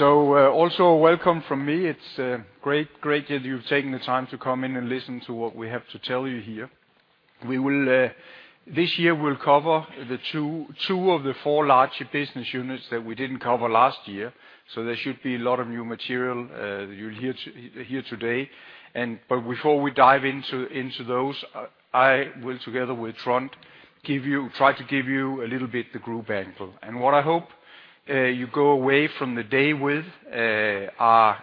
Also a welcome from me. It's great that you've taken the time to come in and listen to what we have to tell you here. We will this year we'll cover the two of the four larger business units that we didn't cover last year, so there should be a lot of new material that you'll hear today. But before we dive into those, I will together with Trond try to give you a little bit the group angle. What I hope you go away from the day with are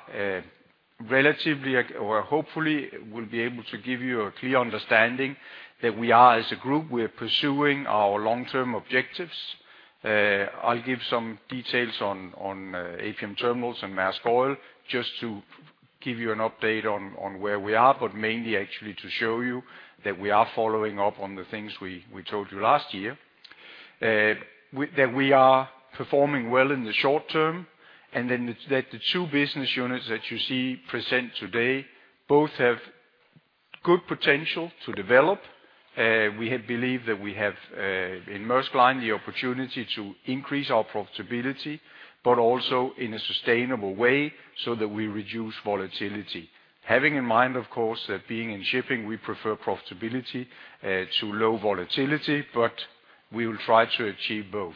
relatively or hopefully we'll be able to give you a clear understanding that we are as a group pursuing our long-term objectives. I'll give some details on APM Terminals and Maersk Oil just to give you an update on where we are, but mainly actually to show you that we are following up on the things we told you last year. That we are performing well in the short term, and then that the two business units that you see present today both have good potential to develop. We have believed that we have in Maersk Line the opportunity to increase our profitability, but also in a sustainable way so that we reduce volatility. Having in mind, of course, that being in shipping, we prefer profitability to low volatility, but we will try to achieve both.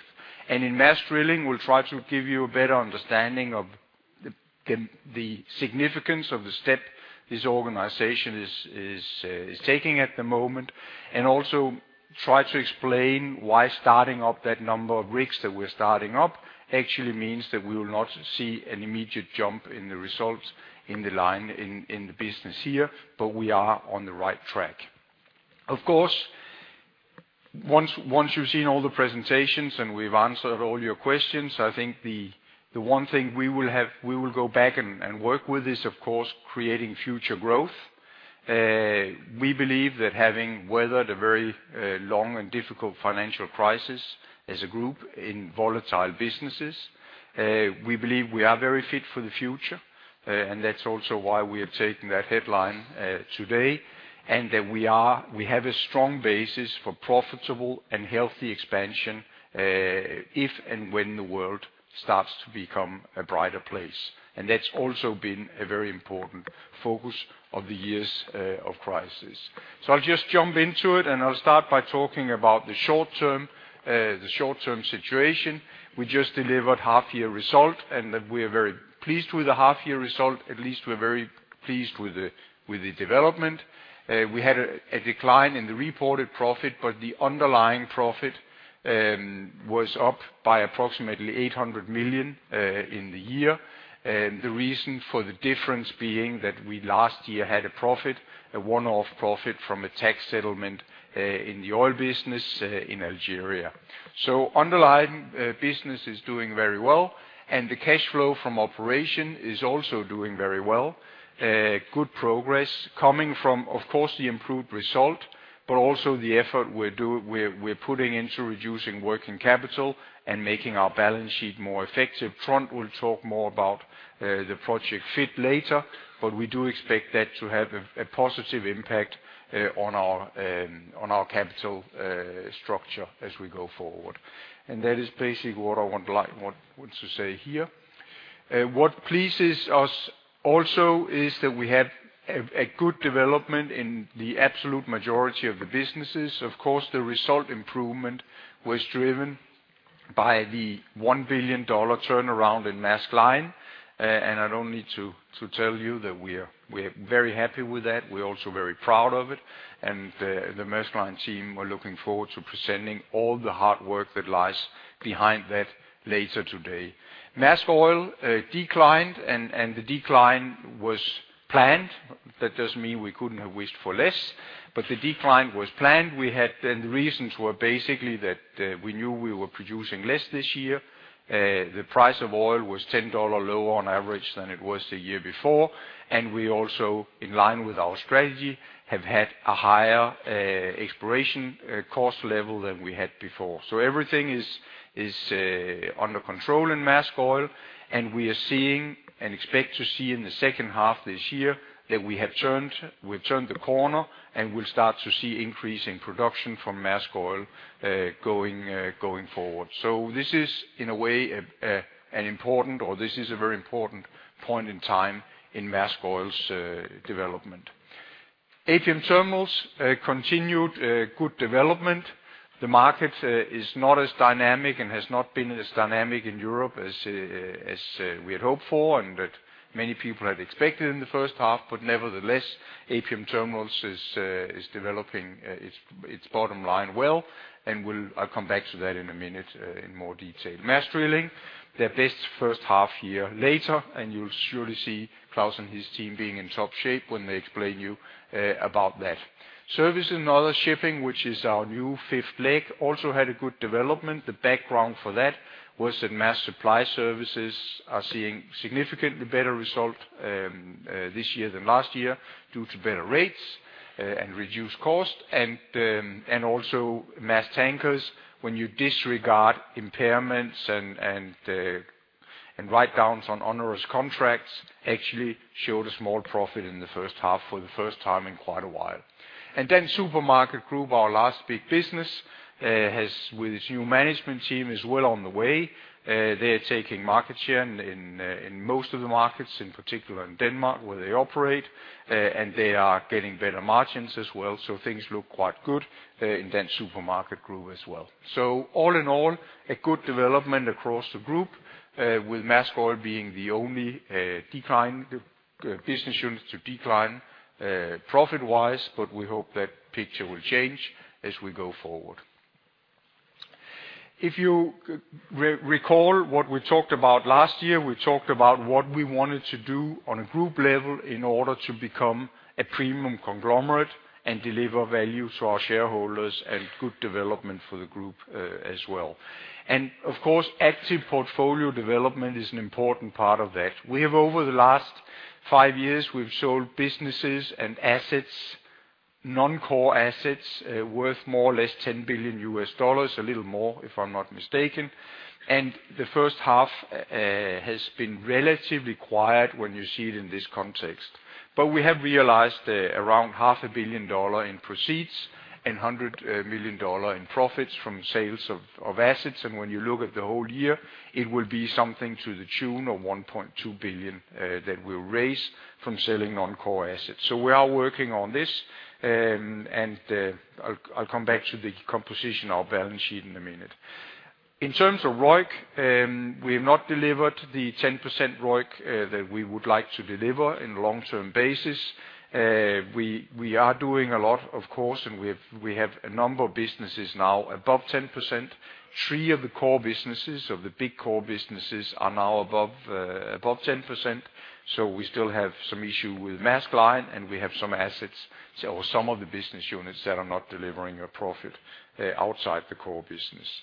In Maersk Drilling, we'll try to give you a better understanding of the significance of the step this organization is taking at the moment, and also try to explain why starting up that number of rigs that we're starting up actually means that we will not see an immediate jump in the results in the line in the business here, but we are on the right track. Of course, once you've seen all the presentations and we've answered all your questions, I think the one thing we will have, we will go back and work with is of course creating future growth. We believe that having weathered a very long and difficult financial crisis as a group in volatile businesses, we believe we are very fit for the future, and that's also why we have taken that headline today, and that we have a strong basis for profitable and healthy expansion, if and when the world starts to become a brighter place. That's also been a very important focus of the years of crisis. I'll just jump into it, and I'll start by talking about the short term, the short-term situation. We just delivered half-year result, and we are very pleased with the half-year result, at least we're very pleased with the development. We had a decline in the reported profit, but the underlying profit was up by approximately $800 million in the year. The reason for the difference being that last year we had a profit, a one-off profit from a tax settlement in the oil business in Algeria. Underlying business is doing very well, and the cash flow from operation is also doing very well. Good progress coming from, of course, the improved result, but also the effort we're putting into reducing working capital and making our balance sheet more effective. Trond will talk more about the Project Fit later, but we do expect that to have a positive impact on our capital structure as we go forward. That is basically what I want to say here. What pleases us also is that we have a good development in the absolute majority of the businesses. Of course, the result improvement was driven by the $1 billion turnaround in Maersk Line, and I don't need to tell you that we are very happy with that. We're also very proud of it, and the Maersk Line team are looking forward to presenting all the hard work that lies behind that later today. Maersk Oil declined and the decline was planned. That doesn't mean we couldn't have wished for less, but the decline was planned. The reasons were basically that we knew we were producing less this year. The price of oil was $10 lower on average than it was the year before, and we also, in line with our strategy, have had a higher exploration cost level than we had before. Everything is under control in Maersk Oil, and we are seeing and expect to see in the second half this year that we have turned the corner, and we'll start to see increase in production from Maersk Oil going forward. This is in a way a very important point in time in Maersk Oil's development. APM Terminals continued good development. The market is not as dynamic and has not been as dynamic in Europe as we had hoped for and that many people had expected in the first half. Nevertheless, APM Terminals is developing its bottom line well, and I'll come back to that in a minute, in more detail. Maersk Drilling, their best first half year ever, and you'll surely see Claus and his team being in top shape when they explain to you about that. Service and other shipping, which is our new fifth leg, also had a good development. The background for that was that Maersk Supply Service is seeing significantly better results this year than last year due to better rates and reduced costs. Also, Maersk Tankers, when you disregard impairments and the write downs on onerous contracts actually showed a small profit in the first half for the first time in quite a while. Dansk Supermarked Group, our last big business, has with its new management team is well on the way. They are taking market share in most of the markets, in particular in Denmark, where they operate. They are getting better margins as well. Things look quite good in the Dansk Supermarked Group as well. All in all, a good development across the group with Maersk Oil being the only declining business unit to decline profit-wise, but we hope that picture will change as we go forward. If you recall what we talked about last year, we talked about what we wanted to do on a group level in order to become a premium conglomerate and deliver value to our shareholders and good development for the group as well. Of course, active portfolio development is an important part of that. We have over the last five years, we've sold businesses and assets, non-core assets, worth more or less $10 billion, a little more if I'm not mistaken. The first half has been relatively quiet when you see it in this context. But we have realized around half a billion dollars in proceeds and $100 million in profits from sales of assets. When you look at the whole year, it will be something to the tune of $1.2 billion that we'll raise from selling non-core assets. We are working on this. I'll come back to the composition of our balance sheet in a minute. In terms of ROIC, we have not delivered the 10% ROIC that we would like to deliver on a long-term basis. We are doing a lot, of course, and we have a number of businesses now above 10%. Three of the core businesses of the big core businesses are now above 10%. We still have some issue with Maersk Line, and we have some assets or some of the business units that are not delivering a profit outside the core business.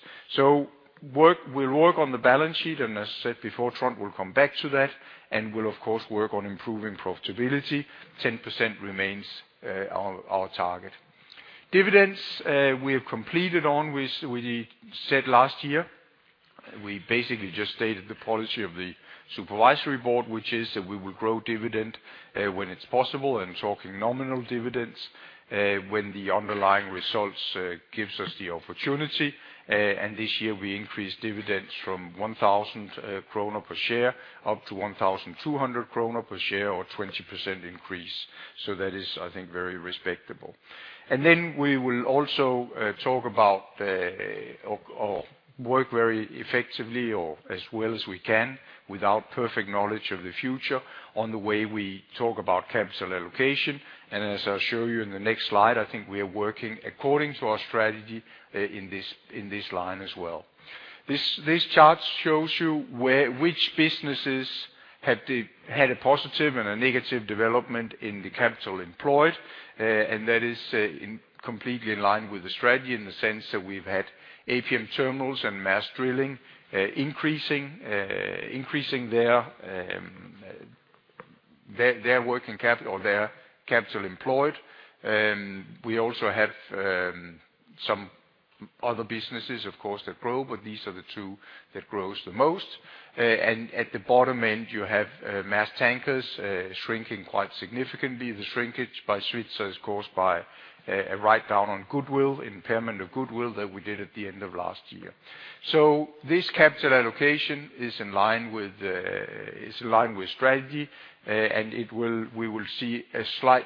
We'll work on the balance sheet, and as said before, Trond will come back to that, and we'll of course work on improving profitability. 10% remains our target. Dividends, we have completed on what we said last year. We basically just stated the policy of the supervisory board, which is that we will grow dividend when it's possible, and talking nominal dividends when the underlying results gives us the opportunity. This year we increased dividends from 1000 krone per share up to 1200 krone per share, or 20% increase. That is, I think, very respectable. We will also talk about or work very effectively or as well as we can, without perfect knowledge of the future, on the way we talk about capital allocation. As I'll show you in the next slide, I think we are working according to our strategy in this line as well. This chart shows you where which businesses had a positive and a negative development in the capital employed. That is completely in line with the strategy in the sense that we've had APM Terminals and Maersk Drilling increasing their working capital or their capital employed. We also have some other businesses of course that grow, but these are the two that grows the most. At the bottom end, you have Maersk Tankers shrinking quite significantly. The shrinkage by Svitzer is caused by a write-down on goodwill, impairment of goodwill that we did at the end of last year. This capital allocation is in line with strategy. It will, we will see a slight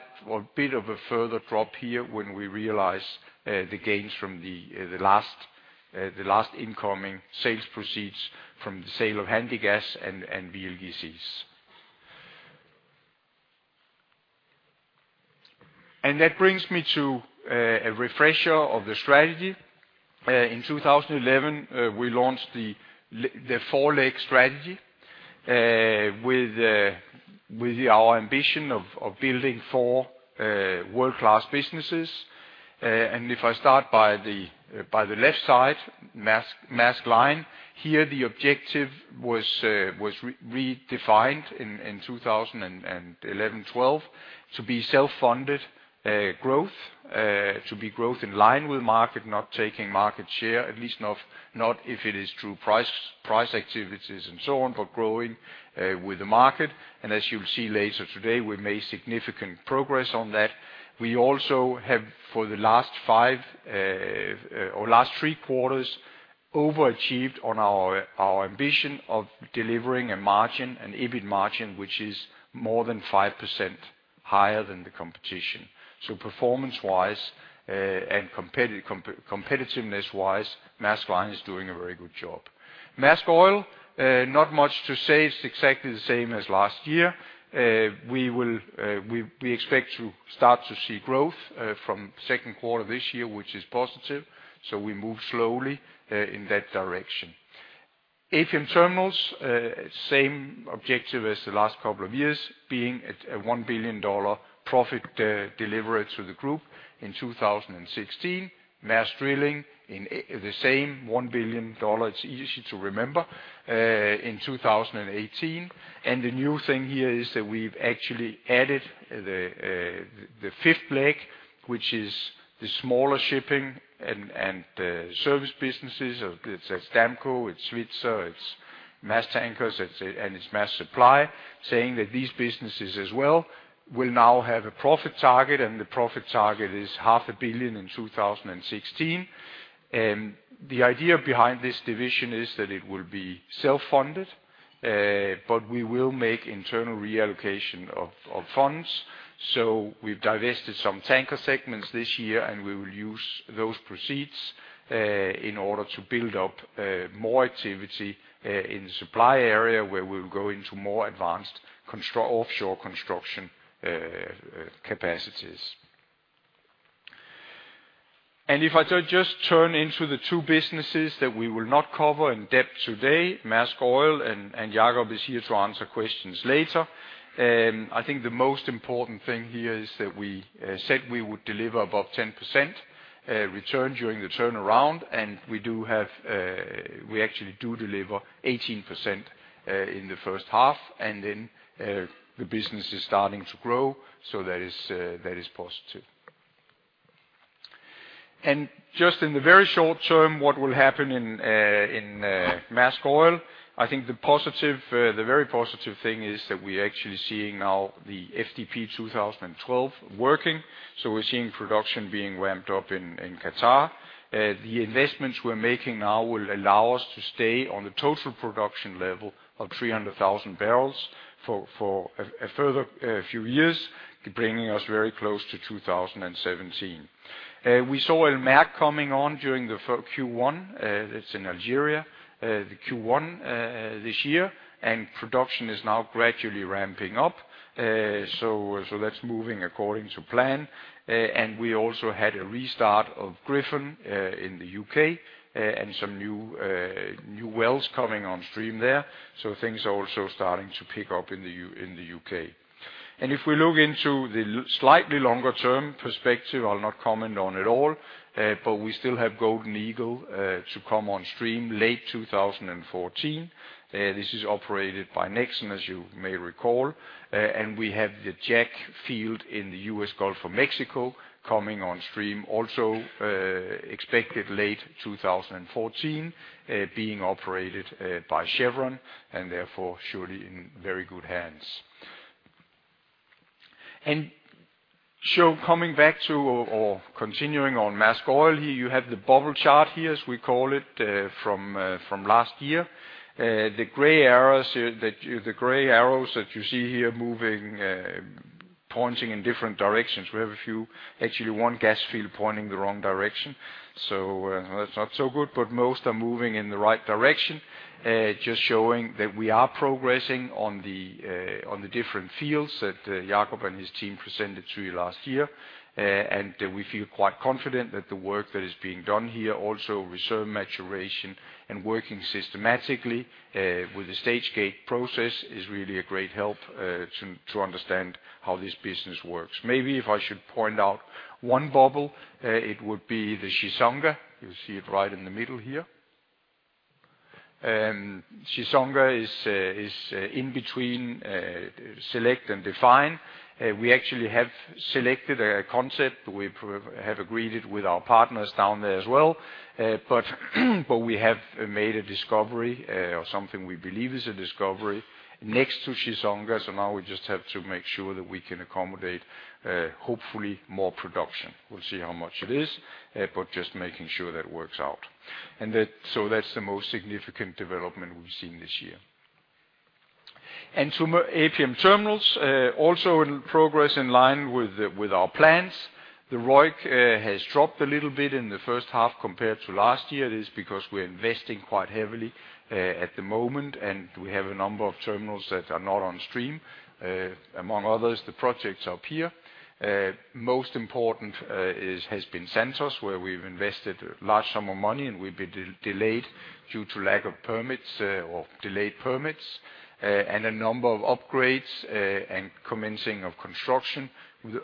bit of a further drop here when we realize the gains from the last incoming sales proceeds from the sale of Handygas and VLGCs. That brings me to a refresher of the strategy. In 2011, we launched the four-leg strategy with our ambition of building four world-class businesses. If I start by the left side, Maersk Line. Here the objective was redefined in 2011-12 to be self-funded growth, to be growth in line with market, not taking market share, at least not if it is through price activities and so on, but growing with the market. As you'll see later today, we've made significant progress on that. We also have, for the last five or last three quarters, overachieved on our ambition of delivering a margin, an EBIT margin, which is more than 5% higher than the competition. Performance-wise and competitiveness-wise, Maersk Line is doing a very good job. Maersk Oil, not much to say. It's exactly the same as last year. We will, we expect to start to see growth from Q2 this year, which is positive. We move slowly in that direction. APM Terminals, same objective as the last couple of years, being at a $1 billion profit delivered to the group in 2016. Maersk Drilling, the same $1 billion, it's easy to remember, in 2018. The new thing here is that we've actually added the fifth leg, which is the smaller shipping and service businesses. It's Damco, it's Svitzer, it's Maersk Tankers, and it's Maersk Supply Service, saying that these businesses as well will now have a profit target, and the profit target is $ half a billion in 2016. The idea behind this division is that it will be self-funded, but we will make internal reallocation of funds. We've divested some tanker segments this year, and we will use those proceeds in order to build up more activity in the supply area where we'll go into more advanced offshore construction capacities. If I just turn to the two businesses that we will not cover in depth today, Maersk Oil, and Jakob is here to answer questions later. I think the most important thing here is that we said we would deliver above 10% return during the turnaround, and we actually deliver 18% in the first half, and then the business is starting to grow, so that is positive. Just in the very short term, what will happen in Maersk Oil, I think the very positive thing is that we're actually seeing now the FDP 2012 working. We're seeing production being ramped up in Qatar. The investments we're making now will allow us to stay on the total production level of 300,000 barrels for a further few years, bringing us very close to 2017. We saw El Merk coming on during Q1, it's in Algeria, Q1 this year, and production is now gradually ramping up. That's moving according to plan. We also had a restart of Griffin in the U.K., and some new wells coming on stream there. Things are also starting to pick up in the U.K. If we look into the slightly longer-term perspective, I'll not comment on at all, but we still have Golden Eagle to come on stream late 2014. This is operated by Nexen, as you may recall. We have the Jack field in the U.S. Gulf of Mexico coming on stream also, expected late 2014, being operated by Chevron and therefore surely in very good hands. Coming back to or continuing on Maersk Oil, here you have the bubble chart here, as we call it, from last year. The gray arrows that you see here moving, pointing in different directions. We have a few, actually one gas field pointing the wrong direction, so that's not so good, but most are moving in the right direction. Just showing that we are progressing on the different fields that Jacob and his team presented to you last year. We feel quite confident that the work that is being done here also reserve maturation and working systematically with the stage gate process is really a great help to understand how this business works. Maybe if I should point out one bubble, it would be the Chissonga. You see it right in the middle here. Chissonga is in between select and define. We actually have selected a concept. We have agreed it with our partners down there as well. We have made a discovery, or something we believe is a discovery next to Chissonga. Now we just have to make sure that we can accommodate, hopefully more production. We'll see how much it is, but just making sure that works out. That's the most significant development we've seen this year. To APM Terminals, also in progress in line with our plans. The ROIC has dropped a little bit in the first half compared to last year. It is because we're investing quite heavily at the moment, and we have a number of terminals that are not on stream. Among others, the projects up here. Most important is has been Santos, where we've invested large sum of money, and we've been delayed due to lack of permits, or delayed permits, and a number of upgrades, and commencing of construction.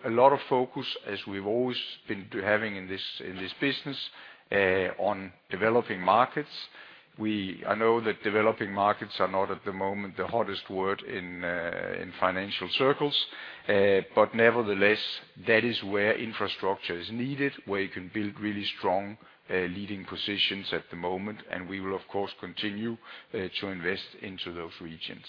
A lot of focus, as we've always been having in this, in this business, on developing markets. I know that developing markets are not at the moment the hottest word in financial circles. But nevertheless, that is where infrastructure is needed, where you can build really strong leading positions at the moment, and we will of course continue to invest into those regions.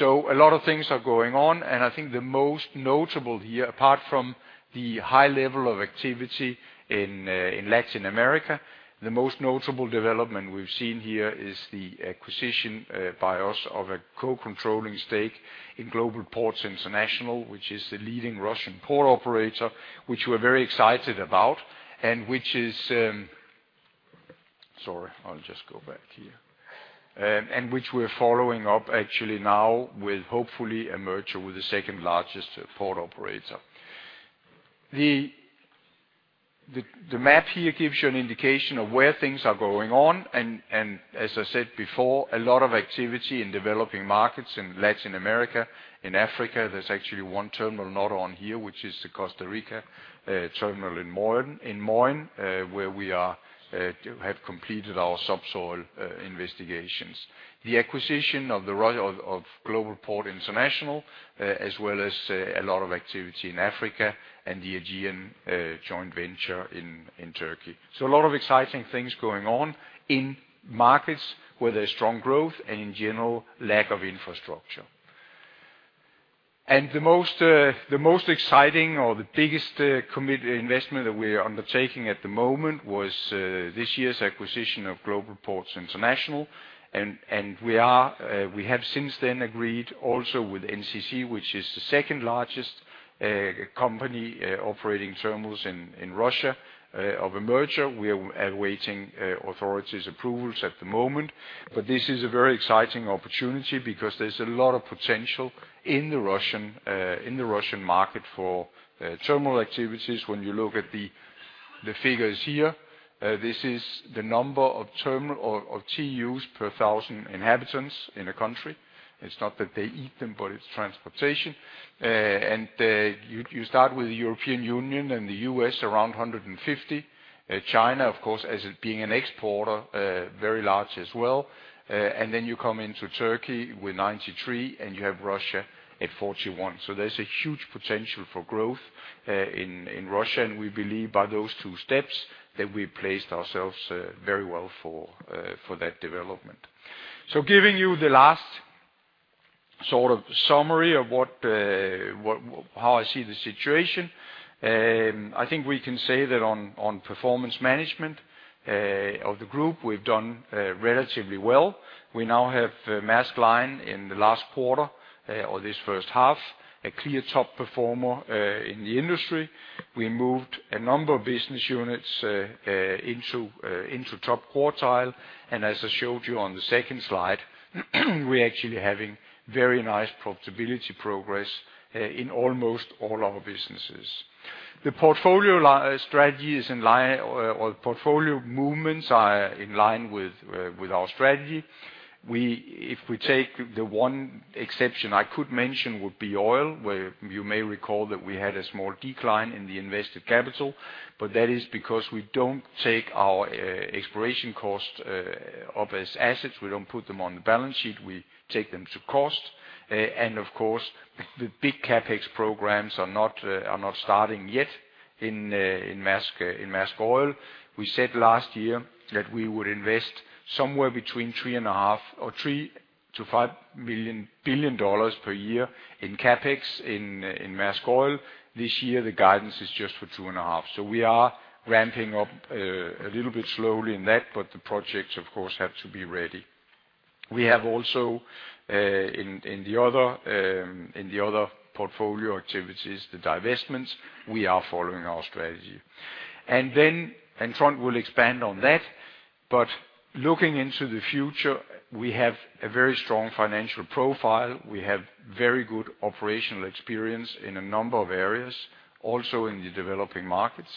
A lot of things are going on, and I think the most notable here, apart from the high level of activity in Latin America, the most notable development we've seen here is the acquisition by us of a co-controlling stake in Global Ports Investments, which is the leading Russian port operator, which we're very excited about and which is. Sorry, I'll just go back here. And which we're following up actually now with hopefully a merger with the second-largest port operator. The map here gives you an indication of where things are going on and, as I said before, a lot of activity in developing markets in Latin America. In Africa, there's actually one terminal not on here, which is the Costa Rica terminal in Moín, where we have completed our subsoil investigations. The acquisition of Global Ports Investments, as well as a lot of activity in Africa and the Aegean joint venture in Turkey. A lot of exciting things going on in markets where there's strong growth and in general lack of infrastructure. The most exciting or the biggest committed investment that we are undertaking at the moment was this year's acquisition of Global Ports Investments. We have since then agreed also with NCC Group, which is the second largest company operating terminals in Russia, on a merger. We are awaiting authorities' approvals at the moment. This is a very exciting opportunity because there's a lot of potential in the Russian market for terminal activities when you look at the figures here. This is the number of TEUs per thousand inhabitants in a country. It's not that they eat them, but it's transportation. You start with the European Union and the U.S. around 150. China, of course, as it being an exporter, very large as well. You come into Turkey with 93, and you have Russia at 41. There's a huge potential for growth in Russia, and we believe by those two steps that we placed ourselves very well for that development. Giving you the last sort of summary of how I see the situation, I think we can say that on performance management of the group, we've done relatively well. We now have Maersk Line, in the last quarter or this first half, a clear top performer in the industry. We moved a number of business units into top quartile. As I showed you on the second slide, we're actually having very nice profitability progress in almost all our businesses. The portfolio movements are in line with our strategy. If we take the one exception I could mention, it would be oil, where you may recall that we had a small decline in the invested capital, but that is because we don't take our exploration costs off as assets. We don't put them on the balance sheet. We take them to cost. Of course, the big CapEx programs are not starting yet in Maersk Oil. We said last year that we would invest somewhere between $3.5 billion or $3-$5 billion per year in CapEx in Maersk Oil. This year, the guidance is just for $2.5 billion. We are ramping up a little bit slowly in that, but the projects of course have to be ready. We have also in the other portfolio activities, the divestments, we are following our strategy. Trond will expand on that, but looking into the future, we have a very strong financial profile. We have very good operational experience in a number of areas, also in the developing markets.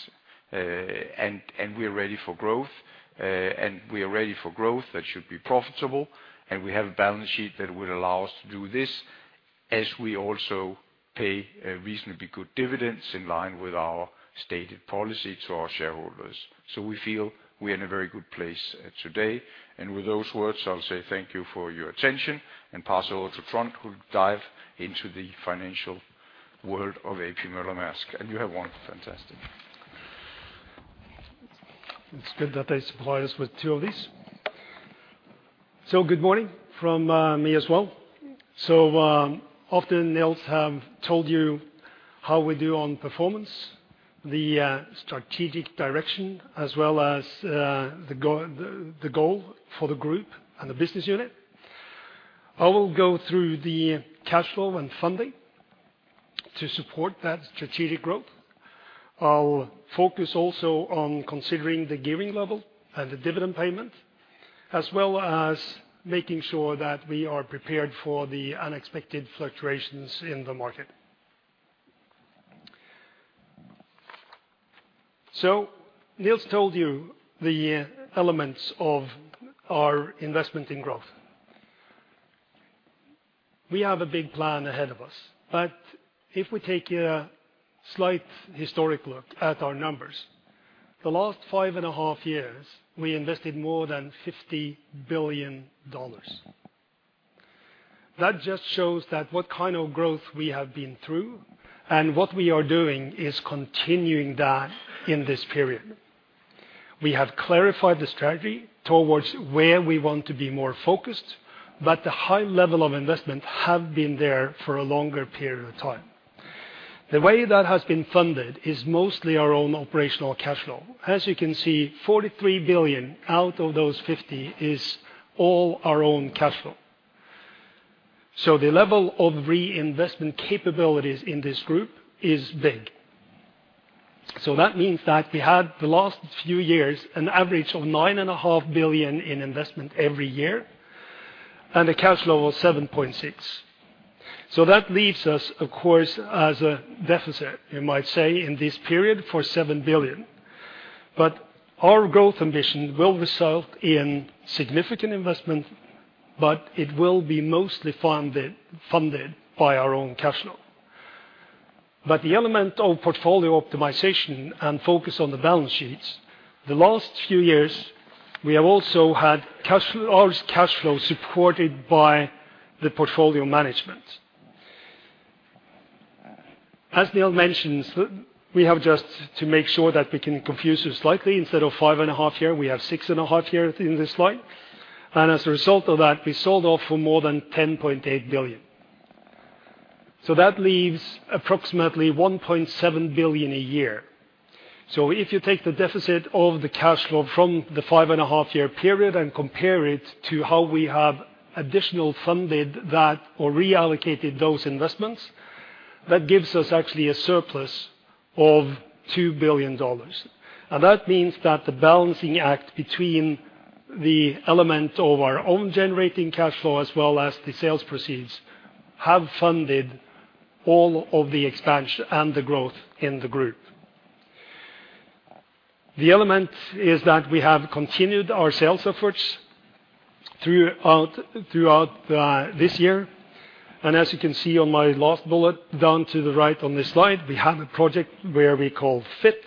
We are ready for growth that should be profitable, and we have a balance sheet that will allow us to do this as we also pay a reasonably good dividends in line with our stated policy to our shareholders. We feel we are in a very good place today. With those words, I'll say thank you for your attention and pass over to Trond who'll dive into the financial world of A.P. Moller - Maersk. You have one. Fantastic. It's good that they supplied us with 2 of these. Good morning from me as well. Often Nils have told you how we do on performance, the strategic direction, as well as the goal for the group and the business unit. I will go through the cash flow and funding to support that strategic growth. I'll focus also on considering the gearing level and the dividend payment, as well as making sure that we are prepared for the unexpected fluctuations in the market. Nils told you the elements of our investment in growth. We have a big plan ahead of us, but if we take a slight historic look at our numbers, the last five and a half years, we invested more than $50 billion. That just shows that what kind of growth we have been through, and what we are doing is continuing that in this period. We have clarified the strategy towards where we want to be more focused, but the high level of investment have been there for a longer period of time. The way that has been funded is mostly our own operational cash flow. As you can see, 43 billion out of those 50 billion is all our own cash flow. The level of reinvestment capabilities in this group is big. That means that we had the last few years an average of 9.5 billion in investment every year, and a cash flow of 7.6 billion. That leaves us, of course, as a deficit, you might say, in this period for 7 billion. Our growth ambition will result in significant investment, but it will be mostly funded by our own cash flow. The element of portfolio optimization and focus on the balance sheets, the last few years, we have also had cash flow, our cash flow supported by the portfolio management. As Nils mentions, we have just to make sure that we can confuse you slightly. Instead of 5.5 years, we have 6.5 years in this slide. As a result of that, we sold off for more than $10.8 billion. That leaves approximately $1.7 billion a year. If you take the deficit of the cash flow from the 5.5-year period and compare it to how we have additional funded that or reallocated those investments, that gives us actually a surplus of $2 billion. That means that the balancing act between the element of our own generating cash flow as well as the sales proceeds have funded all of the expansion and the growth in the group. The element is that we have continued our sales efforts throughout this year. As you can see on my last bullet down to the right on this slide, we have a project where we call Fit,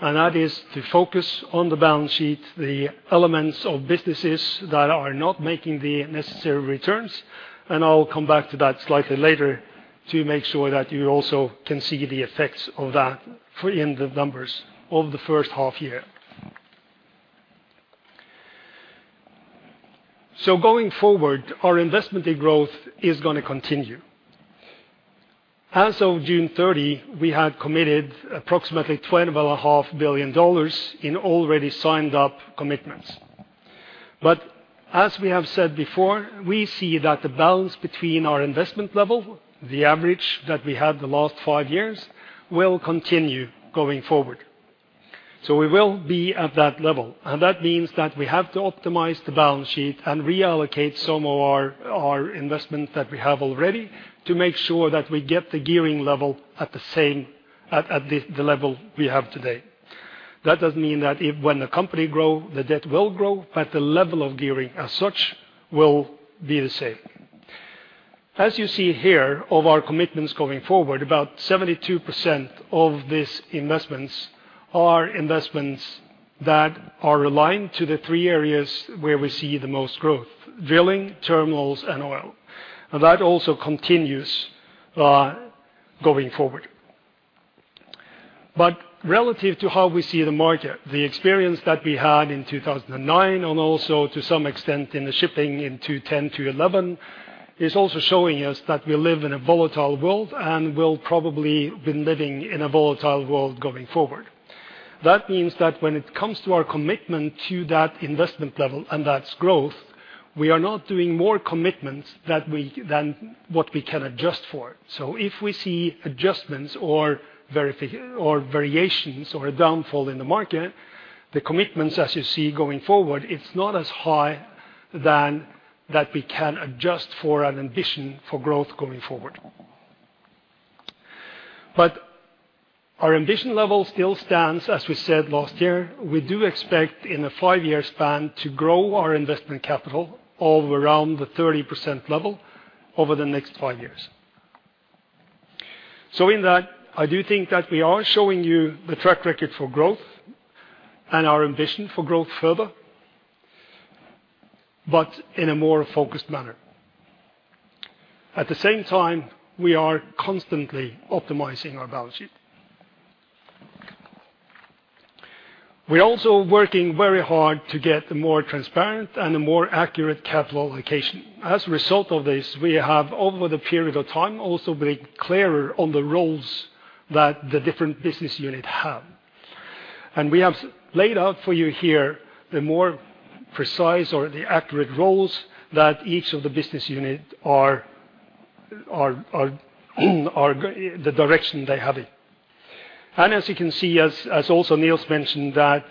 and that is to focus on the balance sheet, the elements of businesses that are not making the necessary returns. I'll come back to that slightly later to make sure that you also can see the effects of that in the numbers of the first half year. Going forward, our investment in growth is gonna continue. As of June 30, we had committed approximately $12.5 billion in already signed-up commitments. As we have said before, we see that the balance between our investment level, the average that we had the last five years, will continue going forward. We will be at that level, and that means that we have to optimize the balance sheet and reallocate some of our investments that we have already to make sure that we get the gearing level at the level we have today. That does mean that if when the company grow, the debt will grow, but the level of gearing as such will be the same. As you see here of our commitments going forward, about 72% of these investments are investments that are aligned to the three areas where we see the most growth, drilling, terminals, and oil. That also continues going forward. Relative to how we see the market, the experience that we had in 2009 and also to some extent in the shipping in 2010, 2011, is also showing us that we live in a volatile world, and will probably been living in a volatile world going forward. That means that when it comes to our commitment to that investment level and that growth, we are not doing more commitments that we than what we can adjust for. If we see adjustments or variations or a downfall in the market, the commitments, as you see going forward, it's not as high than that we can adjust for an ambition for growth going forward. Our ambition level still stands, as we said last year. We do expect in a 5-year span to grow our investment capital of around the 30% level over the next 5 years. In that, I do think that we are showing you the track record for growth and our ambition for growth further, but in a more focused manner. At the same time, we are constantly optimizing our balance sheet. We're also working very hard to get a more transparent and a more accurate capital allocation. As a result of this, we have over the period of time also been clearer on the roles that the different business unit have. We have laid out for you here the more precise or the accurate roles that each of the business unit are the direction they have it. As you can see, also Nils mentioned, that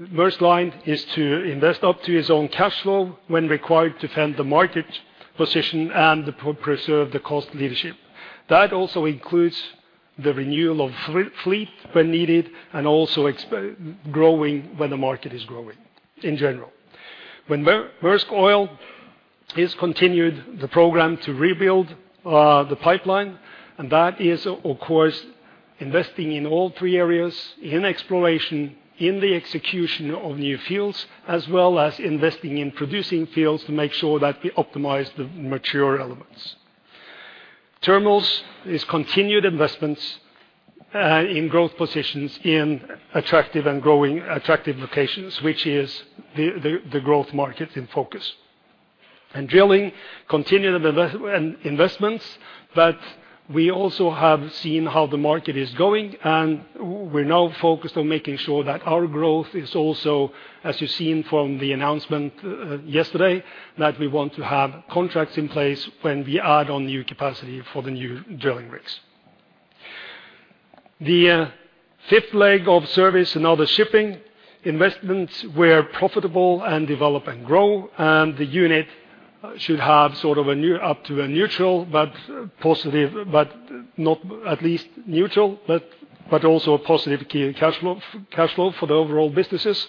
Maersk Line is to invest up to its own cash flow when required to fund the market position and preserve the cost leadership. That also includes the renewal of fleet when needed and also growing when the market is growing in general. Maersk Oil continues the program to rebuild the pipeline, and that is of course investing in all three areas, in exploration, in the execution of new fields, as well as investing in producing fields to make sure that we optimize the mature elements. Terminals continues investments in growth positions in attractive and growing locations, which is the growth market in focus. Drilling, continued investments, but we also have seen how the market is going, and we're now focused on making sure that our growth is also, as you've seen from the announcement yesterday, that we want to have contracts in place when we add on new capacity for the new drilling rigs. The fifth leg of Services and other Shipping investments where profitable and develop and grow, and the unit should have sort of up to a neutral but positive, but at least neutral, but also a positive cash flow for the overall businesses.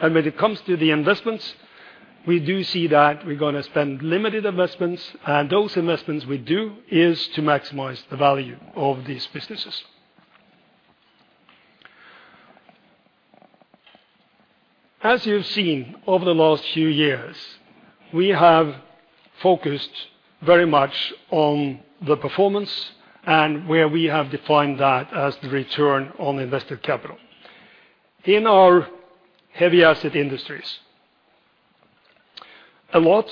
When it comes to the investments, we do see that we're gonna spend limited investments, and those investments we do is to maximize the value of these businesses. As you've seen over the last few years, we have focused very much on the performance and where we have defined that as the return on invested capital. In our heavy asset industries, a lot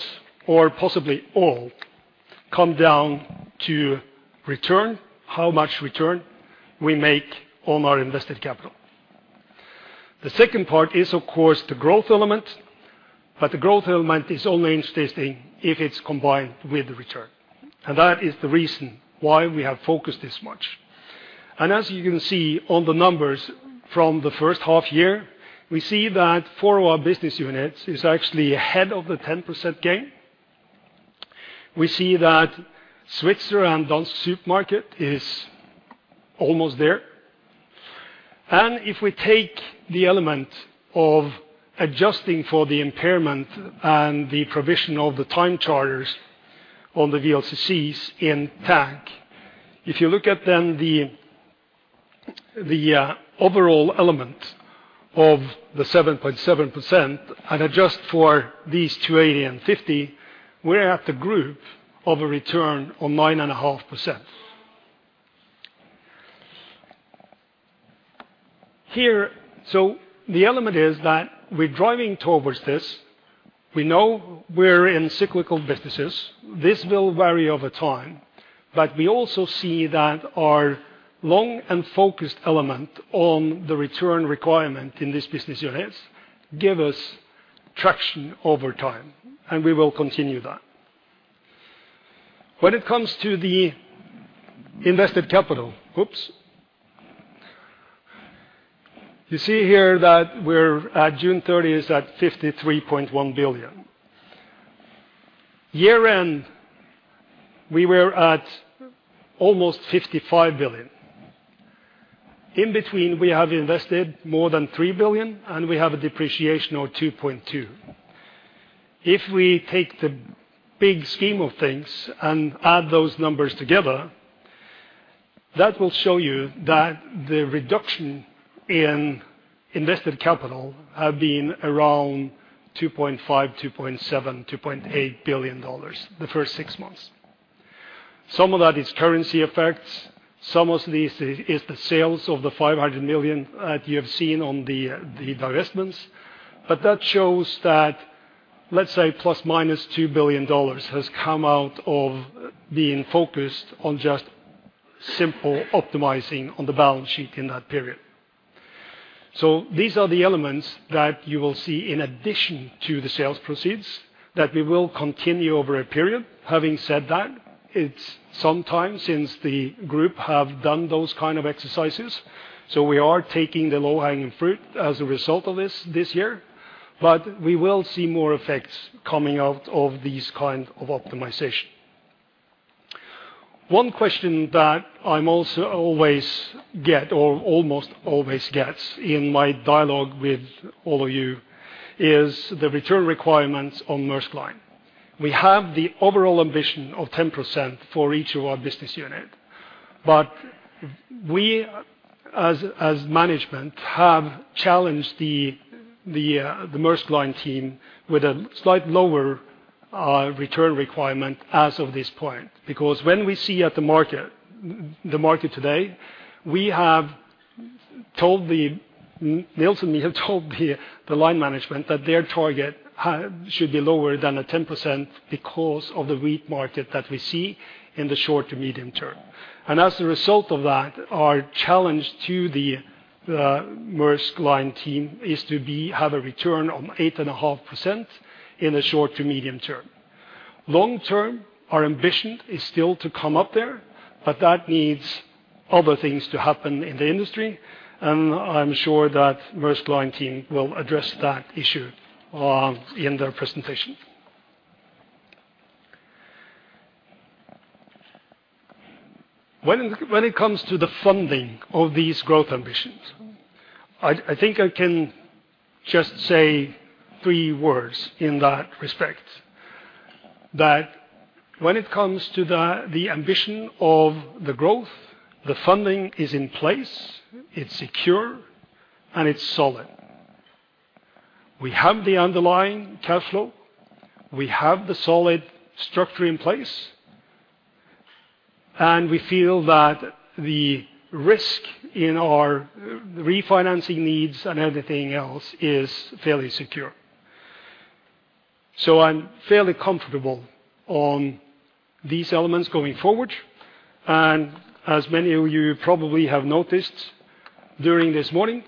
or possibly all come down to return, how much return we make on our invested capital. The second part is, of course, the growth element, but the growth element is only interesting if it's combined with the return. That is the reason why we have focused this much. As you can see on the numbers from the first half year, we see that four of our business units is actually ahead of the 10% gain. We see that Svitzer and Dansk Supermarked is almost there. If we take the element of adjusting for the impairment and the provision of the time charters on the VLCCs in tank, if you look at then the overall element of the 7.7% and adjust for these 280 and 50, we're at the group of a return on 9.5%. Here, the element is that we're driving towards this. We know we're in cyclical businesses. This will vary over time. We also see that our long and focused element on the return requirement in this business units give us traction over time, and we will continue that. When it comes to the invested capital. You see here that we're at June 30 at 53.1 billion. Year-end, we were at almost 55 billion. In between, we have invested more than $3 billion, and we have a depreciation of $2.2. If we take the big scheme of things and add those numbers together, that will show you that the reduction in invested capital have been around $2.5, $2.7, $2.8 billion the first six months. Some of that is currency effects. Some of this is the sales of the $500 million that you have seen on the divestments. That shows that, let's say, ±$2 billion has come out of being focused on just simple optimizing on the balance sheet in that period. These are the elements that you will see in addition to the sales proceeds that we will continue over a period. Having said that, it's some time since the group have done those kind of exercises. We are taking the low-hanging fruit as a result of this year, but we will see more effects coming out of these kind of optimization. One question that I'm also always get or almost always gets in my dialogue with all of you is the return requirements on Maersk Line. We have the overall ambition of 10% for each of our business unit, but we as management have challenged the Maersk Line team with a slight lower return requirement as of this point. Because when we see at the market, the market today, Nils and me have told the line management that their target should be lower than a 10% because of the weak market that we see in the short to medium term. As a result of that, our challenge to the Maersk Line team is to have a return on 8.5% in the short to medium term. Long term, our ambition is still to come up there, but that needs other things to happen in the industry, and I'm sure that Maersk Line team will address that issue in their presentation. When it comes to the funding of these growth ambitions, I think I can just say three words in that respect. That when it comes to the ambition of the growth, the funding is in place, it's secure, and it's solid. We have the underlying cash flow. We have the solid structure in place, and we feel that the risk in our refinancing needs and everything else is fairly secure. I'm fairly comfortable on these elements going forward. As many of you probably have noticed this morning,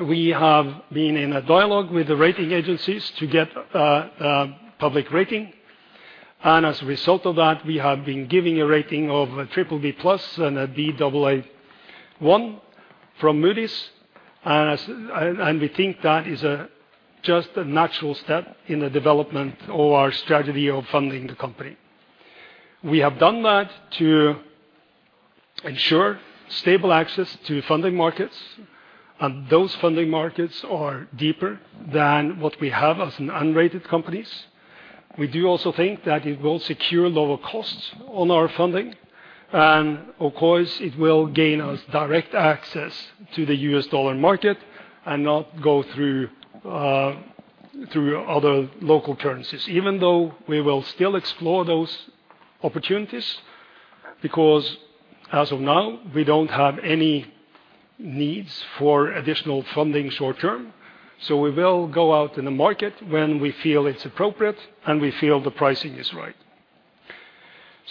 we have been in a dialogue with the rating agencies to get public rating. As a result of that, we have been given a rating of BBB+ and a Baa1 from Moody's. We think that is just a natural step in the development of our strategy of funding the company. We have done that to ensure stable access to funding markets, and those funding markets are deeper than what we have as an unrated company. We do also think that it will secure lower costs on our funding, and of course, it will gain us direct access to the U.S. dollar market and not go through other local currencies, even though we will still explore those opportunities, because as of now, we don't have any needs for additional funding short term. We will go out in the market when we feel it's appropriate and we feel the pricing is right.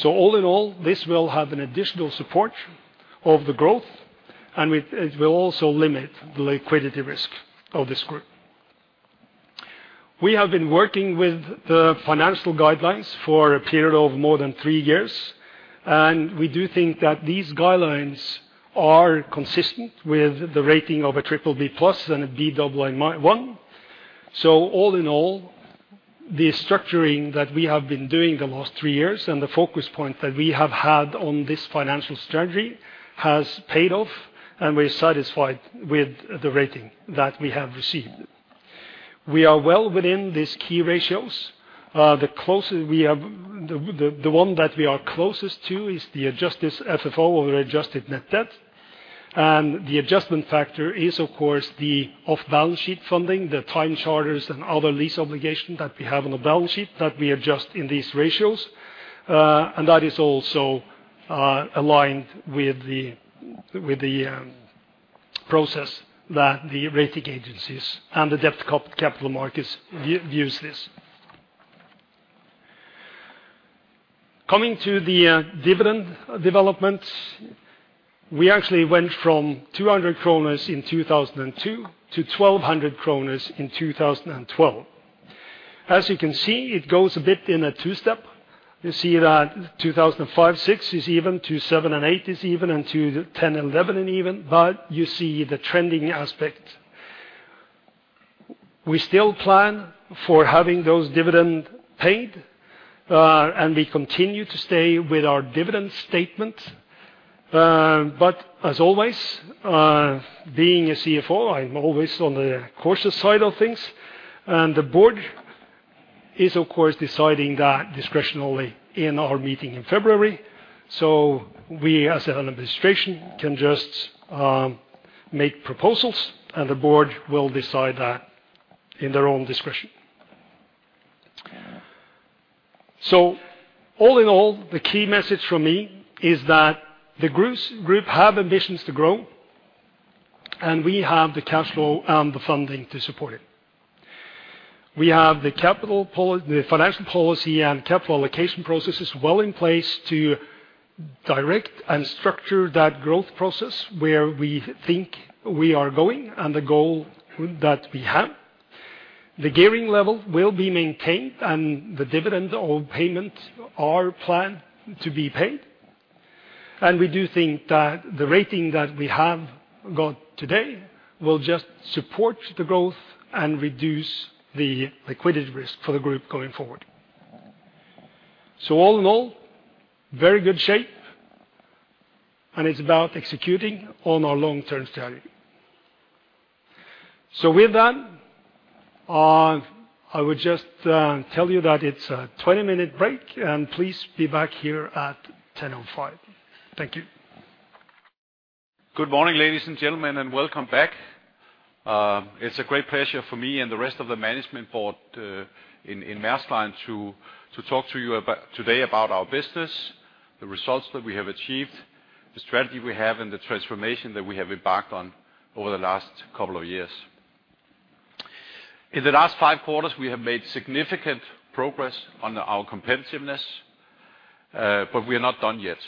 All in all, this will have an additional support of the growth, and it will also limit the liquidity risk of this group. We have been working with the financial guidelines for a period of more than three years, and we do think that these guidelines are consistent with the rating of BBB+ and Baa1. All in all, the structuring that we have been doing the last three years and the focus point that we have had on this financial strategy has paid off, and we're satisfied with the rating that we have received. We are well within these key ratios. The one that we are closest to is the adjusted FFO or adjusted net debt. The adjustment factor is, of course, the off-balance sheet funding, the time charters and other lease obligation that we have on the balance sheet that we adjust in these ratios. That is also aligned with the process that the rating agencies and the debt capital markets view this. Coming to the dividend development, we actually went from 200 kroner in 2002 to 1,200 kroner in 2012. As you can see, it goes a bit in a two-step. You see that 2005, '06 is even, 2007 and 2008 is even, and 2010, 2011 even, but you see the trending aspect. We still plan for having those dividend paid, and we continue to stay with our dividend statement. But as always, being a CFO, I'm always on the cautious side of things. The board is, of course, deciding that discretion only in our meeting in February. We, as an administration, can just make proposals and the board will decide that in their own discretion. All in all, the key message from me is that the group have ambitions to grow, and we have the cash flow and the funding to support it. We have the financial policy and capital allocation processes well in place to direct and structure that growth process where we think we are going and the goal that we have. The gearing level will be maintained and the dividend or payments are planned to be paid. We do think that the rating that we have got today will just support the growth and reduce the liquidity risk for the Group going forward. All in all, very good shape, and it's about executing on our long-term strategy. With that, I would just tell you that it's a 20-minute break, and please be back here at 10:05. Thank you. Good morning, ladies and gentlemen, and welcome back. It's a great pleasure for me and the rest of the management board in Maersk Line to talk to you about today about our business, the results that we have achieved, the strategy we have, and the transformation that we have embarked on over the last couple of years. In the last five quarters, we have made significant progress on our competitiveness, but we are not done yet.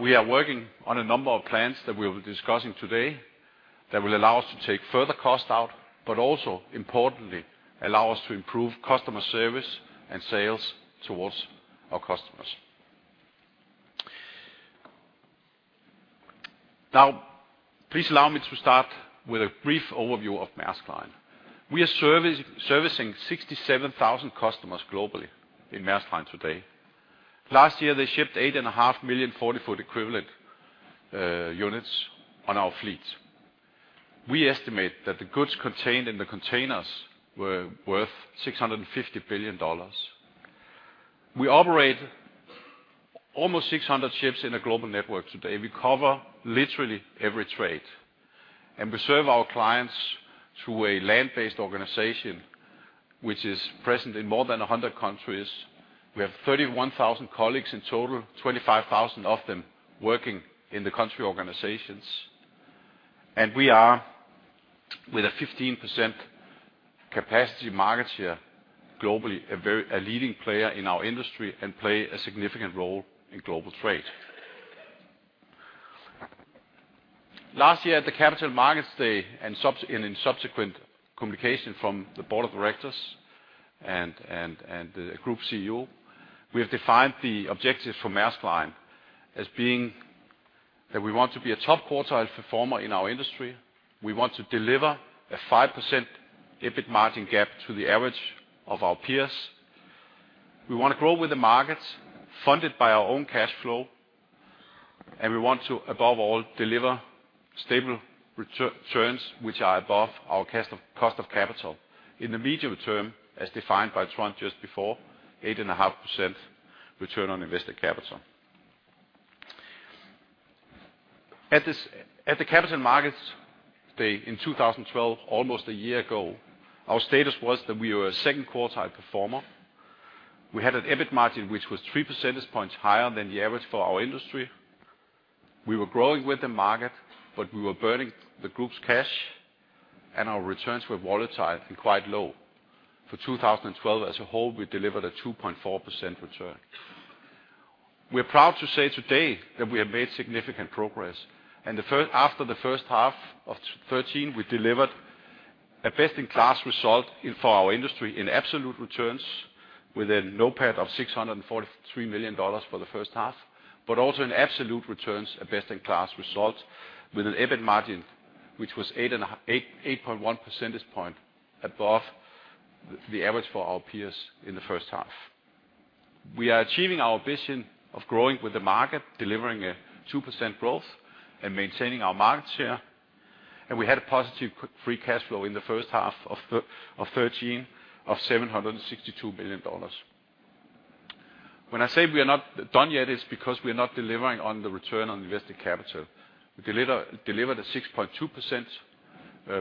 We are working on a number of plans that we'll be discussing today that will allow us to take further cost out, but also, importantly, allow us to improve customer service and sales towards our customers. Now, please allow me to start with a brief overview of Maersk Line. We are servicing 67,000 customers globally in Maersk Line today. Last year, they shipped 8.5 million forty-foot equivalent units on our fleet. We estimate that the goods contained in the containers were worth $650 billion. We operate almost 600 ships in a global network today. We cover literally every trade. We serve our clients through a land-based organization which is present in more than 100 countries. We have 31,000 colleagues in total, 25,000 of them working in the country organizations. We are, with a 15% capacity market share globally, a very leading player in our industry and play a significant role in global trade. Last year at the Capital Markets Day and in subsequent communication from the board of directors and the group CEO, we have defined the objectives for Maersk Line as being that we want to be a top quartile performer in our industry. We want to deliver a 5% EBIT margin gap to the average of our peers. We wanna grow with the markets funded by our own cash flow. We want to, above all, deliver stable returns which are above our cost of capital. In the medium term, as defined by Trond just before, 8.5% return on invested capital. At the capital markets day in 2012, almost a year ago, our status was that we were a second quartile performer. We had an EBIT margin which was 3 percentage points higher than the average for our industry. We were growing with the market, but we were burning the group's cash, and our returns were volatile and quite low. For 2012 as a whole, we delivered a 2.4% return. We're proud to say today that we have made significant progress. After the first half of thirteen, we delivered a best in class result for our industry in absolute returns with a NOPAT of $643 million for the first half. But also in absolute returns, a best in class result with an EBIT margin, which was 8.1 percentage points above the average for our peers in the first half. We are achieving our vision of growing with the market, delivering a 2% growth and maintaining our market share. We had a positive free cash flow in the first half of 2013 of $762 million. When I say we are not done yet, it's because we are not delivering on the return on invested capital. We delivered a 6.2%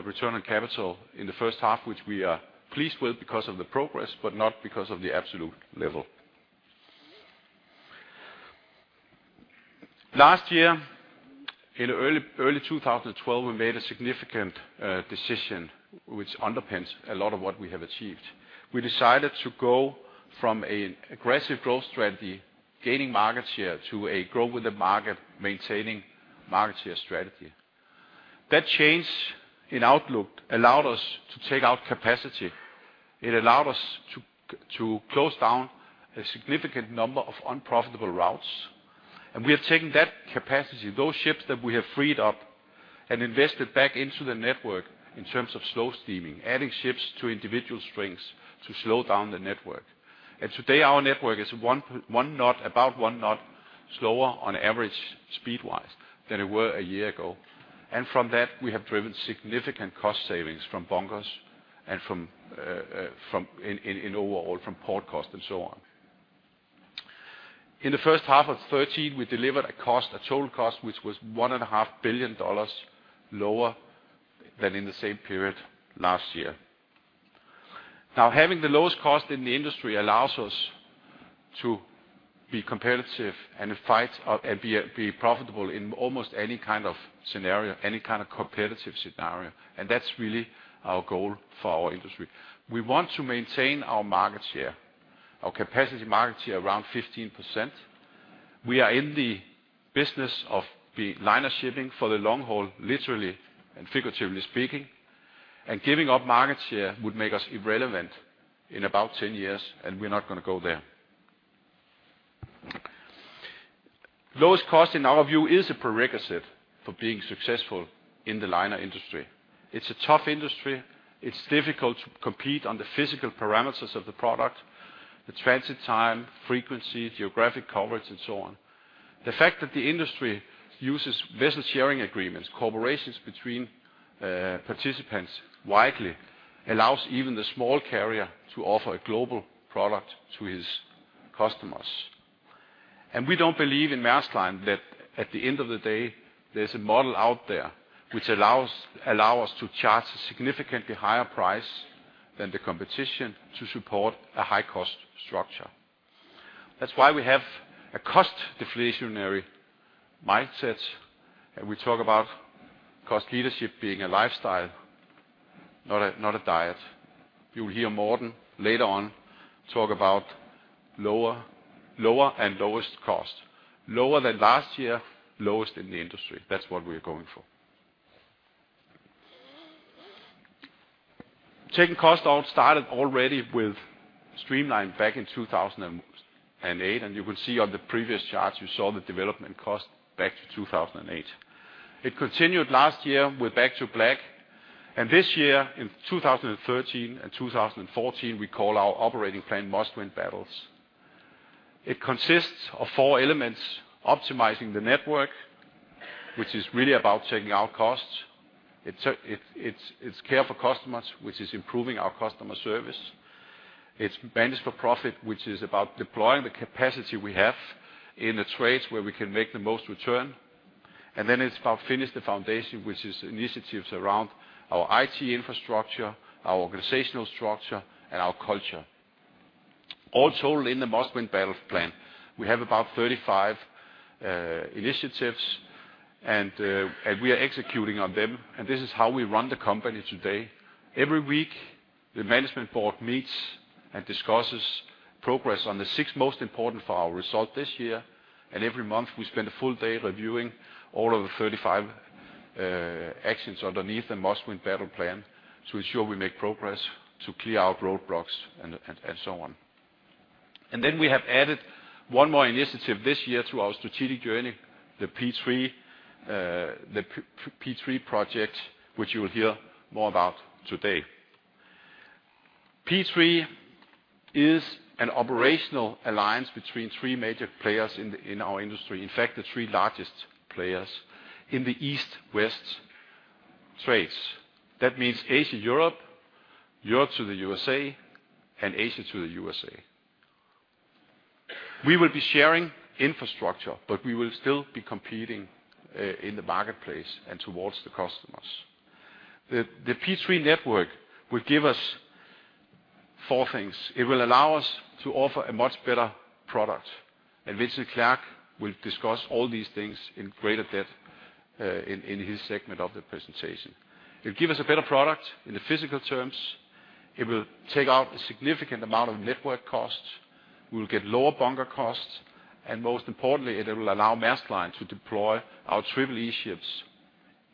return on capital in the first half, which we are pleased with because of the progress, but not because of the absolute level. Last year, in early 2012, we made a significant decision which underpins a lot of what we have achieved. We decided to go from an aggressive growth strategy, gaining market share, to a grow with the market, maintaining market share strategy. That change in outlook allowed us to take out capacity. It allowed us to close down a significant number of unprofitable routes. We have taken that capacity, those ships that we have freed up and invested back into the network in terms of slow steaming, adding ships to individual strings to slow down the network. Today, our network is one knot, about one knot slower on average speed-wise than it were a year ago. From that, we have driven significant cost savings from bunkers and from overall port cost and so on. In the first half of 2013, we delivered a cost, a total cost, which was $1.5 billion lower than in the same period last year. Having the lowest cost in the industry allows us to be competitive and be profitable in almost any kind of scenario, any kind of competitive scenario, and that's really our goal for our industry. We want to maintain our market share, our capacity market share around 15%. We are in the business of the liner shipping for the long haul, literally and figuratively speaking. Giving up market share would make us irrelevant in about 10 years, and we're not going to go there. Lowest cost in our view is a prerequisite for being successful in the liner industry. It's a tough industry. It's difficult to compete on the physical parameters of the product, the transit time, frequency, geographic coverage, and so on. The fact that the industry uses vessel sharing agreements, cooperations between participants widely allows even the small carrier to offer a global product to his customers. We don't believe in Maersk Line that at the end of the day, there's a model out there which allows us to charge a significantly higher price than the competition to support a high cost structure. That's why we have a cost deflationary mindset, and we talk about cost leadership being a lifestyle, not a diet. You will hear Morten later on talk about lower and lowest cost. Lower than last year, lowest in the industry. That's what we're going for. Taking cost out started already with Streamline back in 2008, and you can see on the previous charts, you saw the development cost back to 2008. It continued last year with Back to Black, and this year in 2013 and 2014, we call our operating plan Must-Win Battles. It consists of four elements, optimizing the network, which is really about taking out costs. It's care for customers, which is improving our customer service. It's vantage for profit, which is about deploying the capacity we have in the trades where we can make the most return. It's about finish the foundation, which is initiatives around our IT infrastructure, our organizational structure, and our culture. All told in the Must-Win Battles plan, we have about 35 initiatives, and we are executing on them, and this is how we run the company today. Every week, the management board meets and discusses progress on the six most important for our result this year, and every month, we spend a full day reviewing all of the 35 actions underneath the Must-Win Battles plan to ensure we make progress, to clear out roadblocks and so on. We have added one more initiative this year to our strategic journey, the P3 project, which you will hear more about today. P3 is an operational alliance between three major players in our industry. In fact, the three largest players in the East-West trades. That means Asia, Europe to the USA, and Asia to the USA. We will be sharing infrastructure, but we will still be competing in the marketplace and towards the customers. The P3 network will give us four things. It will allow us to offer a much better product, and Vincent Clerc will discuss all these things in greater depth in his segment of the presentation. It'll give us a better product in the physical terms. It will take out a significant amount of network costs. We'll get lower bunker costs, and most importantly, it will allow Maersk Line to deploy our Triple-E ships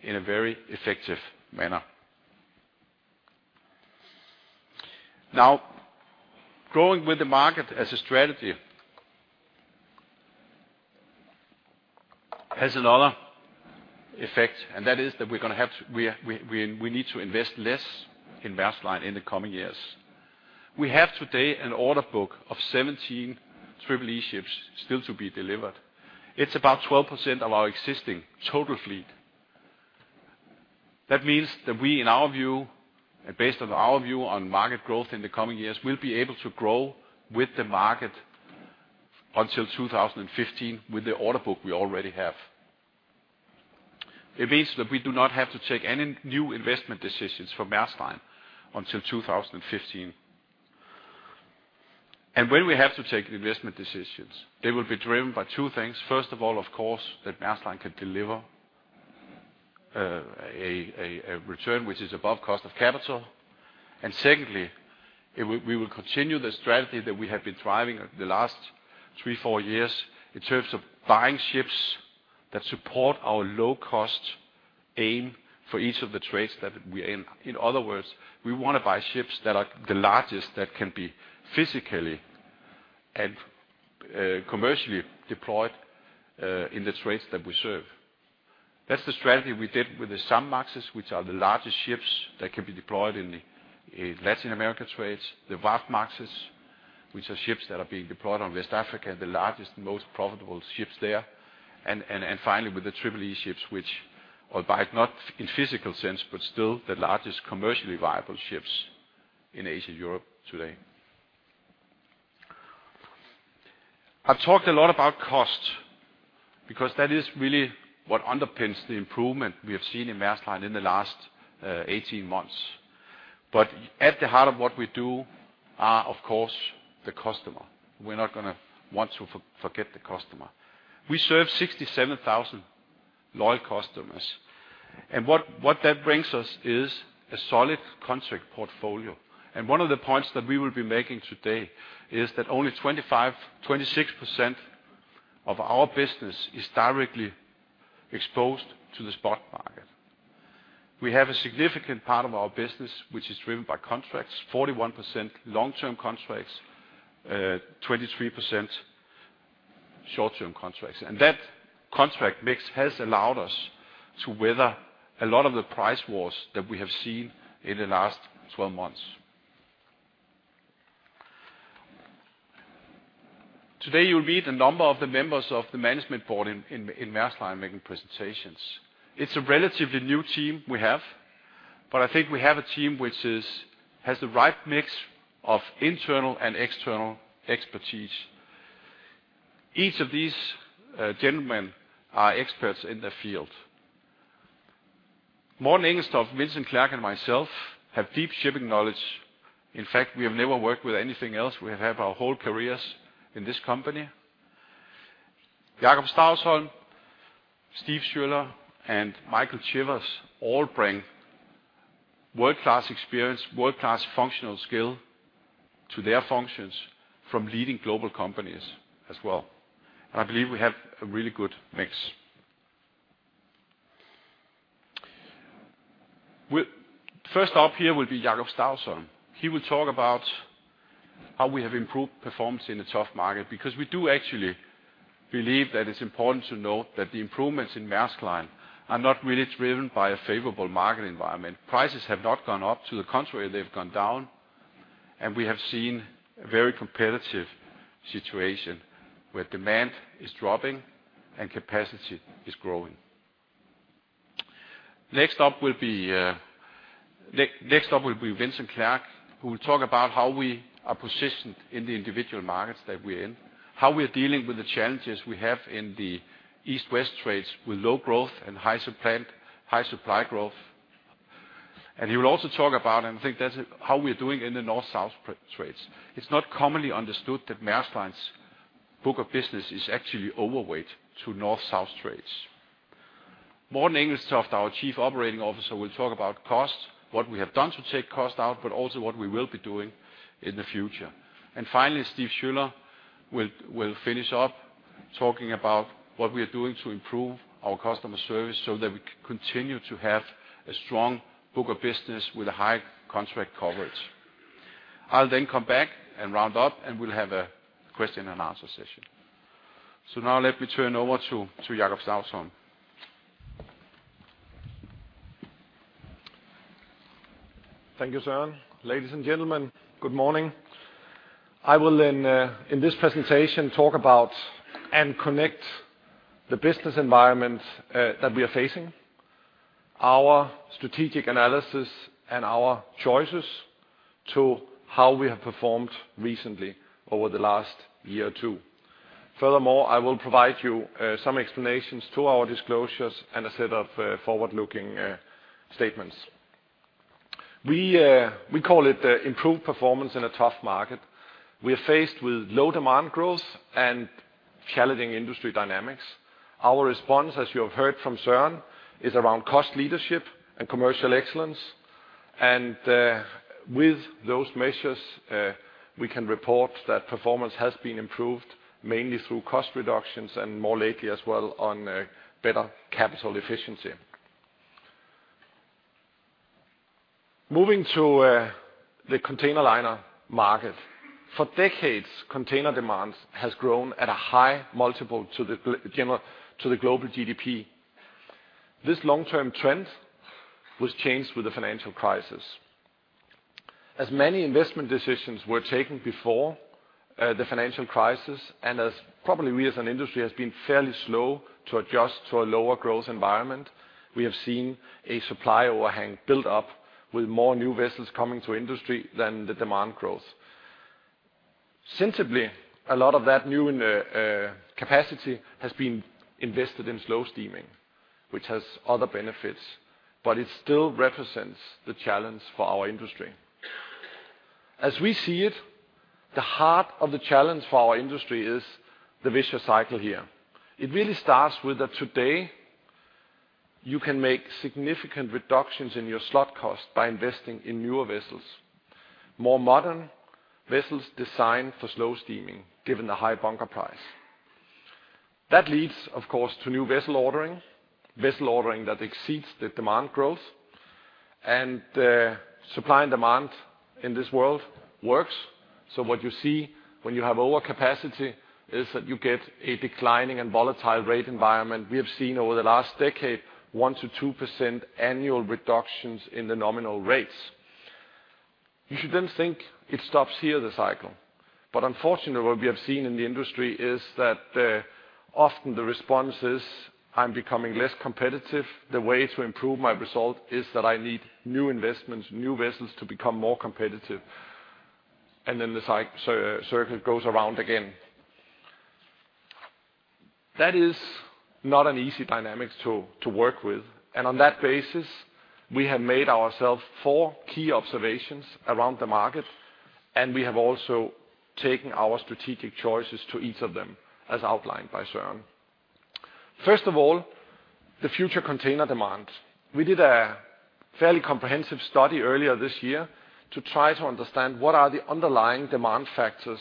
in a very effective manner. Now, growing with the market as a strategy has another effect, and that is that we need to invest less in Maersk Line in the coming years. We have today an order book of 17 Triple-E ships still to be delivered. It's about 12% of our existing total fleet. That means that we, in our view, and based on our view on market growth in the coming years, will be able to grow with the market until 2015 with the order book we already have. It means that we do not have to take any new investment decisions for Maersk Line until 2015. When we have to take investment decisions, it will be driven by two things. First of all, of course, that Maersk Line can deliver a return which is above cost of capital. Secondly, we will continue the strategy that we have been driving the last three, four years in terms of buying ships that support our low cost aim for each of the trades that we're in. In other words, we want to buy ships that are the largest that can be physically and commercially deployed in the trades that we serve. That's the strategy we did with the SAMMAXes, which are the largest ships that can be deployed in the Latin America trades, the WAFMAXes, which are ships that are being deployed on West Africa, the largest, most profitable ships there. Finally, with the Triple-E ships, which albeit not in physical sense, but still the largest commercially viable ships in Asia-Europe today. I've talked a lot about cost because that is really what underpins the improvement we have seen in Maersk Line in the last 18 months. At the heart of what we do are, of course, the customer. We're not gonna want to forget the customer. We serve 67,000 loyal customers, and what that brings us is a solid contract portfolio. One of the points that we will be making today is that only 25%-26% of our business is directly exposed to the spot market. We have a significant part of our business which is driven by contracts, 41% long-term contracts, 23% short-term contracts. That contract mix has allowed us to weather a lot of the price wars that we have seen in the last 12 months. Today, you'll meet a number of the members of the management board in Maersk Line making presentations. It's a relatively new team we have, but I think we have a team which has the right mix of internal and external expertise. Each of these gentlemen are experts in their field. Morten Engelstoft, Vincent Clerc, and myself have deep shipping knowledge. In fact, we have never worked with anything else. We have had our whole careers in this company. Jakob Stausholm, Stephen Schueler, and Michael Chivers all bring world-class experience, world-class functional skill to their functions from leading global companies as well. I believe we have a really good mix. First up here will be Jakob Stausholm. He will talk about how we have improved performance in a tough market, because we do actually believe that it's important to note that the improvements in Maersk Line are not really driven by a favorable market environment. Prices have not gone up, to the contrary, they've gone down, and we have seen a very competitive situation where demand is dropping and capacity is growing. Next up will be Vincent Clerc, who will talk about how we are positioned in the individual markets that we're in, how we're dealing with the challenges we have in the East-West trades with low growth and high supply growth. He will also talk about how we're doing in the North-South trades. It's not commonly understood that Maersk Line's book of business is actually overweight to North-South trades. Morten Engelstoft, our Chief Operating Officer, will talk about cost, what we have done to take cost out, but also what we will be doing in the future. Stephen Schueler will finish up talking about what we are doing to improve our customer service so that we continue to have a strong book of business with a high contract coverage. I'll then come back and round up, and we'll have a question and answer session. Now let me turn over to Jakob Stausholm. Thank you, Søren. Ladies and gentlemen, good morning. I will in this presentation talk about and connect the business environment that we are facing, our strategic analysis and our choices to how we have performed recently over the last year or two. Furthermore, I will provide you some explanations to our disclosures and a set of forward-looking statements. We call it improved performance in a tough market. We are faced with low demand growth and challenging industry dynamics. Our response, as you have heard from Søren, is around cost leadership and commercial excellence. With those measures, we can report that performance has been improved mainly through cost reductions and more lately as well on better capital efficiency. Moving to the container liner market. For decades, container demand has grown at a high multiple to the global GDP. This long-term trend was changed with the financial crisis. As many investment decisions were taken before the financial crisis, and as probably we as an industry has been fairly slow to adjust to a lower growth environment, we have seen a supply overhang build up with more new vessels coming to industry than the demand growth. Sensibly, a lot of that new capacity has been invested in slow steaming, which has other benefits, but it still represents the challenge for our industry. As we see it, the heart of the challenge for our industry is the vicious cycle here. It really starts with that today you can make significant reductions in your slot cost by investing in newer vessels, more modern vessels designed for slow steaming given the high bunker price. That leads, of course, to new vessel ordering, vessel ordering that exceeds the demand growth and, supply and demand in this world works. What you see when you have overcapacity is that you get a declining and volatile rate environment. We have seen over the last decade 1%-2% annual reductions in the nominal rates. You shouldn't think it stops here, the cycle. Unfortunately, what we have seen in the industry is that often the response is I'm becoming less competitive. The way to improve my result is that I need new investments, new vessels to become more competitive. Then the circuit goes around again. That is not an easy dynamics to work with. On that basis, we have made ourselves four key observations around the market, and we have also taken our strategic choices to each of them as outlined by Søren. First of all, the future container demand. We did a fairly comprehensive study earlier this year to try to understand what are the underlying demand factors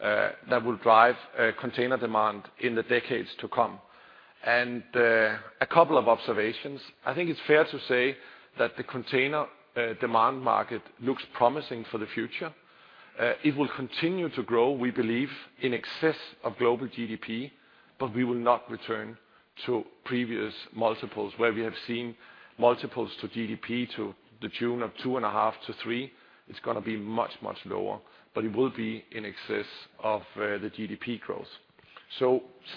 that will drive container demand in the decades to come. A couple of observations. I think it's fair to say that the container demand market looks promising for the future. It will continue to grow, we believe, in excess of global GDP, but we will not return to previous multiples where we have seen multiples to GDP to the tune of 2.5-3. It's gonna be much, much lower, but it will be in excess of the GDP growth.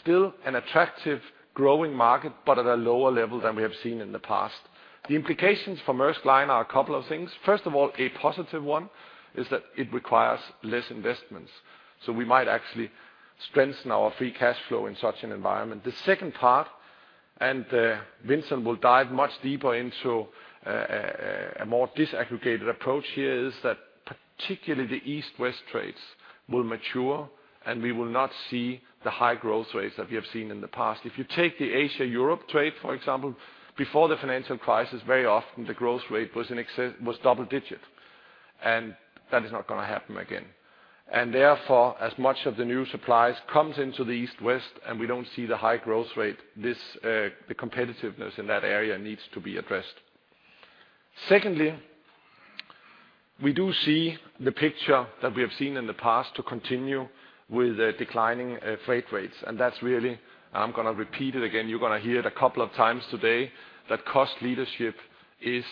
Still an attractive growing market, but at a lower level than we have seen in the past. The implications for Maersk Line are a couple of things. First of all, a positive one is that it requires less investments. We might actually strengthen our free cash flow in such an environment. The second part, and Vincent will dive much deeper into a more disaggregated approach here, is that particularly the East-West trades will mature, and we will not see the high growth rates that we have seen in the past. If you take the Asia-Europe trade, for example, before the financial crisis, very often the growth rate was double-digit, and that is not gonna happen again. Therefore, as much of the new supplies comes into the East-West and we don't see the high growth rate, this, the competitiveness in that area needs to be addressed. Secondly, we do see the picture that we have seen in the past to continue with, declining freight rates. That's really, I'm gonna repeat it again, you're gonna hear it a couple of times today, that cost leadership is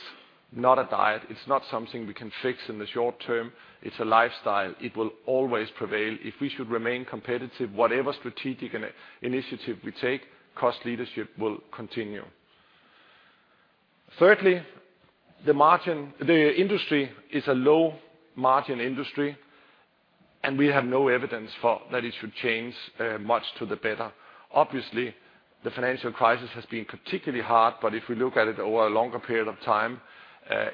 not a diet. It's not something we can fix in the short term. It's a lifestyle. It will always prevail. If we should remain competitive, whatever strategic initiative we take, cost leadership will continue. Thirdly, the margin, the industry is a low margin industry, and we have no evidence for that it should change, much to the better. Obviously, the financial crisis has been particularly hard, but if we look at it over a longer period of time,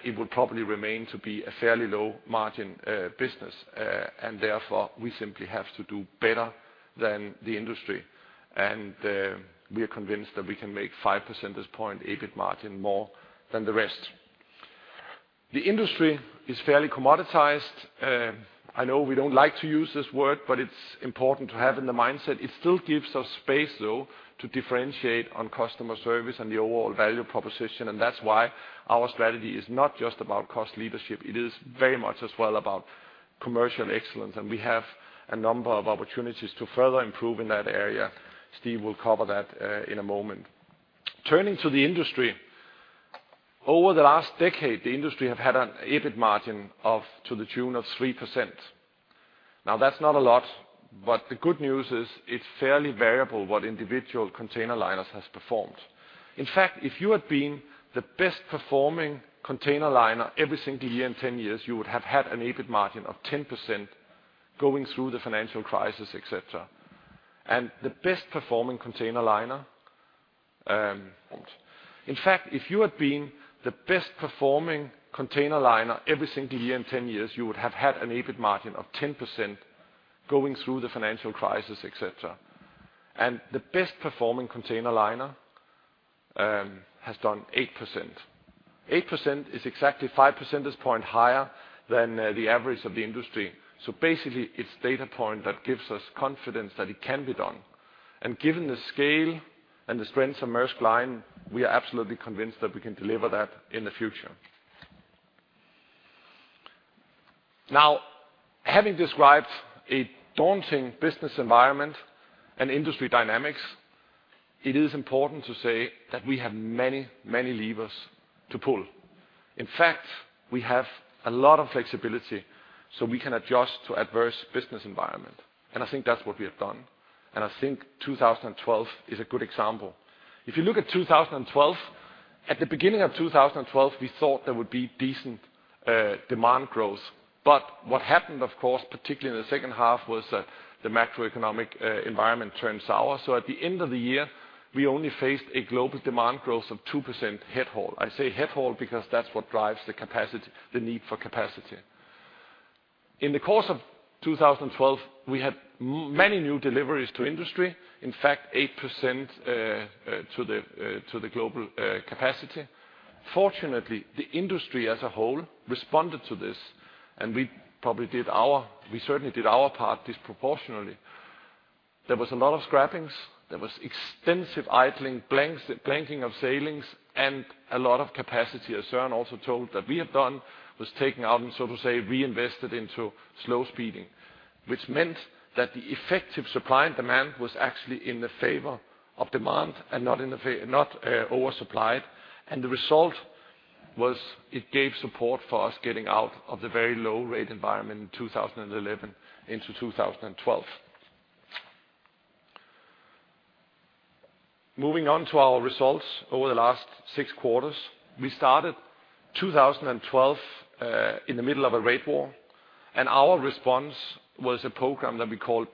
it will probably remain to be a fairly low margin business. Therefore, we simply have to do better than the industry. We are convinced that we can make 5 percentage points EBIT margin more than the rest. The industry is fairly commoditized. I know we don't like to use this word, but it's important to have in the mindset. It still gives us space, though, to differentiate on customer service and the overall value proposition. That's why our strategy is not just about cost leadership. It is very much as well about commercial excellence, and we have a number of opportunities to further improve in that area. Steve will cover that in a moment. Turning to the industry. Over the last decade, the industry have had an EBIT margin of to the tune of 3%. Now, that's not a lot, but the good news is it's fairly variable what individual container liners has performed. In fact, if you had been the best-performing container liner every single year in 10 years, you would have had an EBIT margin of 10% going through the financial crisis, et cetera. The best performing container liner has done 8%. 8% is exactly five percentage point higher than the average of the industry. Basically, it's data point that gives us confidence that it can be done. Given the scale and the strengths of Maersk Line, we are absolutely convinced that we can deliver that in the future. Now, having described a daunting business environment and industry dynamics, it is important to say that we have many, many levers to pull. In fact, we have a lot of flexibility, so we can adjust to adverse business environment, and I think that's what we have done. I think 2012 is a good example. If you look at 2012, at the beginning of 2012, we thought there would be decent demand growth. What happened, of course, particularly in the second half, was that the macroeconomic environment turned sour. At the end of the year, we only faced a global demand growth of 2% head haul. I say head haul because that's what drives the capacity, the need for capacity. In the course of 2012, we had many new deliveries to industry. In fact, 8% to the global capacity. Fortunately, the industry as a whole responded to this, and we certainly did our part disproportionately. There was a lot of scrappings. There was extensive idling, blank sailings, and a lot of capacity, as Søren also told, that we had done, was taken out and, so to say, reinvested into slow steaming. Which meant that the effective supply and demand was actually in the favor of demand and not in the favor, not oversupplied. The result was it gave support for us getting out of the very low rate environment in 2011 into 2012. Moving on to our results over the last six quarters. We started 2012 in the middle of a rate war, and our response was a program that we called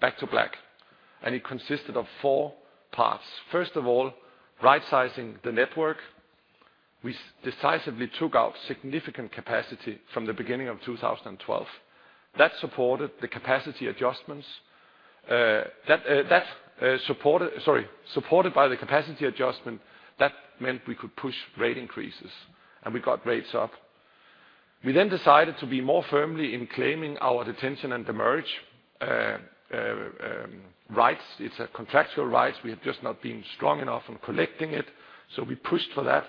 Back to Black, and it consisted of four parts. First of all, rightsizing the network. We decisively took out significant capacity from the beginning of 2012. That supported the capacity adjustments. That, supported by the capacity adjustment, meant we could push rate increases, and we got rates up. We then decided to be more firmly in claiming our demurrage and detention rights. It's contractual rights. We have just not been strong enough in collecting it, so we pushed for that.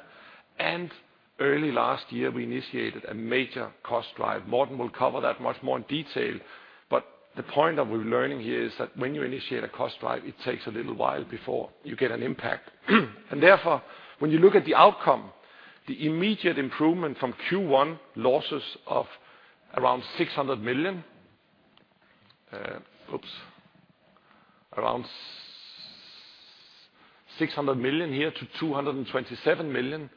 Early last year, we initiated a major cost drive. Morten will cover that much more in detail, but the point that we're learning here is that when you initiate a cost drive, it takes a little while before you get an impact. Therefore, when you look at the outcome, the immediate improvement from Q1 losses of around 600 million-227 million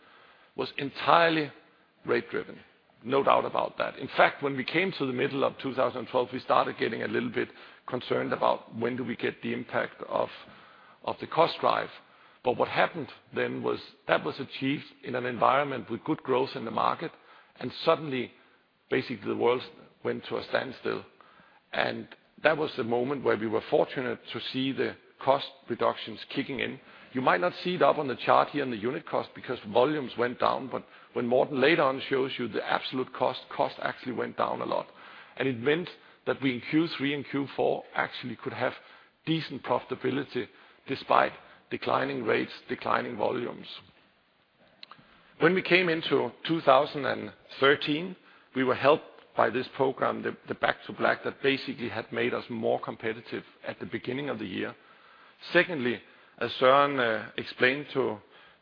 was entirely rate driven, no doubt about that. In fact, when we came to the middle of 2012, we started getting a little bit concerned about when do we get the impact of the cost drive. What happened then was that was achieved in an environment with good growth in the market, and suddenly, basically, the world went to a standstill. That was the moment where we were fortunate to see the cost reductions kicking in. You might not see it up on the chart here in the unit cost because volumes went down, but when Morten later on shows you the absolute cost actually went down a lot. It meant that we, in Q3 and Q4, actually could have decent profitability despite declining rates, declining volumes. When we came into 2013, we were helped by this program, the Back to Black, that basically had made us more competitive at the beginning of the year. Secondly, as Søren explained to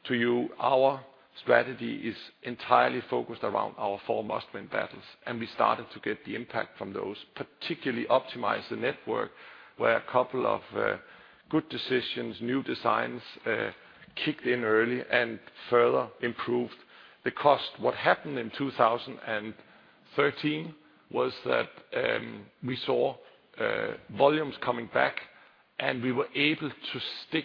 you, our strategy is entirely focused around our four Must-Win Battles, and we started to get the impact from those, particularly optimize the network, where a couple of good decisions, new designs, kicked in early and further improved the cost. What happened in 2013 was that, we saw volumes coming back, and we were able to stick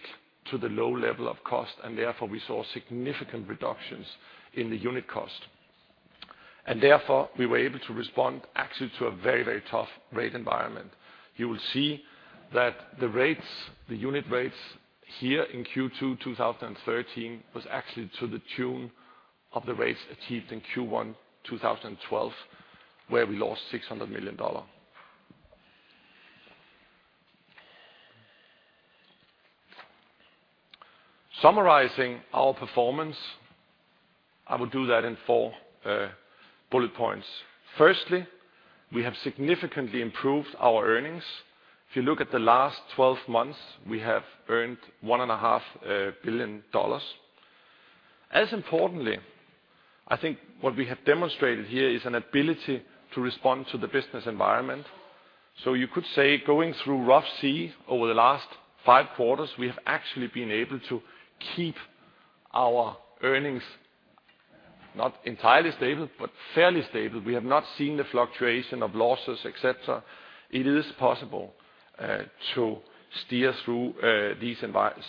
to the low level of cost, and therefore, we saw significant reductions in the unit cost. Therefore, we were able to respond actually to a very, very tough rate environment. You will see that the rates, the unit rates here in Q2 2013 was actually to the tune of the rates achieved in Q1 2012, where we lost $600 million. Summarizing our performance, I will do that in four bullet points. Firstly, we have significantly improved our earnings. If you look at the last 12 months, we have earned $1.5 billion. As importantly, I think what we have demonstrated here is an ability to respond to the business environment. You could say going through rough sea over the last five quarters, we have actually been able to keep our earnings not entirely stable, but fairly stable. We have not seen the fluctuation of losses, et cetera. It is possible to steer through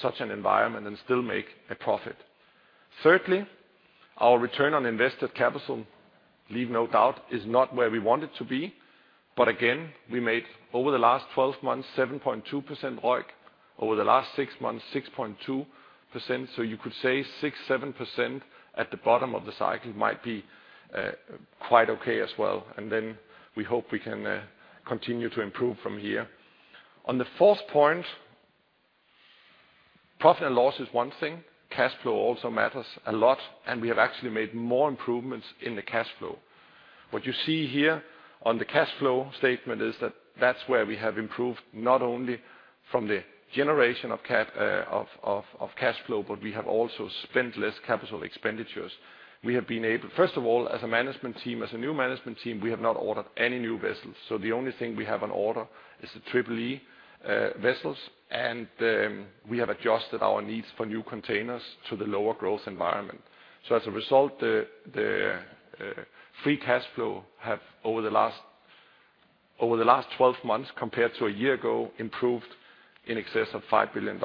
such an environment and still make a profit. Thirdly, our return on invested capital, leave no doubt, is not where we want it to be. Again, we made over the last 12 months, 7.2% ROIC. Over the last six months, 6.2%. You could say 6%-7% at the bottom of the cycle might be quite okay as well. Then we hope we can continue to improve from here. On the fourth point, profit and loss is one thing. Cash flow also matters a lot, and we have actually made more improvements in the cash flow. What you see here on the cash flow statement is that that's where we have improved not only from the generation of cash flow, but we have also spent less capital expenditures. We have been able, first of all, as a new management team, we have not ordered any new vessels. The only thing we have on order is the Triple-E vessels, and we have adjusted our needs for new containers to the lower growth environment. As a result, the free cash flow have over the last 12 months compared to a year ago, improved in excess of $5 billion.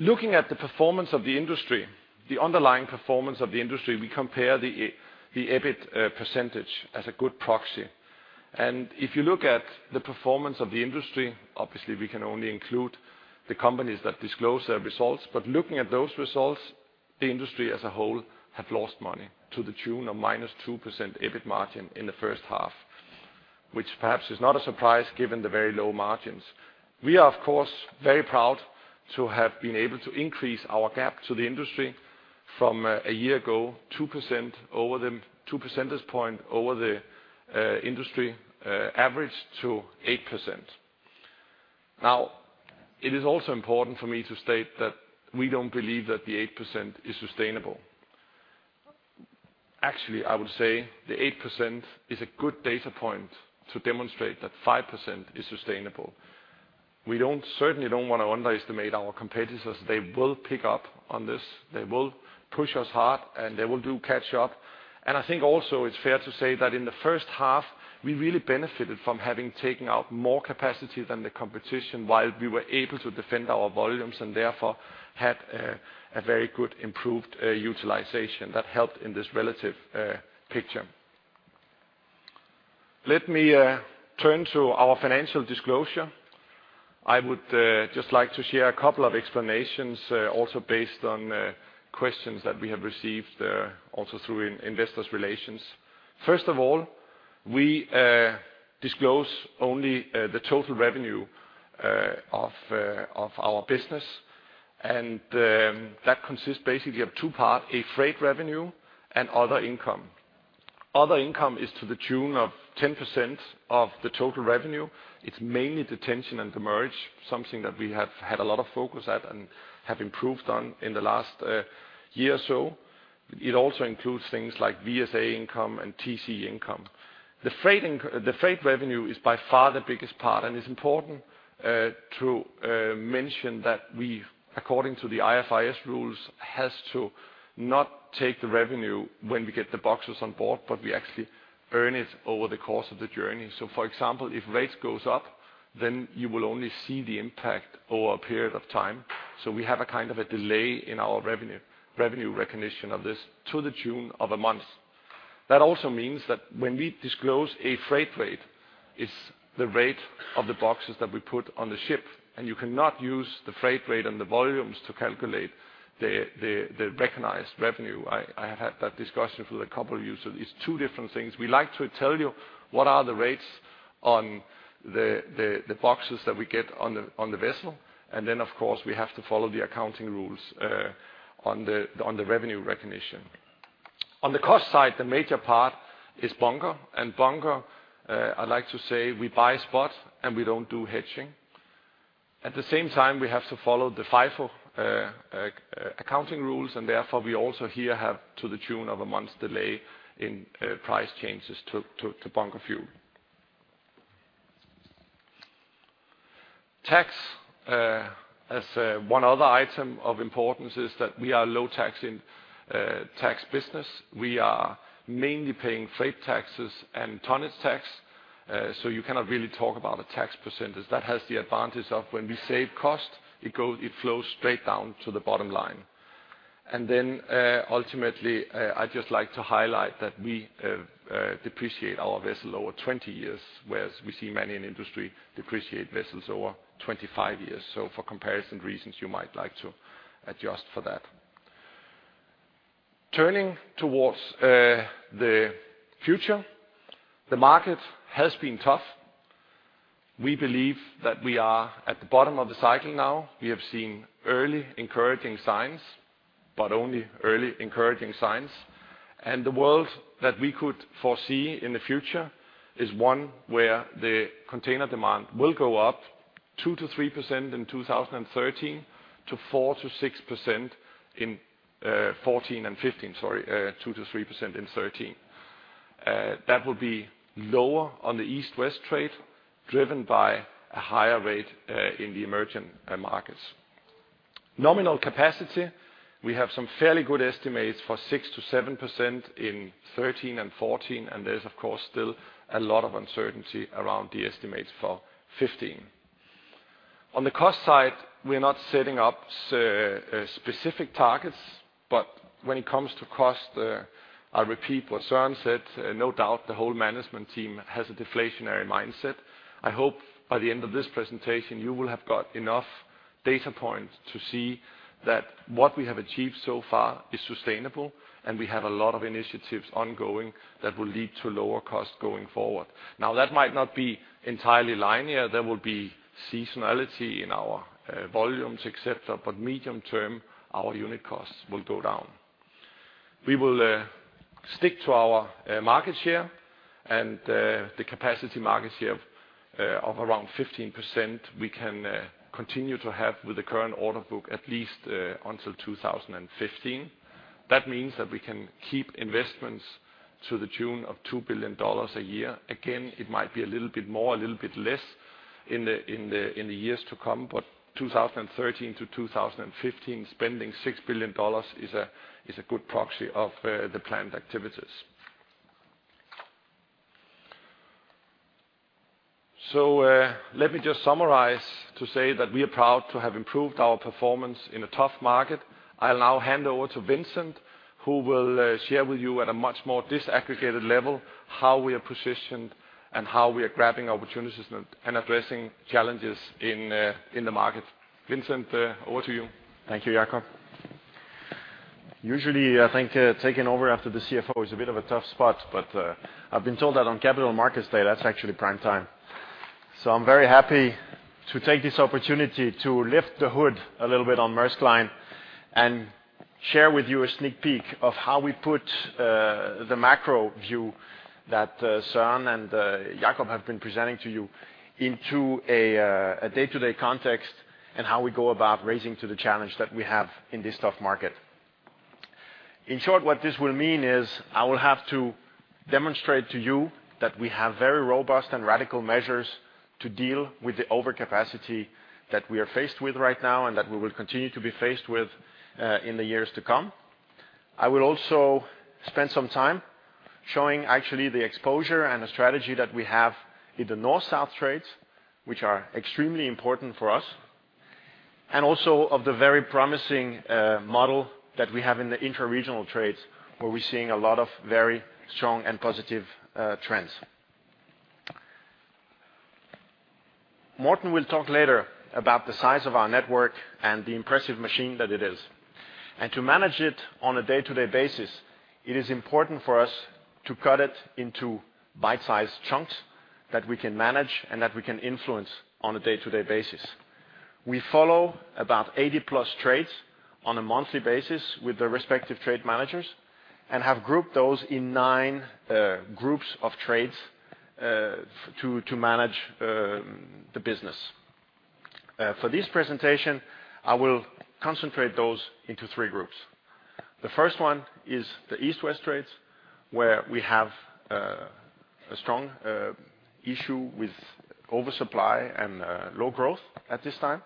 Looking at the performance of the industry, the underlying performance of the industry, we compare the EBIT percentage as a good proxy. If you look at the performance of the industry, obviously we can only include the companies that disclose their results, but looking at those results, the industry as a whole have lost money to the tune of minus 2% EBIT margin in the first half, which perhaps is not a surprise given the very low margins. We are of course very proud to have been able to increase our gap to the industry from a year ago, two percentage points over the industry average to 8%. Now, it is also important for me to state that we don't believe that the 8% is sustainable. Actually, I would say the 8% is a good data point to demonstrate that 5% is sustainable. We certainly don't want to underestimate our competitors. They will pick up on this. They will push us hard, and they will do catch up. I think also it's fair to say that in the first half, we really benefited from having taken out more capacity than the competition while we were able to defend our volumes, and therefore had a very good improved utilization that helped in this relative picture. Let me turn to our financial disclosure. I would just like to share a couple of explanations also based on questions that we have received also through investor relations. First of all, we disclose only the total revenue of our business, and that consists basically of two part, a freight revenue and other income. Other income is to the tune of 10% of the total revenue. It's mainly detention and demurrage, something that we have had a lot of focus at and have improved on in the last year or so. It also includes things like VSA income and TCE income. The freight revenue is by far the biggest part, and it's important to mention that we, according to the IFRS rules, has to not take the revenue when we get the boxes on board, but we actually earn it over the course of the journey. For example, if rates goes up, then you will only see the impact over a period of time. We have a kind of a delay in our revenue recognition of this to the tune of a month. That also means that when we disclose a freight rate, it's the rate of the boxes that we put on the ship, and you cannot use the freight rate and the volumes to calculate the recognized revenue. I had that discussion with a couple of you. It's two different things. We like to tell you what are the rates on the boxes that we get on the vessel. Then of course, we have to follow the accounting rules on the revenue recognition. On the cost side, the major part is bunker. Bunker, I like to say we buy spot, and we don't do hedging. At the same time, we have to follow the FIFO accounting rules, and therefore we also here have to the tune of a month's delay in price changes to bunker fuel. Tax as one other item of importance is that we are low tax in tax business. We are mainly paying freight taxes and tonnage tax, so you cannot really talk about a tax percentage. That has the advantage of when we save cost, it flows straight down to the bottom line. Ultimately, I'd just like to highlight that we depreciate our vessel over 20 years, whereas we see many in industry depreciate vessels over 25 years. For comparison reasons, you might like to adjust for that. Turning towards the future, the market has been tough. We believe that we are at the bottom of the cycle now. We have seen early encouraging signs, but only early encouraging signs. The world that we could foresee in the future is one where the container demand will go up 2%-3% in 2013, to 4%-6% in 2014 and 2015, sorry, 2%-3% in 2013. That will be lower on the East-West trade, driven by a higher rate in the emerging markets. Nominal capacity, we have some fairly good estimates for 6%-7% in 2013 and 2014, and there's of course still a lot of uncertainty around the estimates for 2015. On the cost side, we're not setting up specific targets, but when it comes to cost, I'll repeat what Søren said, no doubt, the whole management team has a deflationary mindset. I hope by the end of this presentation, you will have got enough data points to see that what we have achieved so far is sustainable and we have a lot of initiatives ongoing that will lead to lower costs going forward. Now, that might not be entirely linear. There will be seasonality in our volumes, et cetera, but medium term, our unit costs will go down. We will stick to our market share and the capacity market share of around 15% we can continue to have with the current order book at least until 2015. That means that we can keep investments to the tune of $2 billion a year. Again, it might be a little bit more, a little bit less in the years to come. 2013 to 2015, spending $6 billion is a good proxy of the planned activities. Let me just summarize to say that we are proud to have improved our performance in a tough market. I'll now hand over to Vincent, who will share with you at a much more disaggregated level how we are positioned and how we are grabbing opportunities and addressing challenges in the market. Vincent, over to you. Thank you, Jakob. Usually, I think, taking over after the CFO is a bit of a tough spot, but, I've been told that on Capital Markets Day, that's actually prime time. I'm very happy to take this opportunity to lift the hood a little bit on Maersk Line and share with you a sneak peek of how we put the macro view that Søren and Jakob have been presenting to you into a day-to-day context and how we go about rising to the challenge that we have in this tough market. In short, what this will mean is I will have to demonstrate to you that we have very robust and radical measures to deal with the overcapacity that we are faced with right now and that we will continue to be faced with in the years to come. I will also spend some time showing actually the exposure and the strategy that we have in the North-South trades, which are extremely important for us, and also of the very promising model that we have in the intra-regional trades, where we're seeing a lot of very strong and positive trends. Morten will talk later about the size of our network and the impressive machine that it is. To manage it on a day-to-day basis, it is important for us to cut it into bite-sized chunks that we can manage and that we can influence on a day-to-day basis. We follow about 80-plus trades on a monthly basis with the respective trade managers and have grouped those in nine groups of trades to manage the business. For this presentation, I will concentrate those into three groups. The first one is the East-West trades, where we have a strong issue with oversupply and low growth at this time,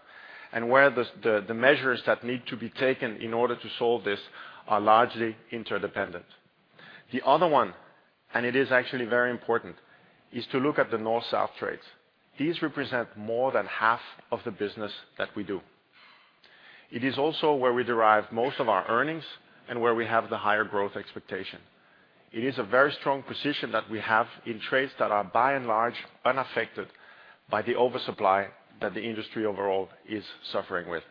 and where the measures that need to be taken in order to solve this are largely interdependent. The other one, and it is actually very important, is to look at the North-South trades. These represent more than half of the business that we do. It is also where we derive most of our earnings and where we have the higher growth expectation. It is a very strong position that we have in trades that are by and large unaffected by the oversupply that the industry overall is suffering with.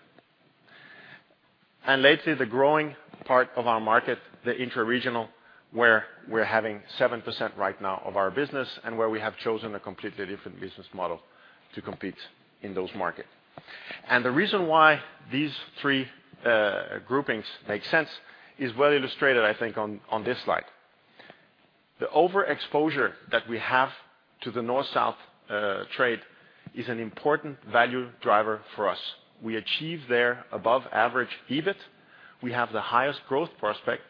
Lastly, the growing part of our market, the intra-regional, where we're having 7% right now of our business and where we have chosen a completely different business model to compete in those markets. The reason why these three groupings make sense is well illustrated, I think, on this slide. The overexposure that we have to the North-South trade is an important value driver for us. We achieve there above average EBIT. We have the highest growth prospect.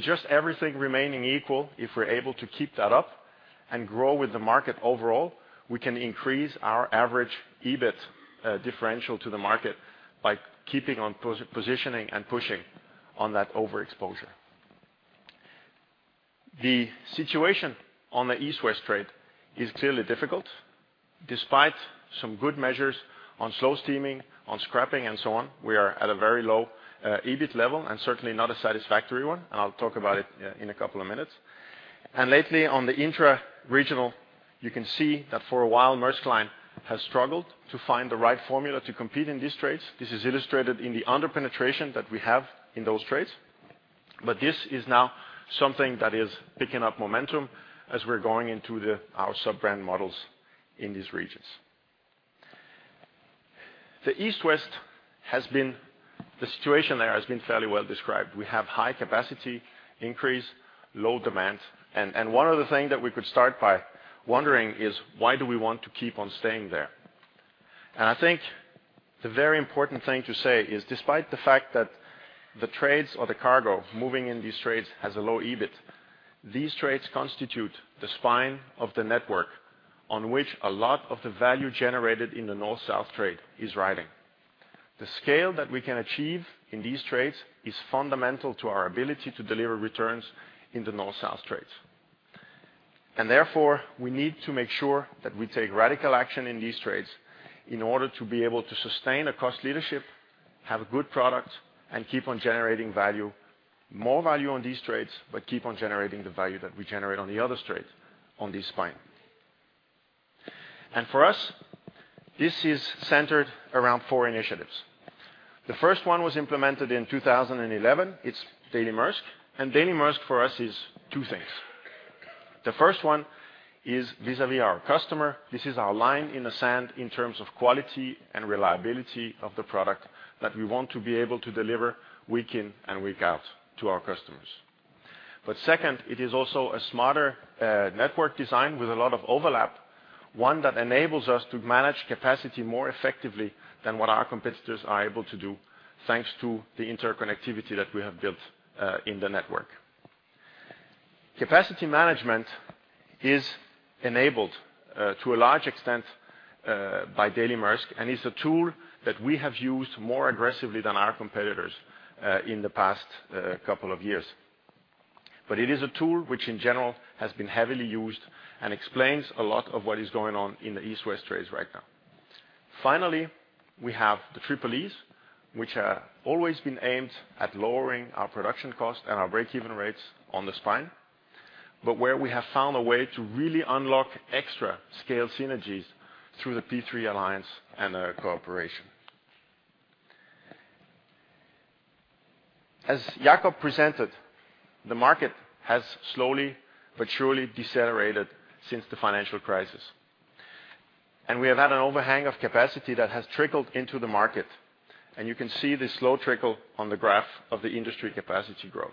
Just everything remaining equal, if we're able to keep that up and grow with the market overall, we can increase our average EBIT differential to the market by keeping on positioning and pushing on that overexposure. The situation on the East-West trade is clearly difficult. Despite some good measures on slow steaming, on scrapping, and so on, we are at a very low EBIT level and certainly not a satisfactory one. I'll talk about it in a couple of minutes. Lately on the intra-regional, you can see that for a while Maersk Line has struggled to find the right formula to compete in these trades. This is illustrated in the under-penetration that we have in those trades. This is now something that is picking up momentum as we're going into the our sub-brand models in these regions. The East-West has been the situation there has been fairly well described. We have high capacity increase, low demand. One of the things that we could start by wondering is why do we want to keep on staying there? I think the very important thing to say is despite the fact that the trades or the cargo moving in these trades has a low EBIT, these trades constitute the spine of the network on which a lot of the value generated in the North-South trade is riding. The scale that we can achieve in these trades is fundamental to our ability to deliver returns in the North-South trades. Therefore, we need to make sure that we take radical action in these trades in order to be able to sustain a cost leadership, have a good product, and keep on generating value, more value on these trades, but keep on generating the value that we generate on the other trades on this spine. For us, this is centered around four initiatives. The first one was implemented in 2011. It's Daily Maersk. Daily Maersk for us is two things. The first one is vis-à-vis our customer. This is our line in the sand in terms of quality and reliability of the product that we want to be able to deliver week in and week out to our customers. Second, it is also a smarter network design with a lot of overlap, one that enables us to manage capacity more effectively than what our competitors are able to do thanks to the interconnectivity that we have built in the network. Capacity management is enabled to a large extent by Daily Maersk, and is a tool that we have used more aggressively than our competitors in the past couple of years. It is a tool which in general has been heavily used and explains a lot of what is going on in the East-West trades right now. Finally, we have the Triple-E's, which have always been aimed at lowering our production cost and our break-even rates on the spine, but where we have found a way to really unlock extra scale synergies through the P3 Alliance and our cooperation. As Jakob presented, the market has slowly but surely decelerated since the financial crisis, and we have had an overhang of capacity that has trickled into the market, and you can see this slow trickle on the graph of the industry capacity growth.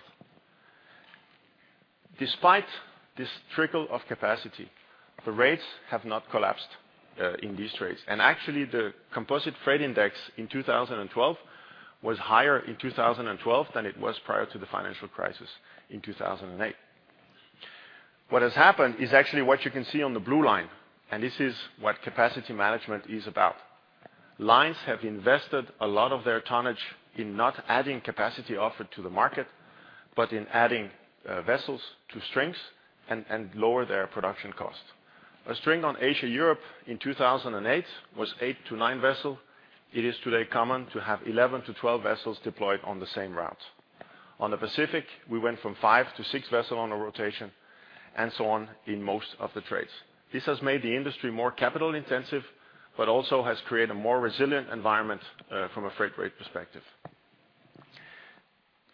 Despite this trickle of capacity, the rates have not collapsed in these trades, and actually the composite freight index in 2012 was higher in 2012 than it was prior to the financial crisis in 2008. What has happened is actually what you can see on the blue line, and this is what capacity management is about. Lines have invested a lot of their tonnage in not adding capacity offered to the market, but in adding vessels to strings and lower their production cost. A string on Asia-Europe in 2008 was 8-9 vessels. It is today common to have 11-12 vessels deployed on the same route. On the Pacific, we went from 5-6 vessels on a rotation, and so on in most of the trades. This has made the industry more capital intensive, but also has created a more resilient environment, from a freight rate perspective.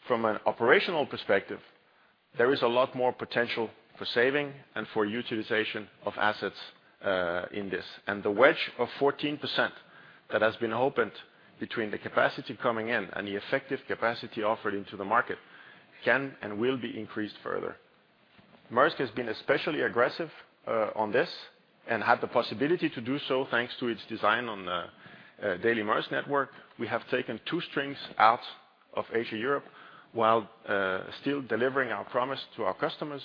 From an operational perspective, there is a lot more potential for saving and for utilization of assets, in this. The wedge of 14% that has been opened between the capacity coming in and the effective capacity offered into the market can and will be increased further. Maersk has been especially aggressive, on this and had the possibility to do so, thanks to its design on Daily Maersk network. We have taken 2 strings out of Asia-Europe while still delivering our promise to our customers.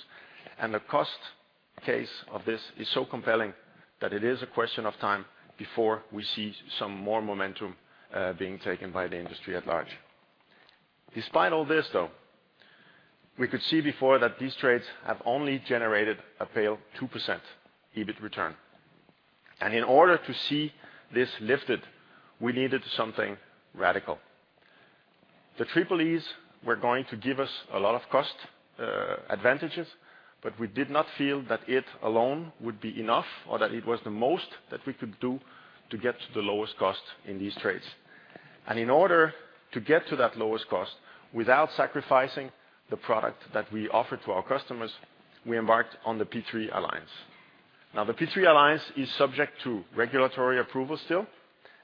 The cost case of this is so compelling that it is a question of time before we see some more momentum, being taken by the industry at large. Despite all this though, we could see before that these trades have only generated a paltry 2% EBIT return. In order to see this lifted, we needed something radical. The Triple-E's were going to give us a lot of cost advantages, but we did not feel that it alone would be enough or that it was the most that we could do to get to the lowest cost in these trades. In order to get to that lowest cost without sacrificing the product that we offer to our customers, we embarked on the P3 Alliance. Now, the P3 Alliance is subject to regulatory approval still,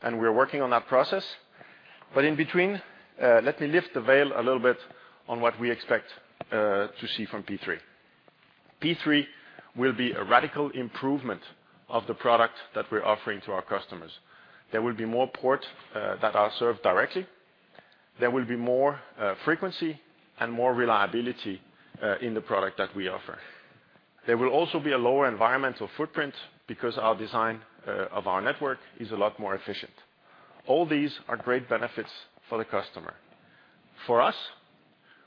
and we're working on that process. In between, let me lift the veil a little bit on what we expect to see from P3. P3 will be a radical improvement of the product that we're offering to our customers. There will be more ports that are served directly. There will be more frequency and more reliability in the product that we offer. There will also be a lower environmental footprint because our design of our network is a lot more efficient. All these are great benefits for the customer. For us,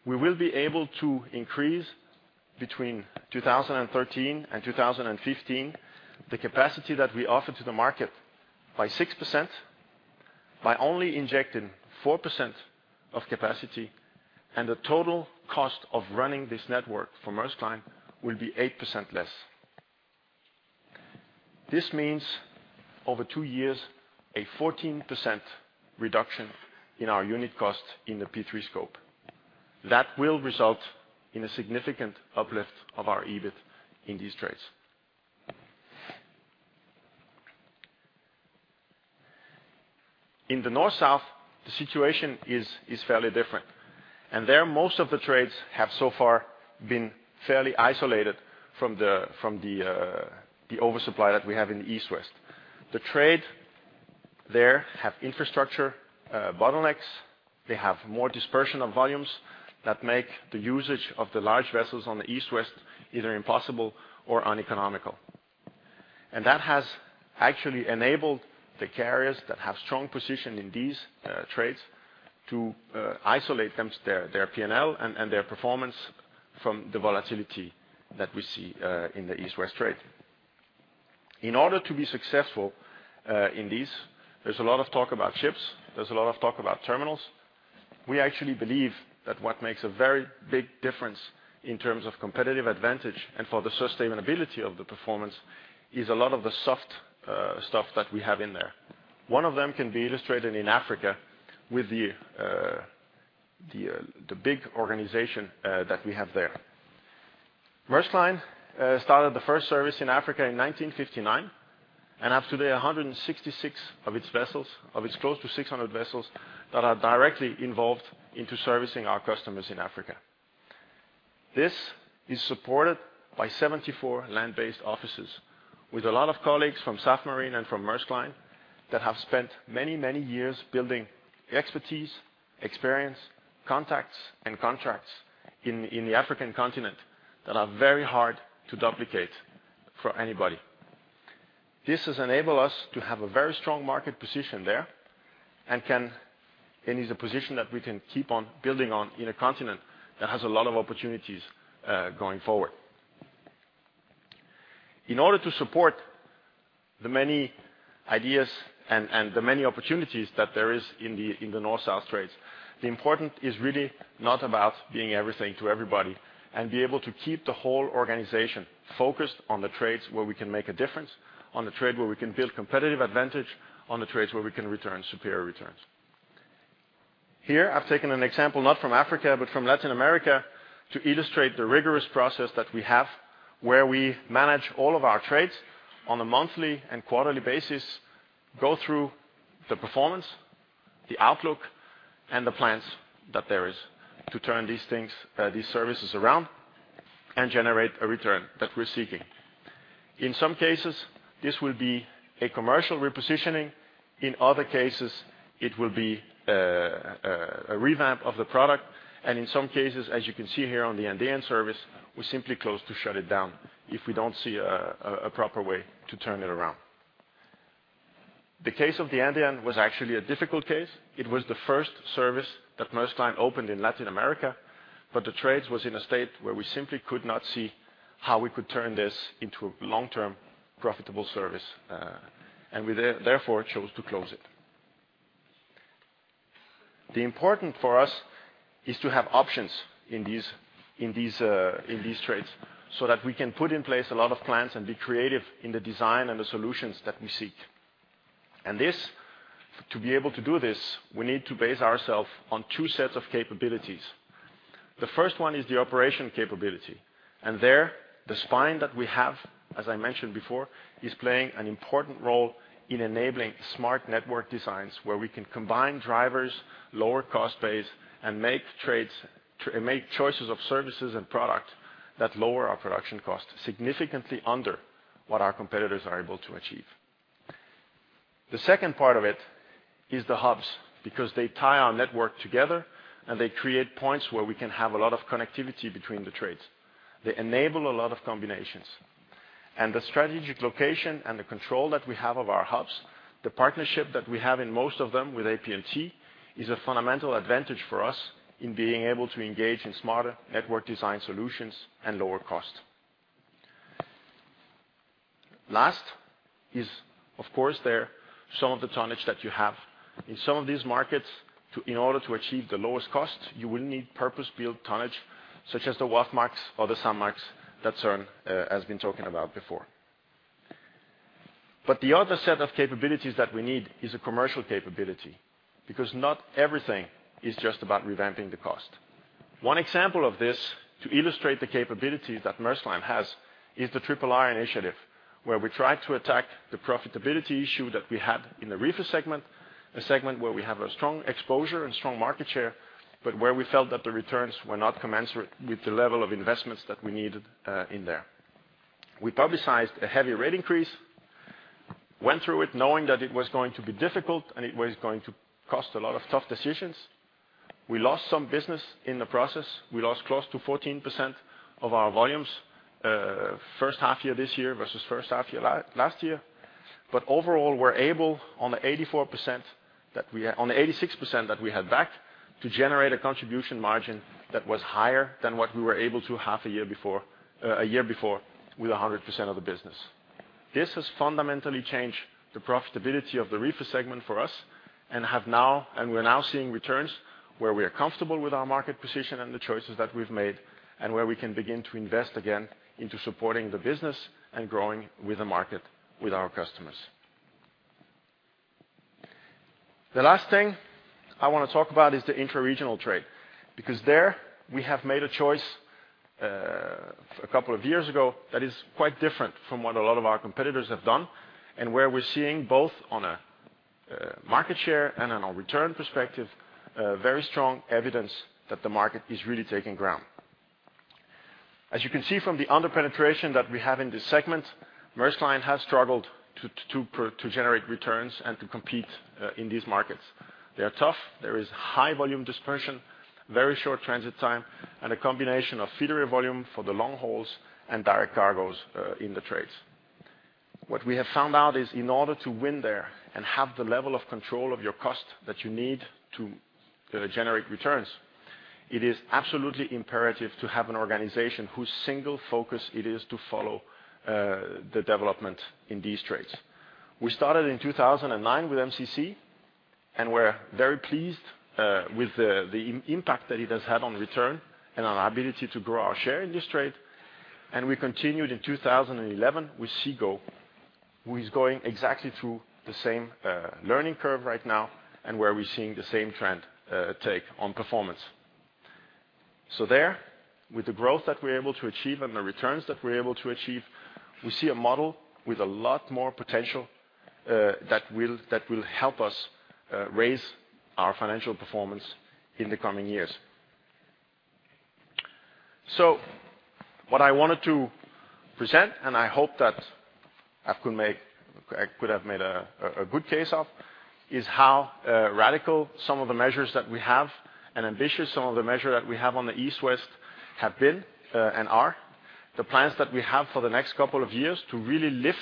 we will be able to increase between 2013 and 2015 the capacity that we offer to the market by 6%. By only injecting 4% of capacity and the total cost of running this network for Maersk Line will be 8% less. This means over two years, a 14% reduction in our unit cost in the P3 scope. That will result in a significant uplift of our EBIT in these trades. In the north-south, the situation is fairly different, and there most of the trades have so far been fairly isolated from the oversupply that we have in the east-west. The trade there have infrastructure bottlenecks. They have more dispersion of volumes that make the usage of the large vessels on the east-west either impossible or uneconomical. That has actually enabled the carriers that have strong position in these trades to isolate them, their PNL and their performance from the volatility that we see in the east-west trade. In order to be successful in these, there's a lot of talk about ships, there's a lot of talk about terminals. We actually believe that what makes a very big difference in terms of competitive advantage and for the sustainability of the performance is a lot of the soft stuff that we have in there. One of them can be illustrated in Africa with the big organization that we have there. Maersk Line started the first service in Africa in 1959, and have today 166 of its vessels of its close to 600 vessels that are directly involved into servicing our customers in Africa. This is supported by 74 land-based offices with a lot of colleagues from Safmarine and from Maersk Line that have spent many, many years building expertise, experience, contacts, and contracts in the African continent that are very hard to duplicate for anybody. This has enabled us to have a very strong market position there, and is a position that we can keep on building on in a continent that has a lot of opportunities, going forward. In order to support the many ideas and the many opportunities that there is in the north-south trades, the important is really not about being everything to everybody, and be able to keep the whole organization focused on the trades where we can make a difference, on the trade where we can build competitive advantage, on the trades where we can return superior returns. Here, I've taken an example not from Africa, but from Latin America, to illustrate the rigorous process that we have where we manage all of our trades on a monthly and quarterly basis, go through the performance, the outlook, and the plans that there is to turn these things, these services around and generate a return that we're seeking. In some cases, this will be a commercial repositioning. In other cases, it will be a revamp of the product. In some cases, as you can see here on the Andean service, we simply chose to shut it down if we don't see a proper way to turn it around. The case of the Andean was actually a difficult case. It was the first service that Maersk Line opened in Latin America, but the trades was in a state where we simply could not see how we could turn this into a long-term, profitable service, and we therefore chose to close it. The important for us is to have options in these trades so that we can put in place a lot of plans and be creative in the design and the solutions that we seek. This, to be able to do this, we need to base ourself on two sets of capabilities. The first one is the operation capability, and there, the spine that we have, as I mentioned before, is playing an important role in enabling smart network designs where we can combine drivers, lower cost base, and make trades, and make choices of services and product that lower our production cost significantly under what our competitors are able to achieve. The second part of it is the hubs, because they tie our network together and they create points where we can have a lot of connectivity between the trades. They enable a lot of combinations. The strategic location and the control that we have of our hubs, the partnership that we have in most of them with APMT, is a fundamental advantage for us in being able to engage in smarter network design solutions and lower cost. Last is, of course, there's some of the tonnage that you have. In some of these markets too, in order to achieve the lowest cost, you will need purpose-built tonnage such as the WAFMAX or the SAMMAX that Søren has been talking about before. The other set of capabilities that we need is a commercial capability, because not everything is just about revamping the cost. One example of this, to illustrate the capabilities that Maersk Line has, is the Triple I initiative, where we try to attack the profitability issue that we have in the reefer segment, a segment where we have a strong exposure and strong market share, but where we felt that the returns were not commensurate with the level of investments that we needed in there. We publicized a heavy rate increase, went through it knowing that it was going to be difficult, and it was going to cost a lot of tough decisions. We lost some business in the process. We lost close to 14% of our volumes, first half year this year versus first half year last year. Overall, we're able on the 86% that we have back to generate a contribution margin that was higher than what we were able to have a year before with 100% of the business. This has fundamentally changed the profitability of the reefer segment for us and we're now seeing returns where we are comfortable with our market position and the choices that we've made, and where we can begin to invest again into supporting the business and growing with the market with our customers. The last thing I want to talk about is the intra-regional trade, because there we have made a choice a couple of years ago that is quite different from what a lot of our competitors have done, and where we're seeing both on a market share and on a return perspective, a very strong evidence that the market is really taking ground. As you can see from the under-penetration that we have in this segment, Maersk Line has struggled to generate returns and to compete in these markets. They are tough. There is high volume dispersion, very short transit time, and a combination of feeder volume for the long hauls and direct cargoes in the trades. What we have found out is in order to win there and have the level of control of your cost that you need to generate returns, it is absolutely imperative to have an organization whose single focus it is to follow the development in these trades. We started in 2009 with MCC, and we're very pleased with the impact that it has had on return and on our ability to grow our share in this trade. We continued in 2011 with Seago, who is going exactly through the same learning curve right now and where we're seeing the same trend takeoff in performance. There, with the growth that we're able to achieve and the returns that we're able to achieve, we see a model with a lot more potential, that will help us raise our financial performance in the coming years. What I wanted to present, and I hope that I could have made a good case of, is how radical some of the measures that we have and ambitious some of the measure that we have on the East-West have been, and are. The plans that we have for the next couple of years to really lift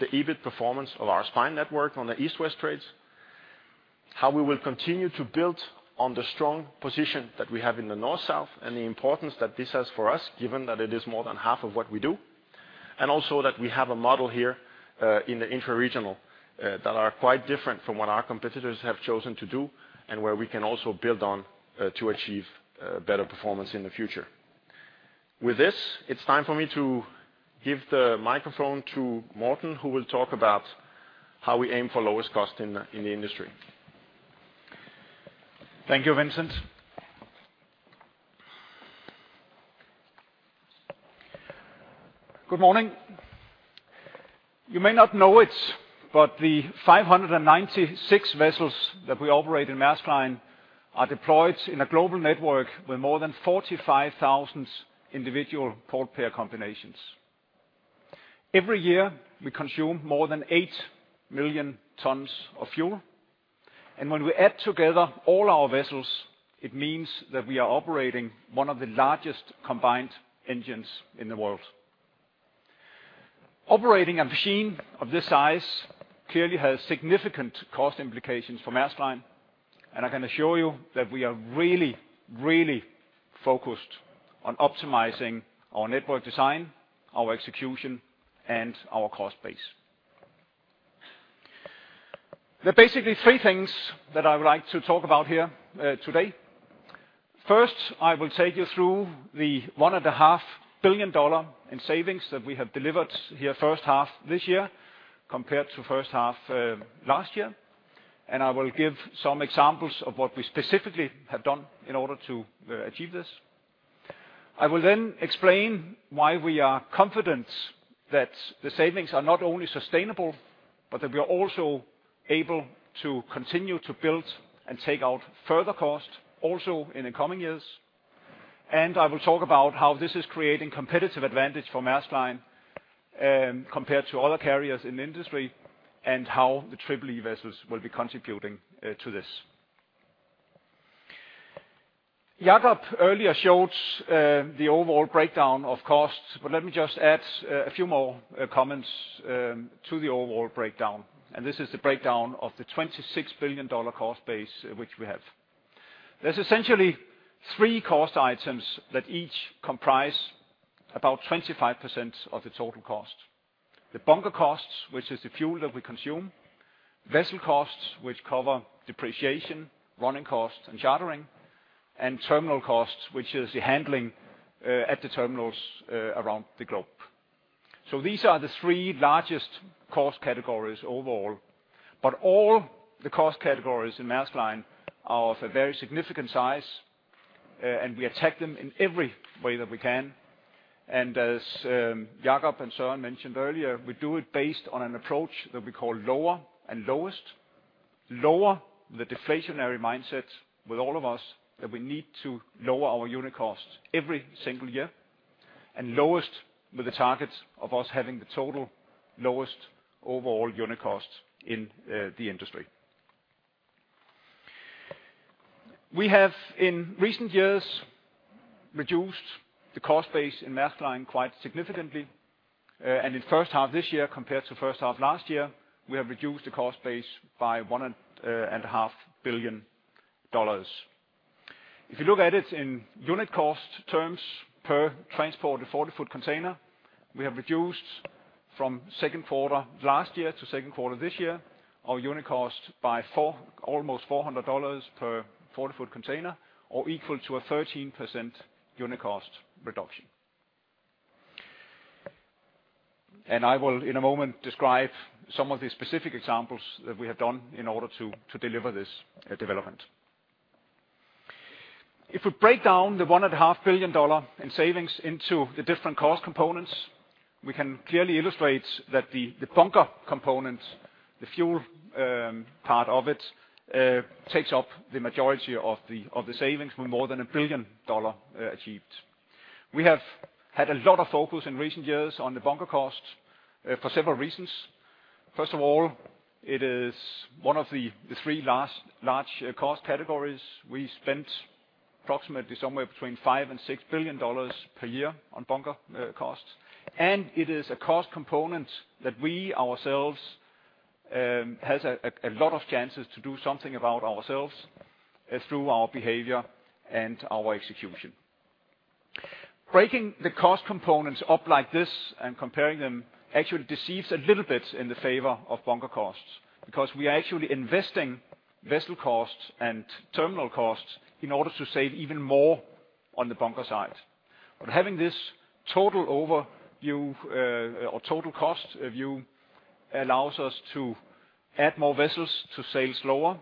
the EBIT performance of our spine network on the East-West trades. How we will continue to build on the strong position that we have in the North-South and the importance that this has for us, given that it is more than half of what we do. Also that we have a model here, in the intra-regional, that are quite different from what our competitors have chosen to do and where we can also build on, to achieve, better performance in the future. With this, it's time for me to give the microphone to Morten, who will talk about how we aim for lowest cost in the industry. Thank you, Vincent. Good morning. You may not know it, but the 596 vessels that we operate in Maersk Line are deployed in a global network with more than 45,000 individual port pair combinations. Every year, we consume more than 8 million tons of fuel, and when we add together all our vessels, it means that we are operating one of the largest combined engines in the world. Operating a machine of this size clearly has significant cost implications for Maersk Line, and I can assure you that we are really, really focused on optimizing our network design, our execution, and our cost base. There are basically three things that I would like to talk about here, today. First, I will take you through the $1.5 billion in savings that we have delivered here first half this year compared to first half last year. I will give some examples of what we specifically have done in order to achieve this. I will then explain why we are confident that the savings are not only sustainable, but that we are also able to continue to build and take out further cost also in the coming years. I will talk about how this is creating competitive advantage for Maersk Line, compared to other carriers in the industry, and how the Triple-E vessels will be contributing to this. Jakob earlier showed the overall breakdown of costs, but let me just add a few more comments to the overall breakdown. This is the breakdown of the $26 billion cost base which we have. There's essentially three cost items that each comprise about 25% of the total cost. The bunker costs, which is the fuel that we consume. Vessel costs, which cover depreciation, running costs and chartering. Terminal costs, which is the handling at the terminals around the globe. These are the three largest cost categories overall. All the cost categories in Maersk Line are of a very significant size, and we attack them in every way that we can. As Jakob and Søren mentioned earlier, we do it based on an approach that we call lower and lowest. Lower the deflationary mindset with all of us that we need to lower our unit cost every single year, and lowest with the targets of us having the total lowest overall unit cost in the industry. We have in recent years reduced the cost base in Maersk Line quite significantly. In first half this year compared to first half last year, we have reduced the cost base by $1.5 billion. If you look at it in unit cost terms per transported forty-foot container, we have reduced from Q2 last year to Q2 this year, our unit cost by almost $400 per forty-foot container or equal to a 13% unit cost reduction. I will in a moment describe some of the specific examples that we have done in order to deliver this development. If we break down the $1.5 billion in savings into the different cost components, we can clearly illustrate that the bunker component, the fuel part of it, takes up the majority of the savings with more than $1 billion achieved. We have had a lot of focus in recent years on the bunker cost for several reasons. First of all, it is one of the three largest cost categories. We spent approximately somewhere between $5 billion and $6 billion per year on bunker costs. It is a cost component that we ourselves has a lot of chances to do something about ourselves through our behavior and our execution. Breaking the cost components up like this and comparing them actually deceives a little bit in the favor of bunker costs. Because we are actually investing vessel costs and terminal productivity at the terminals in order to turn the vessels faster, getting them out to sea again, and be able to sail slower. Having this total overview, or total cost view allows us to add more vessels to sail slower.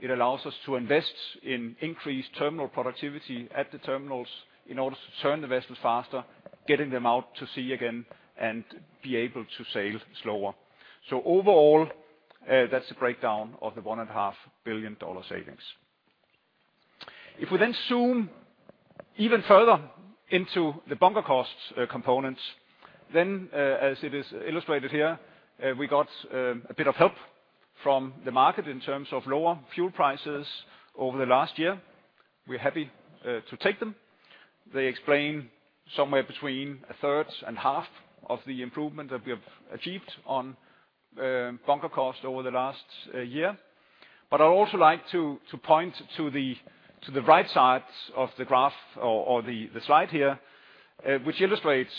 It allows us to invest in increased terminal productivity at the terminals in order to turn the vessels faster, getting them out to sea again, and be able to sail slower. Overall, that's the breakdown of the $1.5 billion savings. If we then zoom even further into the bunker costs, components, then, as it is illustrated here, we got a bit of help from the market in terms of lower fuel prices over the last year. We're happy to take them. They explain somewhere between a third and half of the improvement that we have achieved on bunker cost over the last year. I'd also like to point to the right side of the graph or the slide here, which illustrates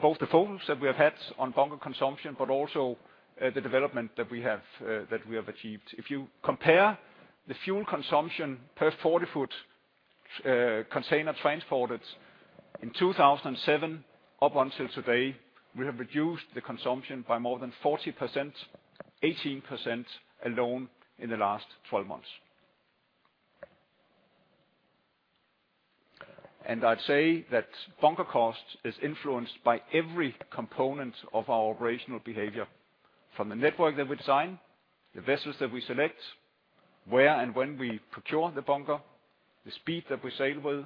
both the focus that we have had on bunker consumption, but also the development that we have achieved. If you compare the fuel consumption per 40-foot container transported in 2007 up until today, we have reduced the consumption by more than 40%, 18% alone in the last 12 months. I'd say that bunker cost is influenced by every component of our operational behavior, from the network that we design, the vessels that we select, where and when we procure the bunker, the speed that we sail with,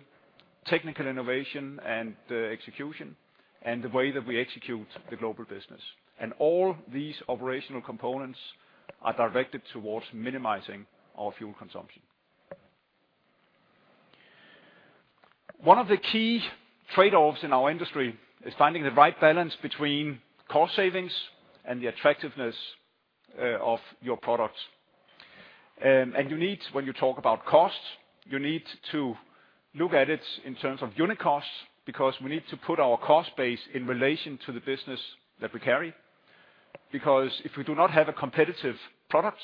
technical innovation and execution, and the way that we execute the global business. All these operational components are directed towards minimizing our fuel consumption. One of the key trade-offs in our industry is finding the right balance between cost savings and the attractiveness of your products. You need, when you talk about costs, you need to look at it in terms of unit costs, because we need to put our cost base in relation to the business that we carry. Because if we do not have a competitive product,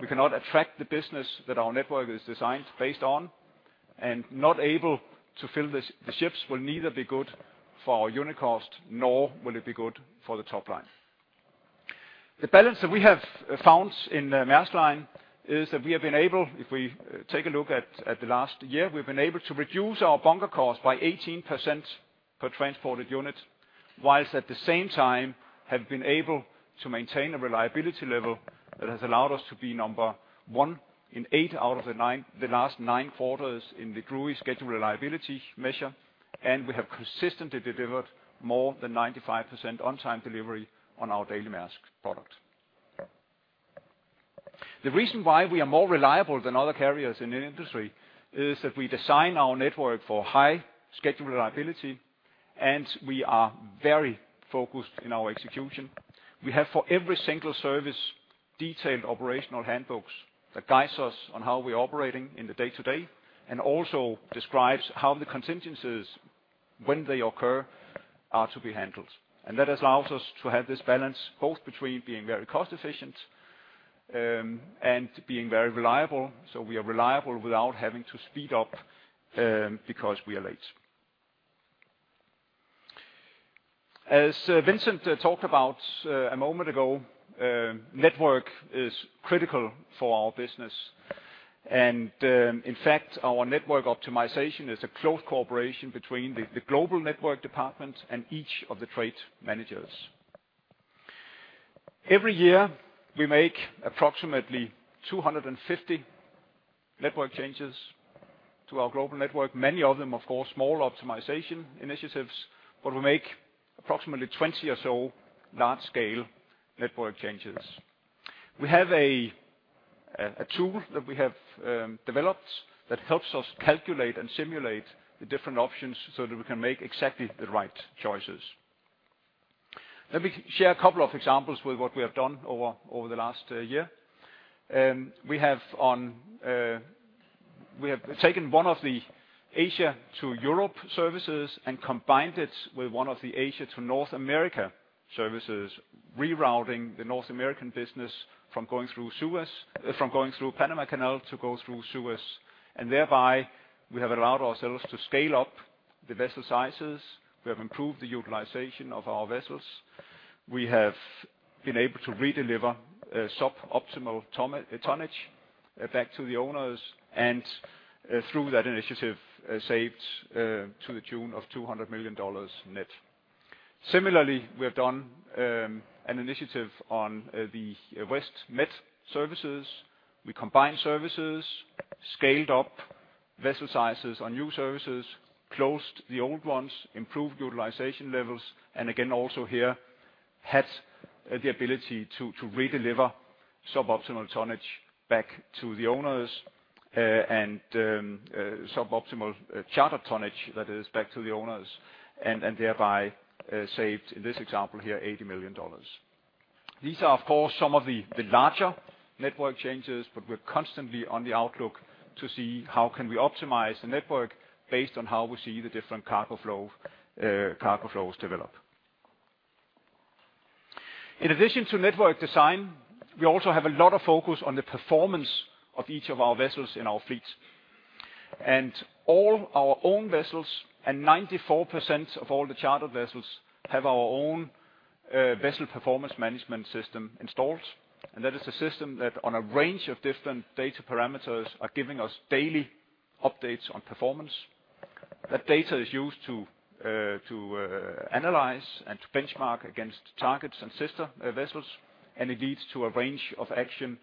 we cannot attract the business that our network is designed based on, and not able to fill the ships will neither be good for our unit cost nor will it be good for the top line. The balance that we have found in Maersk Line is that we have been able, if we take a look at the last year, we've been able to reduce our bunker cost by 18% per transported unit, while at the same time have been able to maintain a reliability level that has allowed us to be number one in 8 out of the 9, the last 9 quarters in the Drewry Schedule Reliability measure. We have consistently delivered more than 95% on time delivery on our Daily Maersk product. The reason why we are more reliable than other carriers in the industry is that we design our network for high schedule reliability, and we are very focused in our execution. We have for every single service detailed operational handbooks that guides us on how we are operating in the day-to-day, and also describes how the contingencies when they occur are to be handled. That has allowed us to have this balance both between being very cost efficient, and being very reliable. We are reliable without having to speed up, because we are late. As Vincent talked about a moment ago, network is critical for our business. In fact, our network optimization is a close cooperation between the global network department and each of the trade managers. Every year we make approximately 250 network changes to our global network. Many of them, of course, small optimization initiatives, but we make approximately 20 or so large-scale network changes. We have a tool that we have developed that helps us calculate and simulate the different options so that we can make exactly the right choices. Let me share a couple of examples with what we have done over the last year. We have taken one of the Asia to Europe services and combined it with one of the Asia to North America services, rerouting the North American business from going through the Panama Canal to go through Suez. Thereby, we have allowed ourselves to scale up the vessel sizes. We have improved the utilization of our vessels. We have been able to redeliver sub-optimal tonnage back to the owners and through that initiative, saved to the tune of $200 million net. Similarly, we have done an initiative on the West Med services. We combined services, scaled up vessel sizes on new services, closed the old ones, improved utilization levels, and again, also here had the ability to redeliver sub-optimal tonnage back to the owners and sub-optimal charter tonnage that is back to the owners and thereby saved, in this example here, $80 million. These are, of course, some of the larger network changes, but we're constantly on the lookout to see how can we optimize the network based on how we see the different cargo flows develop. In addition to network design, we also have a lot of focus on the performance of each of our vessels in our fleets. All our own vessels and 94% of all the charter vessels have our own vessel performance management system installed. That is a system that on a range of different data parameters are giving us daily updates on performance. That data is used to analyze and to benchmark against targets and sister vessels, and it leads to a range of action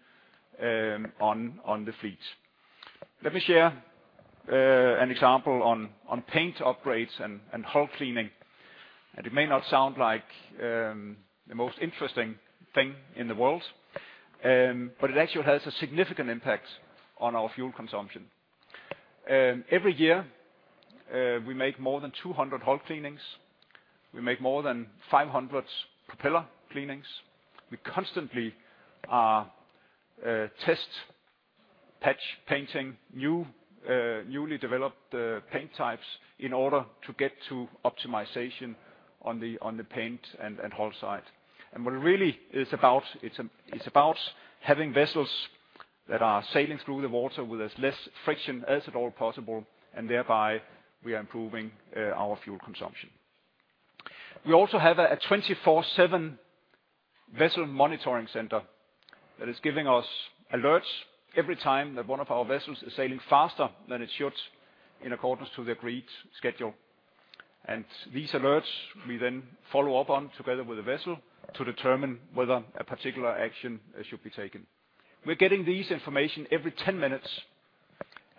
on the fleet. Let me share an example on paint upgrades and hull cleaning. It may not sound like the most interesting thing in the world, but it actually has a significant impact on our fuel consumption. Every year, we make more than 200 hull cleanings. We make more than 500 propeller cleanings. We constantly test, patch, paint newly developed paint types in order to get to optimization on the paint and hull side. What it really is about, it's about having vessels that are sailing through the water with as little friction as possible, and thereby we are improving our fuel consumption. We also have a 24/7 vessel monitoring center that is giving us alerts every time that one of our vessels is sailing faster than it should in accordance with the agreed schedule. These alerts we then follow up on together with the vessel to determine whether a particular action should be taken. We're getting this information every 10 minutes,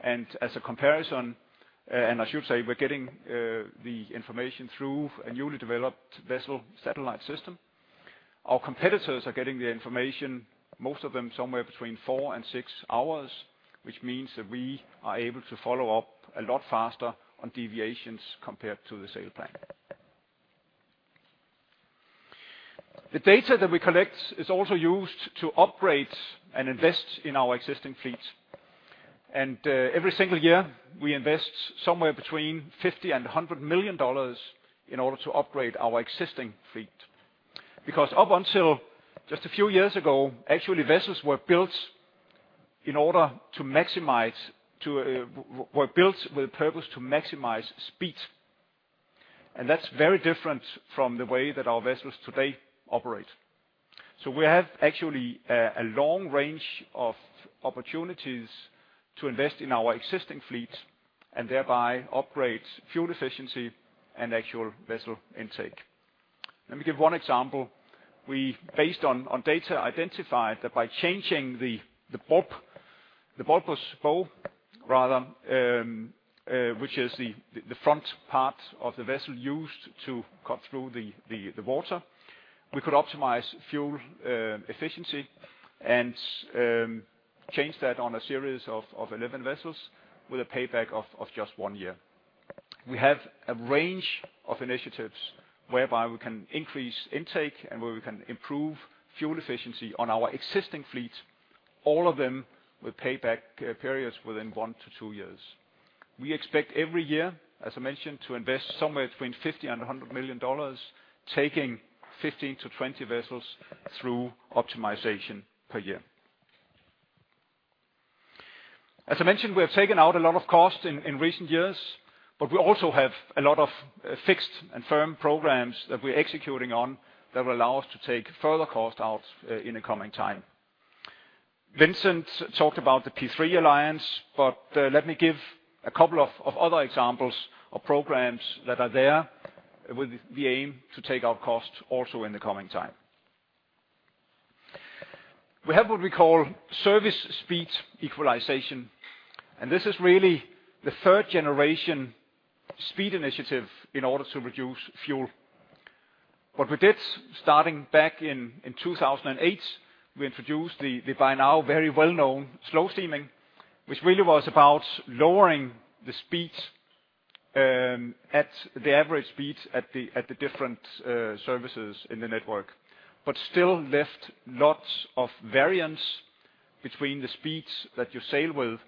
and as a comparison, and I should say we're getting the information through a newly developed vessel satellite system. Our competitors are getting the information, most of them somewhere between 4 and 6 hours, which means that we are able to follow up a lot faster on deviations compared to the sail plan. The data that we collect is also used to upgrade and invest in our existing fleet. Every single year, we invest somewhere between $50 million and $100 million in order to upgrade our existing fleet. Because up until just a few years ago, actually, vessels were built with the purpose to maximize speed. That's very different from the way that our vessels today operate. We have actually a long range of opportunities to invest in our existing fleet and thereby upgrade fuel efficiency and actual vessel intake. Let me give one example. We based on data identified that by changing the bulbous bow rather, which is the front part of the vessel used to cut through the water, we could optimize fuel efficiency and change that on a series of eleven vessels with a payback of just one year. We have a range of initiatives whereby we can increase intake and where we can improve fuel efficiency on our existing fleet, all of them with payback periods within one to two years. We expect every year, as I mentioned, to invest somewhere between $50 million and $100 million, taking 15-20 vessels through optimization per year. As I mentioned, we have taken out a lot of cost in recent years, but we also have a lot of fixed and firm programs that we're executing on that will allow us to take further cost out in the coming time. Vincent talked about the P3 Alliance, but let me give a couple of other examples of programs that are there with the aim to take out cost also in the coming time. We have what we call service speed equalization, and this is really the third generation speed initiative in order to reduce fuel consumption. What we did starting back in 2008, we introduced the by now very well-known slow steaming, which really was about lowering the speed at the average speed at the different services in the network. Still left lots of variance between the speeds that you sail with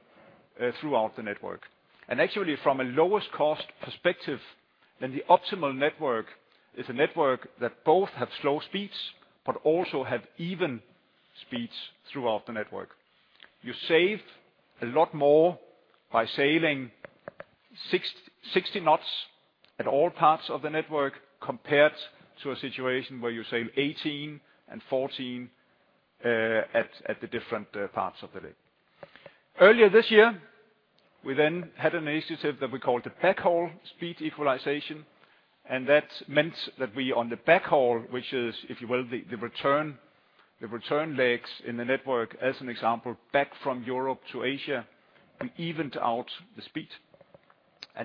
throughout the network. Actually from a lowest cost perspective, the optimal network is a network that both have slow speeds but also have even speeds throughout the network. You save a lot more by sailing 16-20 knots at all parts of the network compared to a situation where you sail 18 and 14 at the different parts of the day. Earlier this year, we had an initiative that we called the backhaul speed equalization, and that meant that we on the backhaul, which is if you will, the return legs in the network, as an example, back from Europe to Asia, we evened out the speed.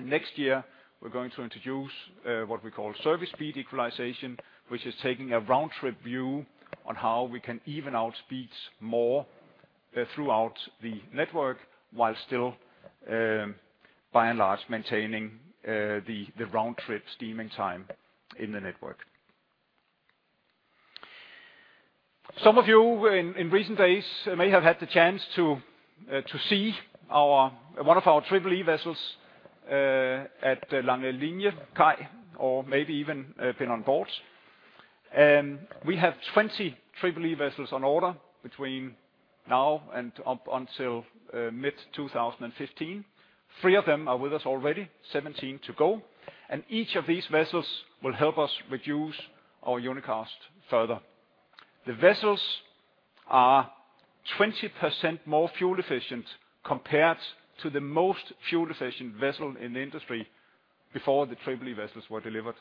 Next year we're going to introduce what we call service speed equalization, which is taking a roundtrip view on how we can even out speeds more throughout the network while still by and large maintaining the roundtrip steaming time in the network. Some of you in recent days may have had the chance to see our one of our Triple-E vessels at Langeliniekaj or maybe even been on board. We have 20 Triple-E vessels on order between now and up until mid 2015. Three of them are with us already, 17 to go. Each of these vessels will help us reduce our unit cost further. The vessels are 20% more fuel efficient compared to the most fuel efficient vessel in the industry before the Triple-E vessels were delivered.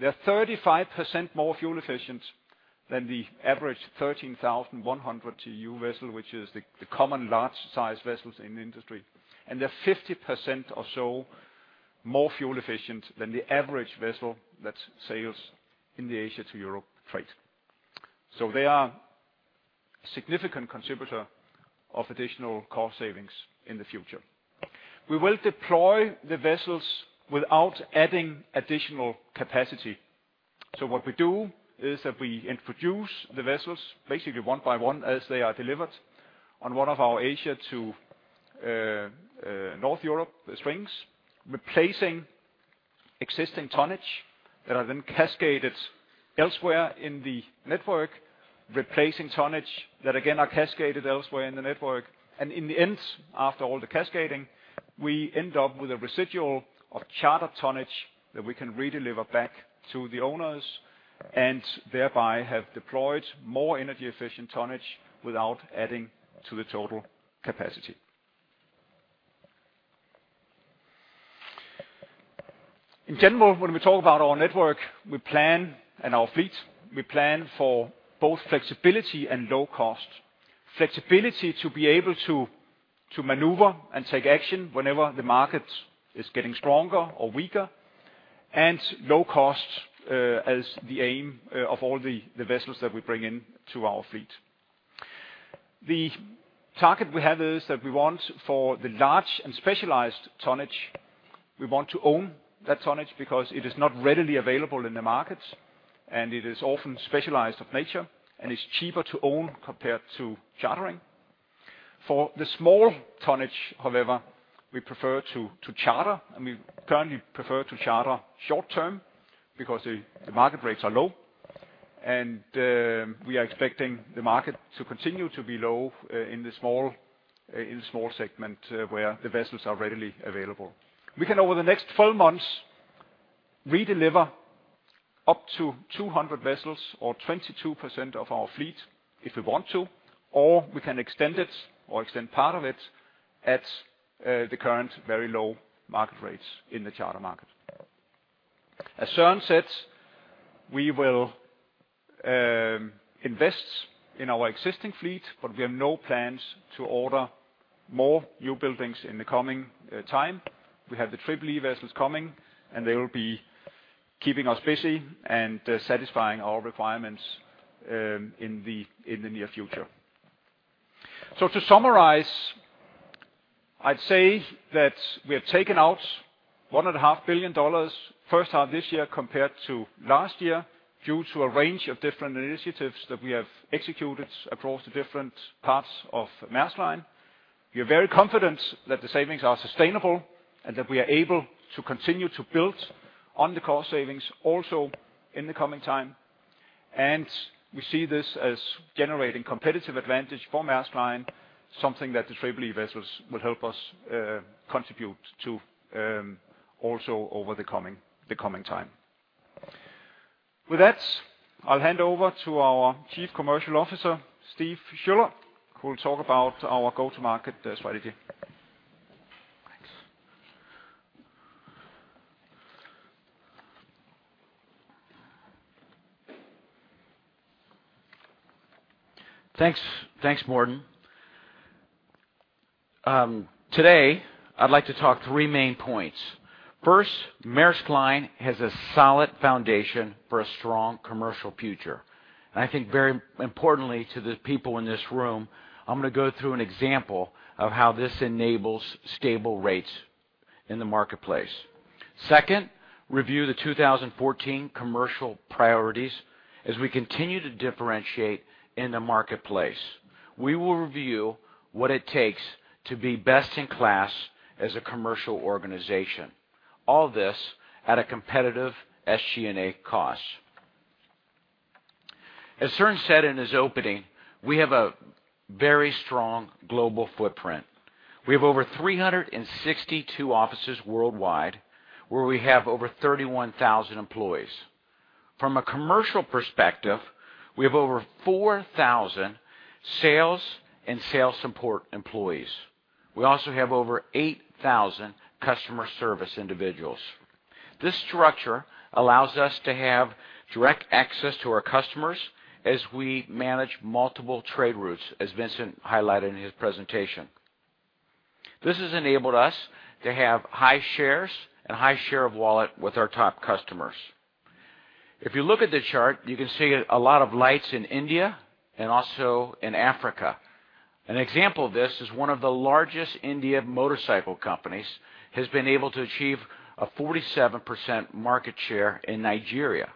They're 35% more fuel efficient than the average 13,100 TEU vessel, which is the common large size vessels in the industry. They're 50% or so more fuel efficient than the average vessel that sails in the Asia to Europe trade. They are significant contributor of additional cost savings in the future. We will deploy the vessels without adding additional capacity. What we do is that we introduce the vessels basically one by one as they are delivered on one of our Asia to North Europe strings, replacing existing tonnage that are then cascaded elsewhere in the network, replacing tonnage that again are cascaded elsewhere in the network. In the end, after all the cascading, we end up with a residual of charter tonnage that we can redeliver back to the owners and thereby have deployed more energy efficient tonnage without adding to the total capacity. In general, when we talk about our network and our fleet, we plan for both flexibility and low cost. Flexibility to be able to maneuver and take action whenever the market is getting stronger or weaker, and low cost as the aim of all the vessels that we bring in to our fleet. The target we have is that we want for the large and specialized tonnage, we want to own that tonnage because it is not readily available in the markets, and it is often specialized of nature, and it's cheaper to own compared to chartering. For the small tonnage, however, we prefer to charter, and we currently prefer to charter short-term because the market rates are low. We are expecting the market to continue to be low in the small segment where the vessels are readily available. We can over the next 12 months redeliver up to 200 vessels or 22% of our fleet if we want to, or we can extend it or extend part of it at the current very low market rates in the charter market. As Søren said, we will invest in our existing fleet, but we have no plans to order more newbuildings in the coming time. We have the Triple-E vessels coming, and they will be keeping us busy and satisfying our requirements in the near future. To summarize, I'd say that we have taken out $1.5 billion first half this year compared to last year, due to a range of different initiatives that we have executed across the different parts of Maersk Line. We are very confident that the savings are sustainable and that we are able to continue to build on the cost savings also in the coming time. We see this as generating competitive advantage for Maersk Line, something that the Triple-E vessels will help us contribute to also over the coming time. With that, I'll hand over to our Chief Commercial Officer, Stephen Schueler, who will talk about our go-to-market strategy. Thanks. Thanks. Thanks, Morten. Today, I'd like to talk three main points. First, Maersk Line has a solid foundation for a strong commercial future. I think very importantly to the people in this room, I'm gonna go through an example of how this enables stable rates in the marketplace. Second, review the 2014 commercial priorities as we continue to differentiate in the marketplace. We will review what it takes to be best in class as a commercial organization. All this at a competitive SG&A cost. As Søren said in his opening, we have a very strong global footprint. We have over 362 offices worldwide, where we have over 31,000 employees. From a commercial perspective, we have over 4,000 sales and sales support employees. We also have over 8,000 customer service individuals. This structure allows us to have direct access to our customers as we manage multiple trade routes, as Vincent highlighted in his presentation. This has enabled us to have high shares and high share of wallet with our top customers. If you look at the chart, you can see a lot of lights in India and also in Africa. An example of this is one of the largest Indian motorcycle companies has been able to achieve a 47% market share in Nigeria.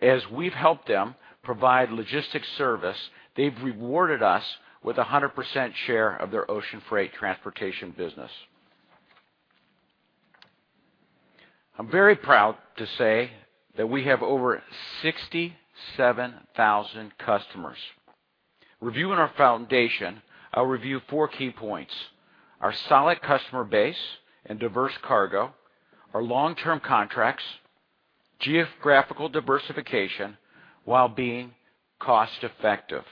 As we've helped them provide logistics service, they've rewarded us with a 100% share of their ocean freight transportation business. I'm very proud to say that we have over 67,000 customers. Reviewing our foundation, I'll review four key points. Our solid customer base and diverse cargo, our long-term contracts, geographical diversification while being cost effective.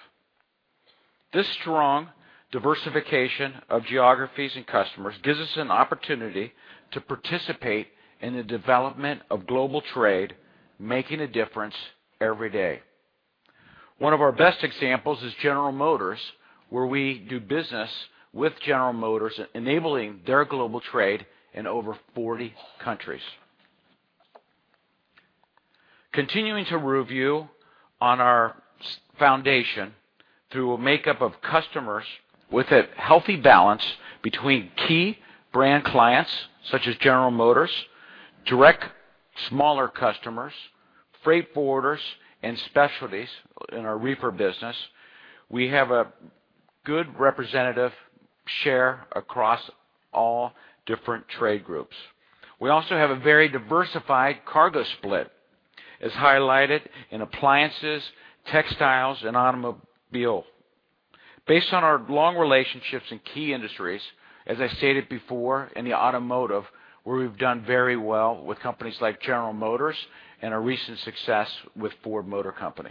This strong diversification of geographies and customers gives us an opportunity to participate in the development of global trade, making a difference every day. One of our best examples is General Motors, where we do business with General Motors, enabling their global trade in over 40 countries. Continuing to review on our solid foundation through a makeup of customers with a healthy balance between key brand clients such as General Motors, direct smaller customers, freight forwarders, and specialties in our reefer business, we have a good representative share across all different trade groups. We also have a very diversified cargo split, as highlighted in appliances, textiles, and automobile. Based on our long relationships in key industries, as I stated before in the automotive, where we've done very well with companies like General Motors and our recent success with Ford Motor Company.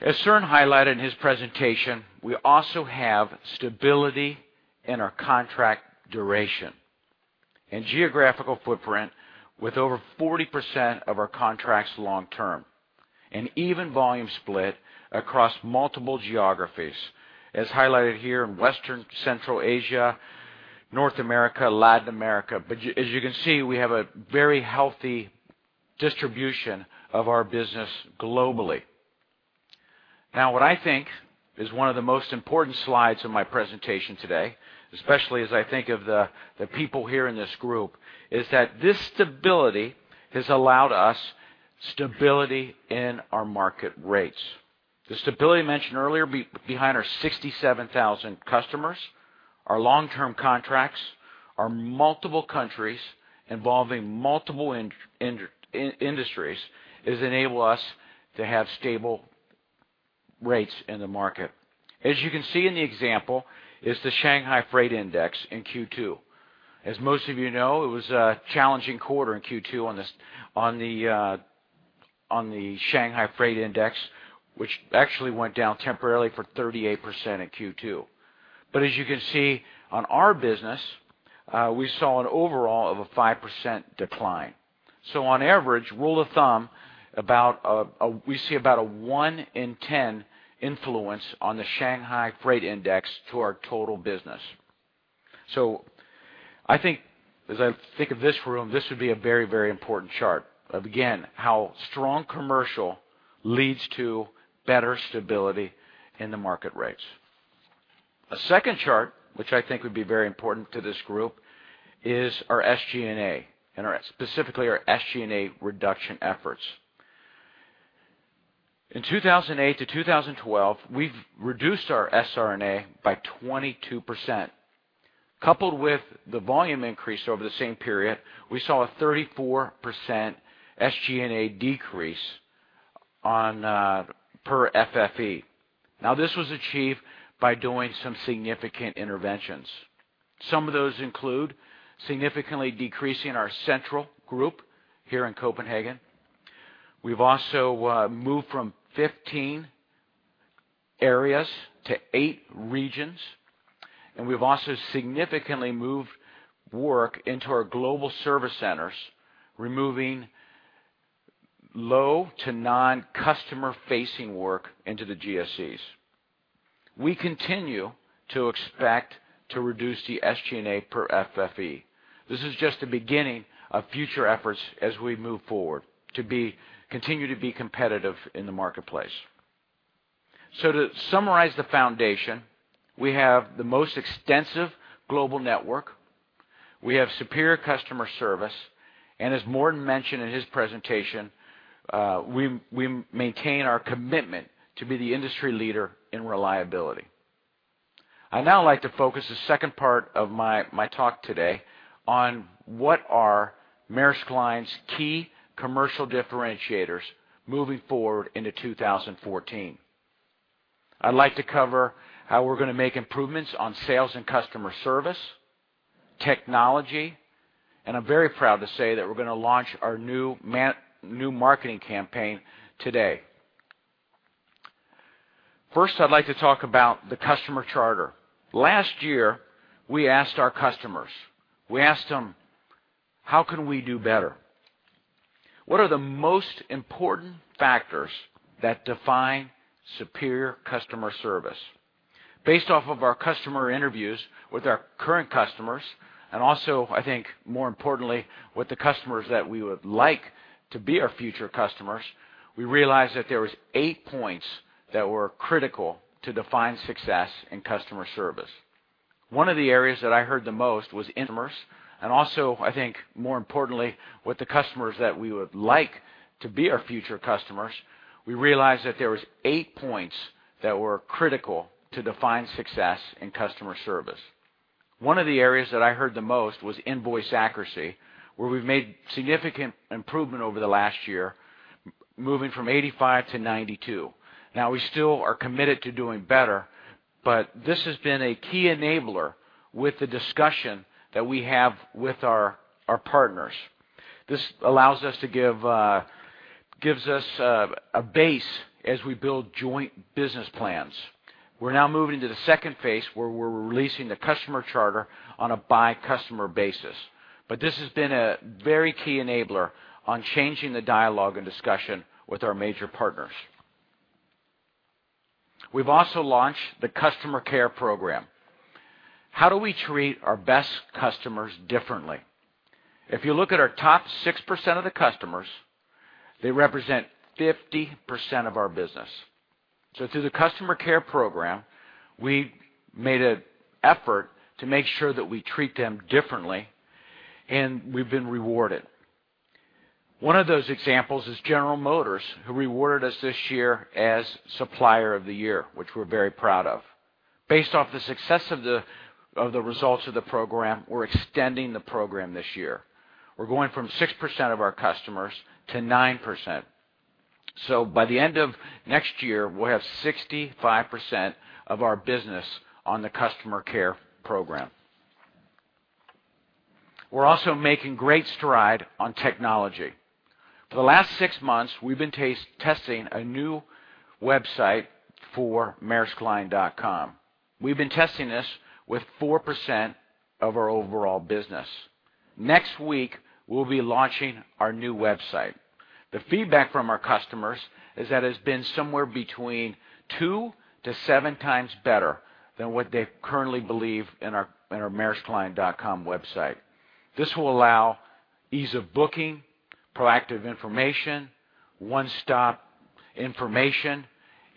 As Soren highlighted in his presentation, we also have stability in our contract duration and geographical footprint with over 40% of our contracts long term, an even volume split across multiple geographies, as highlighted here in Western, Central Asia, North America, Latin America. As you can see, we have a very healthy distribution of our business globally. Now, what I think is one of the most important slides in my presentation today, especially as I think of the people here in this group, is that this stability has allowed us stability in our market rates. The stability mentioned earlier behind our 67,000 customers, our long-term contracts, our multiple countries involving multiple industries, has enabled us to have stable rates in the market. As you can see, in the example is the Shanghai Containerized Freight Index in Q2. As most of you know, it was a challenging quarter in Q2 on the Shanghai Freight Index, which actually went down temporarily for 38% in Q2. As you can see on our business, we saw an overall 5% decline. On average, rule of thumb, about a 1 in 10 influence on the Shanghai Freight Index to our total business. I think as I think of this room, this would be a very, very important chart of again how strong commercial leads to better stability in the market rates. A second chart, which I think would be very important to this group, is our SG&A and specifically our SG&A reduction efforts. In 2008-2012, we've reduced our SG&A by 22%. Coupled with the volume increase over the same period, we saw a 34% SG&A decrease on per FFE. Now, this was achieved by doing some significant interventions. Some of those include significantly decreasing our central group here in Copenhagen. We've also moved from 15 areas to 8 regions, and we've also significantly moved work into our global service centers, removing low to non-customer facing work into the GSCs. We continue to expect to reduce the SG&A per FFE. This is just the beginning of future efforts as we move forward to continue to be competitive in the marketplace. To summarize the foundation, we have the most extensive global network, we have superior customer service, and as Morten mentioned in his presentation, we maintain our commitment to be the industry leader in reliability. I'd now like to focus the second part of my talk today on what are Maersk Line's key commercial differentiators moving forward into 2014. I'd like to cover how we're gonna make improvements on sales and customer service, technology, and I'm very proud to say that we're gonna launch our new marketing campaign today. First, I'd like to talk about the customer charter. Last year, we asked our customers, "How can we do better? What are the most important factors that define superior customer service?" Based off of our customer interviews with our current customers, and also, I think more importantly, with the customers that we would like to be our future customers, we realized that there was 8 points that were critical to define success in customer service. One of the areas that I heard the most was in Maersk, and also I think more importantly with the customers that we would like to be our future customers, we realized that there was 8 points that were critical to define success in customer service. One of the areas that I heard the most was invoice accuracy, where we've made significant improvement over the last year, moving from 85%-92%. Now we still are committed to doing better, but this has been a key enabler with the discussion that we have with our partners. This allows us to give, gives us a base as we build joint business plans. We're now moving to the second phase where we're releasing the customer charter on a by customer basis. This has been a very key enabler on changing the dialogue and discussion with our major partners. We've also launched the customer care program. How do we treat our best customers differently? If you look at our top 6% of the customers, they represent 50% of our business. Through the customer care program, we made an effort to make sure that we treat them differently, and we've been rewarded. One of those examples is General Motors, who rewarded us this year as Supplier of the Year, which we're very proud of. Based off the success of the results of the program, we're extending the program this year. We're going from 6% of our customers to 9%. By the end of next year, we'll have 65% of our business on the customer care program. We're also making great strides on technology. For the last 6 months, we've been testing a new website for maerskline.com. We've been testing this with 4% of our overall business. Next week, we'll be launching our new website. The feedback from our customers is that it's been somewhere between 2-7 times better than what they currently believe in our maerskline.com website. This will allow ease of booking, proactive information, one-stop information,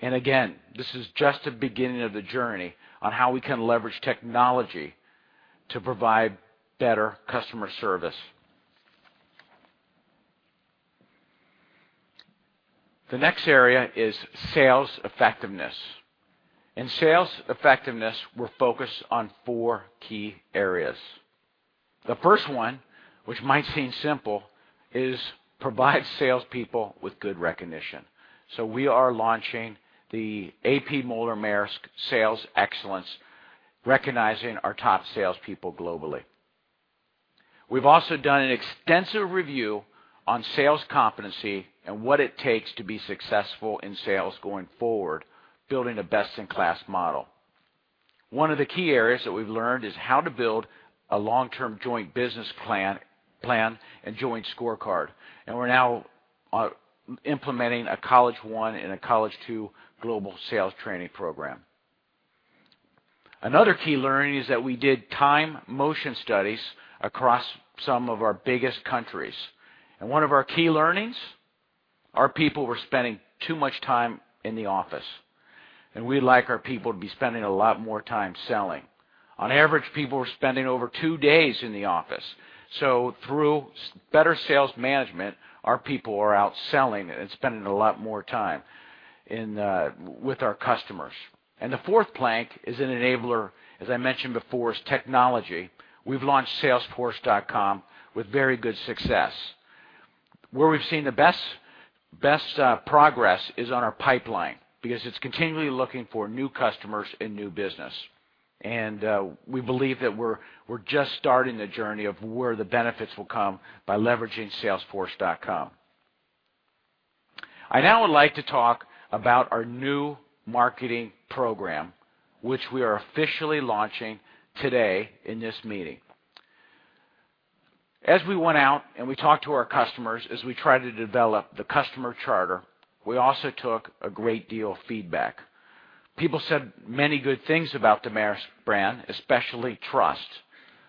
and again, this is just the beginning of the journey on how we can leverage technology to provide better customer service. The next area is sales effectiveness. In sales effectiveness, we're focused on four key areas. The first one, which might seem simple, is provide salespeople with good recognition. We are launching the A.P. Moller-Maersk Sales Excellence, recognizing our top salespeople globally. We've also done an extensive review on sales competency and what it takes to be successful in sales going forward, building a best-in-class model. One of the key areas that we've learned is how to build a long-term joint business plan and joint scorecard, and we're now implementing a college one and a college two global sales training program. Another key learning is that we did time motion studies across some of our biggest countries. One of our key learnings, our people were spending too much time in the office, and we like our people to be spending a lot more time selling. On average, people were spending over two days in the office. Through better sales management, our people are out selling and spending a lot more time with our customers. The fourth plank is an enabler, as I mentioned before, is technology. We've launched Salesforce.com with very good success. Where we've seen the best progress is on our pipeline because it's continually looking for new customers and new business. We believe that we're just starting the journey of where the benefits will come by leveraging Salesforce.com. I now would like to talk about our new marketing program, which we are officially launching today in this meeting. As we went out and we talked to our customers, as we tried to develop the customer charter, we also took a great deal of feedback. People said many good things about the Maersk brand, especially trust.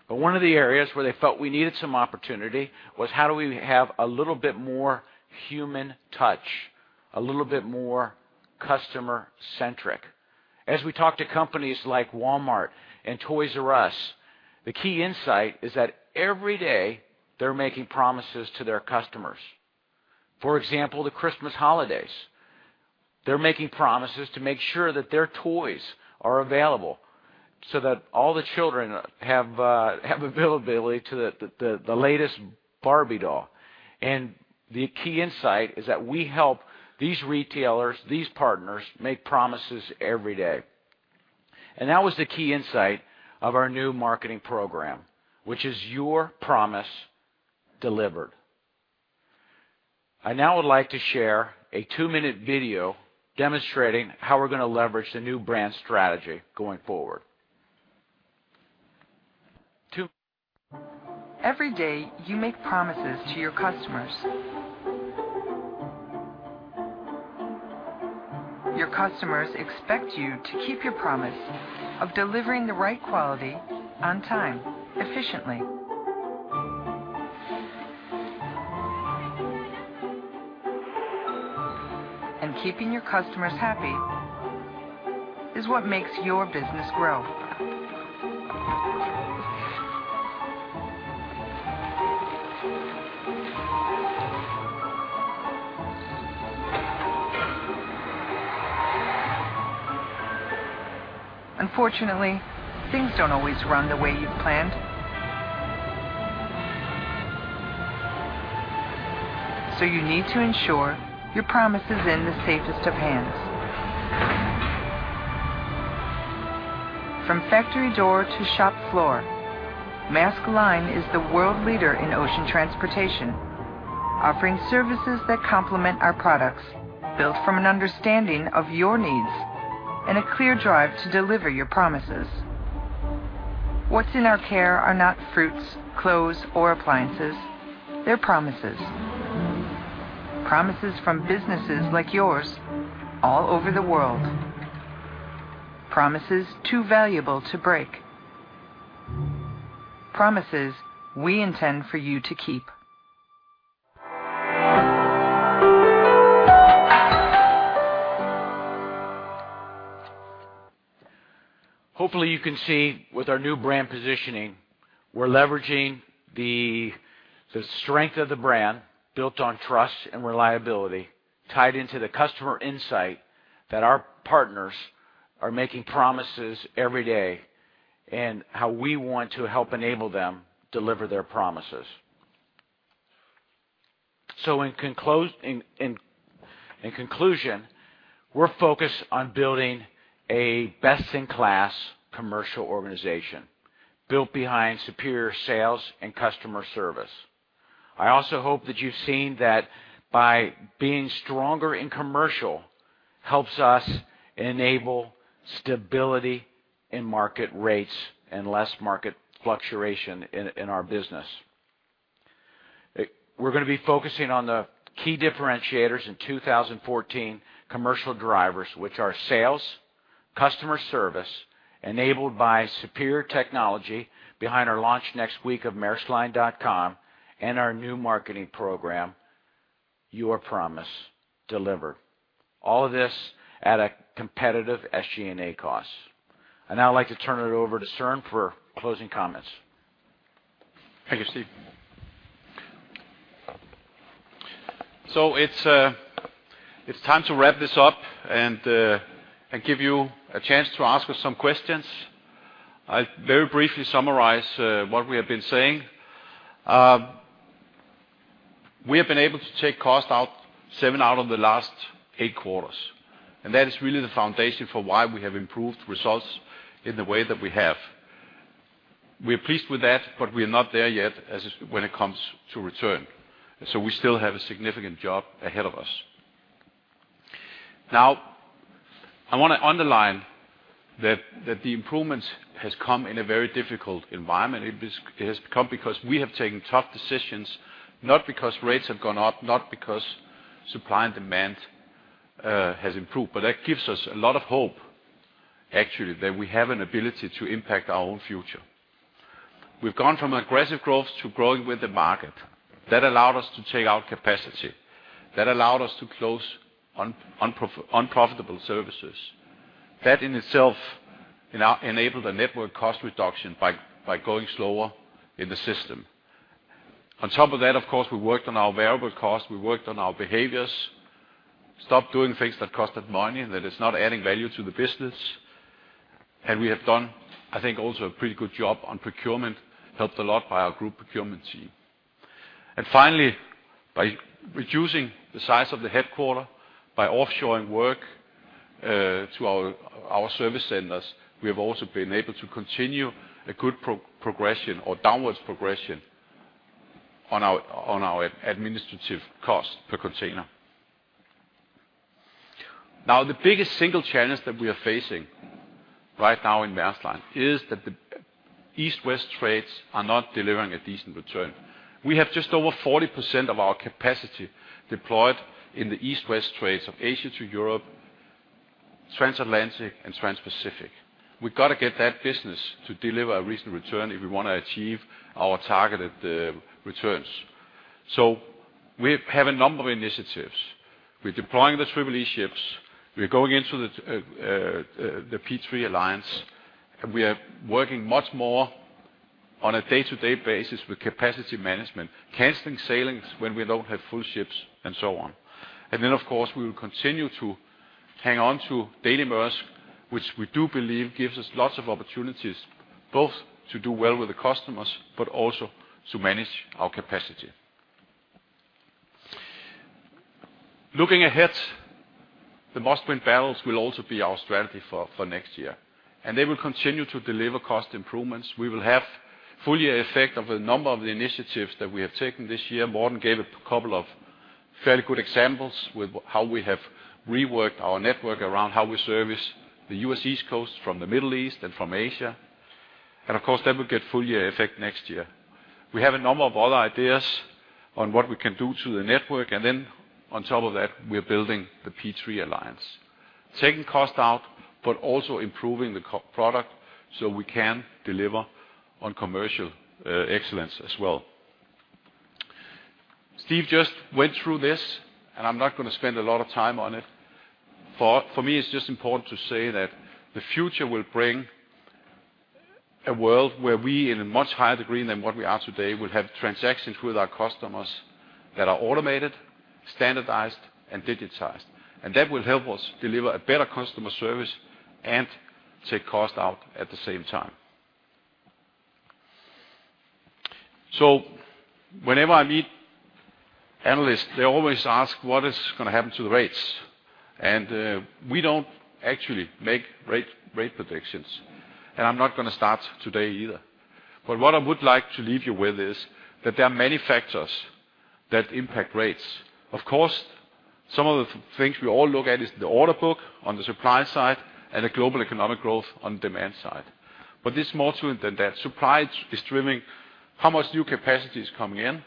One of the areas where they felt we needed some opportunity was how do we have a little bit more human touch, a little bit more customer centric. As we talk to companies like Walmart and Toys R Us, the key insight is that every day, they're making promises to their customers. For example, the Christmas holidays, they're making promises to make sure that their toys are available so that all the children have availability to the latest Barbie doll. The key insight is that we help these retailers, these partners, make promises every day. That was the key insight of our new marketing program, which is Your Promise Delivered. I now would like to share a 2-minute video demonstrating how we're gonna leverage the new brand strategy going forward. Every day, you make promises to your customers. Your customers expect you to keep your promise of delivering the right quality on time, efficiently. Keeping your customers happy is what makes your business grow. Unfortunately, things don't always run the way you've planned. You need to ensure your promise is in the safest of hands. From factory door to shop floor, Maersk Line is the world leader in ocean transportation, offering services that complement our products, built from an understanding of your needs and a clear drive to deliver your promises. What's in our care are not fruits, clothes, or appliances. They're promises. Promises from businesses like yours all over the world. Promises too valuable to break. Promises we intend for you to keep. Hopefully, you can see with our new brand positioning, we're leveraging the strength of the brand built on trust and reliability, tied into the customer insight that our partners are making promises every day, and how we want to help enable them deliver their promises. In conclusion, we're focused on building a best-in-class commercial organization built behind superior sales and customer service. I also hope that you've seen that by being stronger in commercial helps us enable stability in market rates and less market fluctuation in our business. We're gonna be focusing on the key differentiators in 2014 commercial drivers, which are sales, customer service, enabled by superior technology behind our launch next week of maersk.com and our new marketing program, Your Promise Delivered. All of this at a competitive SG&A cost. I'd now like to turn it over to Søren for closing comments. Thank you, Steve. It's time to wrap this up and give you a chance to ask us some questions. I'll very briefly summarize what we have been saying. We have been able to take cost out 7 out of the last 8 quarters, and that is really the foundation for why we have improved results in the way that we have. We're pleased with that, but we are not there yet as when it comes to return. We still have a significant job ahead of us. I wanna underline that the improvements has come in a very difficult environment. It has come because we have taken tough decisions, not because rates have gone up, not because supply and demand has improved. That gives us a lot of hope, actually, that we have an ability to impact our own future. We've gone from aggressive growth to growing with the market. That allowed us to take out capacity. That allowed us to close unprofitable services. That in itself enabled a network cost reduction by going slower in the system. On top of that, of course, we worked on our variable costs, we worked on our behaviors, stopped doing things that costed money, that is not adding value to the business. We have done, I think, also a pretty good job on procurement, helped a lot by our group procurement team. Finally, by reducing the size of the headquarters, by offshoring work to our service centers, we have also been able to continue a good progression or downwards progression on our administrative cost per container. Now, the biggest single challenge that we are facing right now in Maersk Line is that the East-West trades are not delivering a decent return. We have just over 40% of our capacity deployed in the East-West trades of Asia to Europe, Transatlantic and Transpacific. We've got to get that business to deliver a reasonable return if we want to achieve our targeted returns. We have a number of initiatives. We're deploying the Triple E ships, we're going into the P3 alliance, and we are working much more on a day-to-day basis with capacity management, canceling sailings when we don't have full ships, and so on. Of course, we will continue to hang on to Daily Maersk, which we do believe gives us lots of opportunities, both to do well with the customers, but also to manage our capacity. Looking ahead, the Must-Win Battles will also be our strategy for next year, and they will continue to deliver cost improvements. We will have full-year effect of a number of the initiatives that we have taken this year. Morten gave a couple of fairly good examples with how we have reworked our network around how we service the U.S. East Coast from the Middle East and from Asia. Of course, that will get full-year effect next year. We have a number of other ideas on what we can do to the network, and then on top of that, we're building the P3 Alliance. Taking cost out, but also improving the product so we can deliver on commercial excellence as well. Steve just went through this, and I'm not gonna spend a lot of time on it. For me, it's just important to say that the future will bring a world where we, in a much higher degree than what we are today, will have transactions with our customers that are automated, standardized, and digitized. That will help us deliver a better customer service and take cost out at the same time. Whenever I meet analysts, they always ask, "What is gonna happen to the rates?" We don't actually make rate predictions, and I'm not gonna start today either. What I would like to leave you with is that there are many factors that impact rates. Of course, some of the things we all look at is the order book on the supply side and the global economic growth on demand side. It's more to it than that. Supply is driven by how much new capacity is coming in,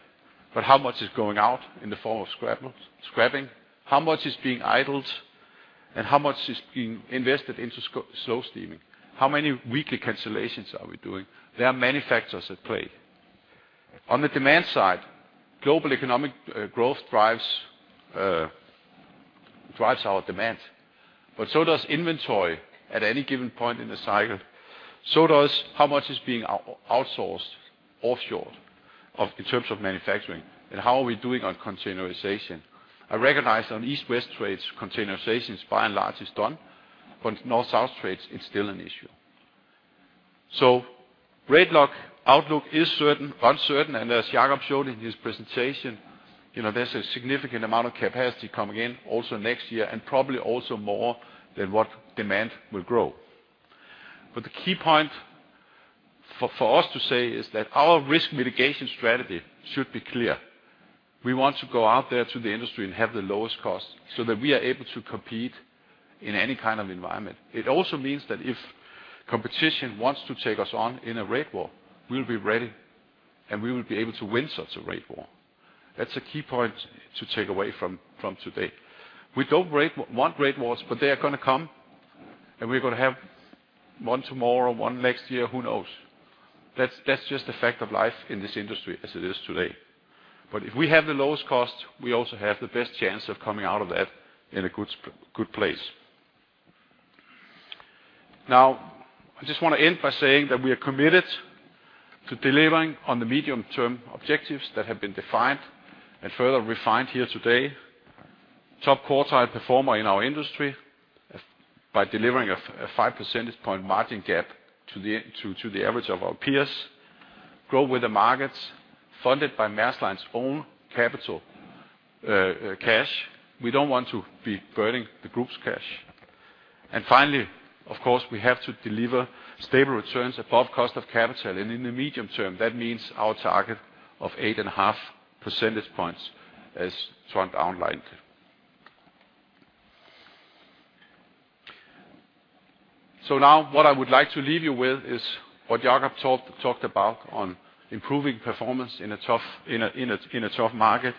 but how much is going out in the form of scrapping, how much is being idled, and how much is being invested into slow steaming. How many weekly cancellations are we doing? There are many factors at play. On the demand side, global economic growth drives our demand, but so does inventory at any given point in the cycle. So does how much is being outsourced offshore in terms of manufacturing, and how we are doing on containerization. I recognize on East-West trades, containerization by and large is done, but North-South trades, it's still an issue. The rate outlook is uncertain, and as Jakob showed in his presentation, you know, there's a significant amount of capacity coming in also next year and probably also more than what demand will grow. The key point for us to say is that our risk mitigation strategy should be clear. We want to go out there to the industry and have the lowest cost so that we are able to compete in any kind of environment. It also means that if competition wants to take us on in a rate war, we'll be ready, and we will be able to win such a rate war. That's a key point to take away from today. We don't want rate wars, but they are gonna come, and we're gonna have one tomorrow, one next year, who knows. That's just a fact of life in this industry as it is today. If we have the lowest cost, we also have the best chance of coming out of that in a good place. Now, I just want to end by saying that we are committed to delivering on the medium term objectives that have been defined and further refined here today. Top quartile performer in our industry by delivering a five percentage point margin gap to the average of our peers. Grow with the markets funded by Maersk Line's own capital, cash. We don't want to be burning the group's cash. Finally, of course, we have to deliver stable returns above cost of capital. In the medium term, that means our target of 8.5 percentage points as Søren outlined. Now what I would like to leave you with is what Jakob talked about on improving performance in a tough market.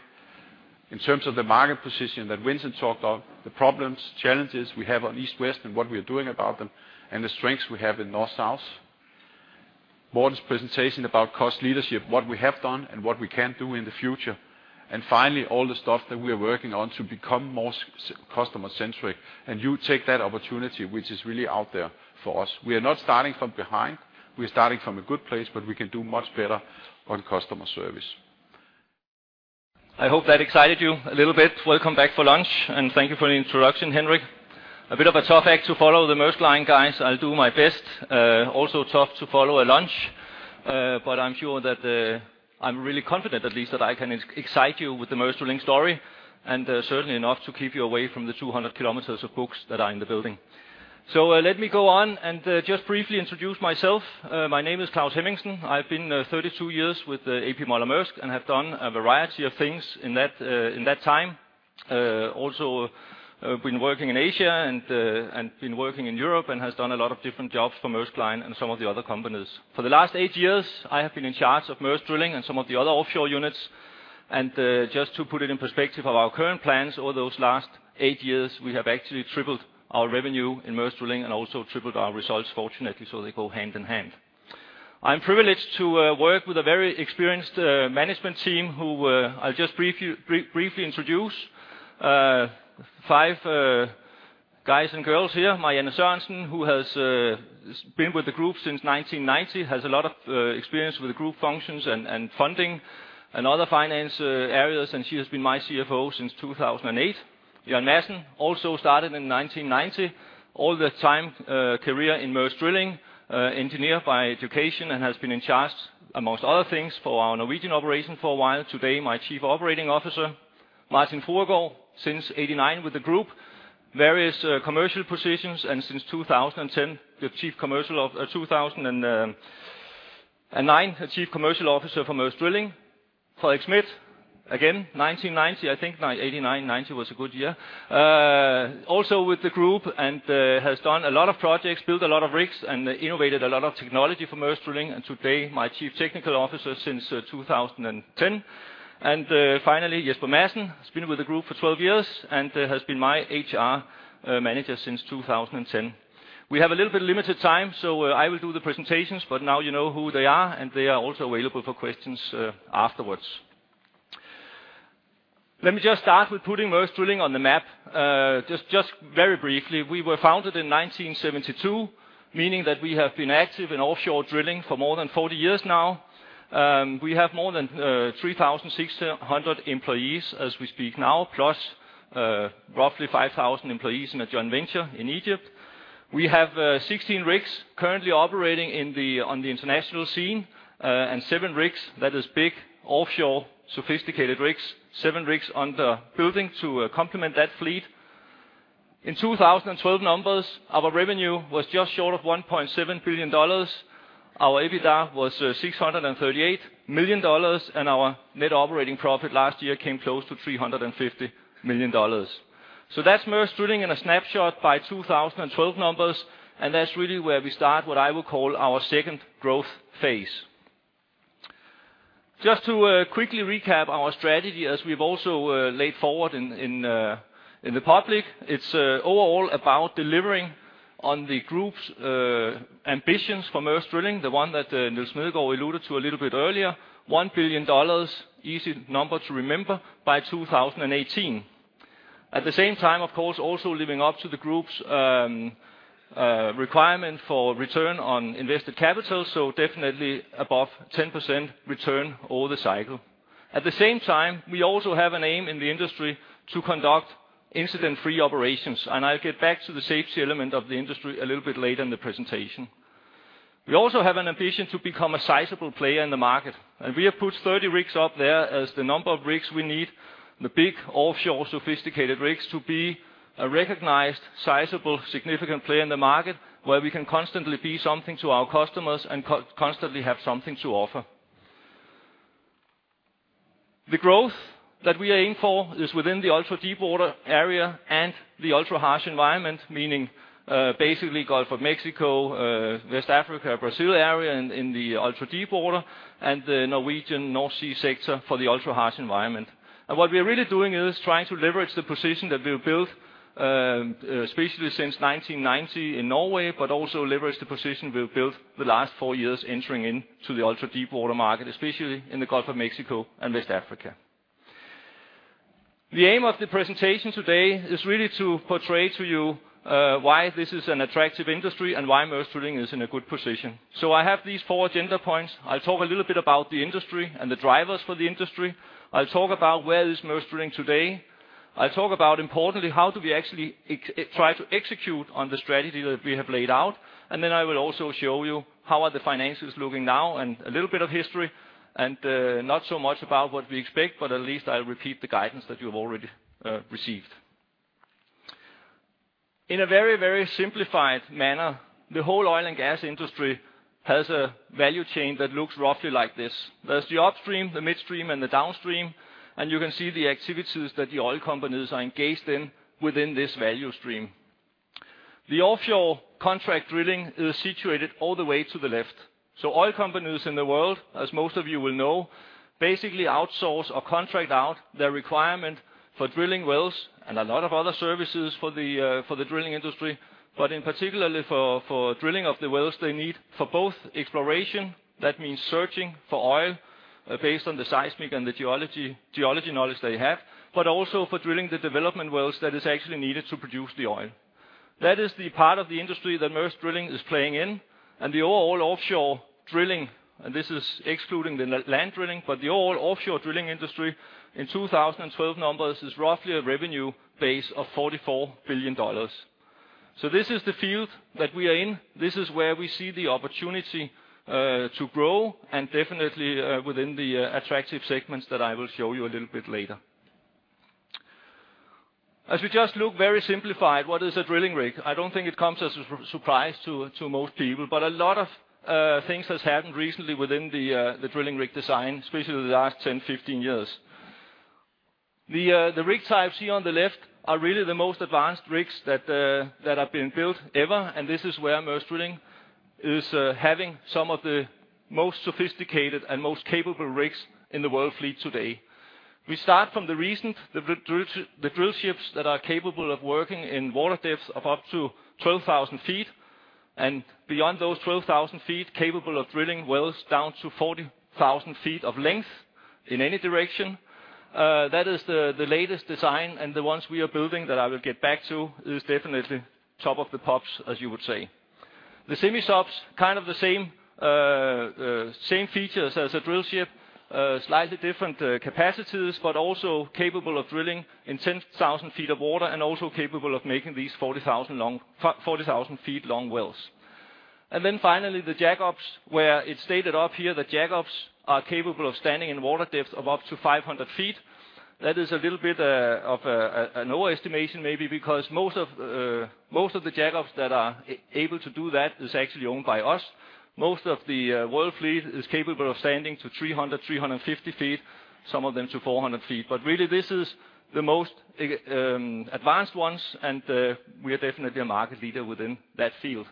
In terms of the market position that Vincent talked about, the problems, challenges we have on East-West and what we are doing about them and the strengths we have in North-South. Morten's presentation about cost leadership, what we have done and what we can do in the future. Finally, all the stuff that we are working on to become more customer centric, and you take that opportunity which is really out there for us. We are not starting from behind, we are starting from a good place, but we can do much better on customer service. I hope that excited you a little bit. Welcome back for lunch and thank you for the introduction, Henrik. A bit of a tough act to follow the Maersk Line guys. I'll do my best. Also tough to follow a lunch. I'm sure that I'm really confident at least that I can excite you with the Maersk Drilling story, and certainly enough to keep you away from the 200 kilometers of books that are in the building. Let me go on and just briefly introduce myself. My name is Claus Hemmingsen. I've been 32 years with A.P. Moller-Maersk and have done a variety of things in that in that time. Also been working in Asia and and been working in Europe and has done a lot of different jobs for Maersk Line and some of the other companies. For the last 8 years, I have been in charge of Maersk Drilling and some of the other offshore units. Just to put it in perspective of our current plans over those last 8 years, we have actually tripled our revenue in Maersk Drilling and also tripled our results fortunately, so they go hand in hand. I'm privileged to work with a very experienced management team who I'll just briefly introduce. Five guys and girls here. Marianne Sørensen, who has been with the group since 1990, has a lot of experience with the group functions and funding and other finance areas, and she has been my CFO since 2008. Jørn Madsen also started in 1990. All the time, career in Maersk Drilling. Engineer by education and has been in charge amongst other things for our Norwegian operation for a while. Today, my Chief Operating Officer. Martin Fruergaard since 1989 with the group. Various commercial positions and since 2009, Chief Commercial Officer for Maersk Drilling. Frederik Schmidt, again, 1990. I think 1989, 1990 was a good year. Also with the group and has done a lot of projects, built a lot of rigs, and innovated a lot of technology for Maersk Drilling, and today my Chief Technical Officer since 2010. Finally, Jesper Madsen has been with the group for 12 years and has been my HR manager since 2010. We have a little bit limited time, so I will do the presentations, but now you know who they are, and they are also available for questions afterwards. Let me just start with putting Maersk Drilling on the map. Just very briefly, we were founded in 1972, meaning that we have been active in offshore drilling for more than 40 years now. We have more than 3,600 employees as we speak now, plus roughly 5,000 employees in a joint venture in Egypt. We have 16 rigs currently operating on the international scene, and 7 rigs that is big, offshore, sophisticated rigs. 7 rigs under building to complement that fleet. In 2012 numbers, our revenue was just short of $1.7 billion. Our EBITDA was $638 million, and our net operating profit last year came close to $350 million. That's Maersk Drilling in a snapshot by 2012 numbers, and that's really where we start what I would call our second growth phase. Just to quickly recap our strategy as we've also laid forward in the public. It's overall about delivering on the group's ambitions for Maersk Drilling, the one that Nils Smedegaard Andersen alluded to a little bit earlier. $1 billion, easy number to remember, by 2018. At the same time, of course, also living up to the group's requirement for return on invested capital, so definitely above 10% return over the cycle. At the same time, we also have an aim in the industry to conduct incident-free operations, and I'll get back to the safety element of the industry a little bit later in the presentation. We also have an ambition to become a sizable player in the market, and we have put 30 rigs up there as the number of rigs we need, the big offshore sophisticated rigs, to be a recognized, sizable, significant player in the market where we can constantly be something to our customers and constantly have something to offer. The growth that we are aiming for is within the ultra-deep water area and the ultra-harsh environment, meaning basically Gulf of Mexico, West Africa, Brazil area in the ultra-deep water and the Norwegian North Sea sector for the ultra-harsh environment. What we're really doing is trying to leverage the position that we've built, especially since 1990 in Norway, but also leverage the position we've built the last four years entering into the ultra-deep water market, especially in the Gulf of Mexico and West Africa. The aim of the presentation today is really to portray to you why this is an attractive industry and why Maersk Drilling is in a good position. I have these four agenda points. I'll talk a little bit about the industry and the drivers for the industry. I'll talk about where is Maersk Drilling today. I'll talk about importantly how do we actually try to execute on the strategy that we have laid out. I will also show you how are the finances looking now and a little bit of history and not so much about what we expect, but at least I'll repeat the guidance that you have already received. In a very, very simplified manner, the whole oil and gas industry has a value chain that looks roughly like this. There's the upstream, the midstream, and the downstream, and you can see the activities that the oil companies are engaged in within this value stream. The offshore contract drilling is situated all the way to the left. Oil companies in the world, as most of you will know, basically outsource or contract out their requirement for drilling wells and a lot of other services for the drilling industry. But in particular for drilling of the wells they need for both exploration, that means searching for oil based on the seismic and the geology knowledge they have, but also for drilling the development wells that is actually needed to produce the oil. That is the part of the industry that Maersk Drilling is playing in, and the overall offshore drilling, and this is excluding the land drilling, but the overall offshore drilling industry in 2012 numbers is roughly a revenue base of $44 billion. This is the field that we are in. This is where we see the opportunity to grow and definitely within the attractive segments that I will show you a little bit later. As we just look very simplified, what is a drilling rig? I don't think it comes as a surprise to most people, but a lot of things has happened recently within the drilling rig design, especially the last 10, 15 years. The rig types here on the left are really the most advanced rigs that have been built ever, and this is where Maersk Drilling is having some of the most sophisticated and most capable rigs in the world fleet today. We start from the recent drill ships that are capable of working in water depths of up to 12,000 feet, and beyond those 12,000 feet, capable of drilling wells down to 40,000 feet of length in any direction. That is the latest design, and the ones we are building, that I will get back to, is definitely top of the pops, as you would say. The semi-subs, kind of the same features as a drill ship, slightly different capacities, but also capable of drilling in 10,000 feet of water and also capable of making these 40,000 feet long wells. Then finally, the jack-ups, where it stated up here that jack-ups are capable of standing in water depths of up to 500 feet. That is a little bit of a, an overestimation maybe because most of the jack-ups that are able to do that is actually owned by us. Most of the world fleet is capable of standing to 300, 350 feet, some of them to 400 feet. Really this is the most advanced ones, and we are definitely a market leader within that field.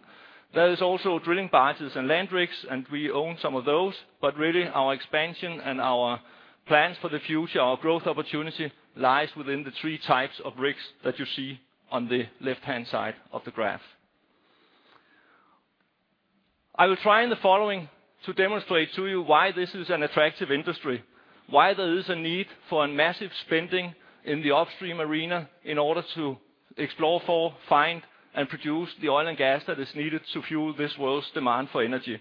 There is also drilling barges and land rigs, and we own some of those, but really our expansion and our plans for the future, our growth opportunity lies within the three types of rigs that you see on the left-hand side of the graph. I will try in the following to demonstrate to you why this is an attractive industry, why there is a need for a massive spending in the upstream arena in order to explore for, find, and produce the oil and gas that is needed to fuel this world's demand for energy.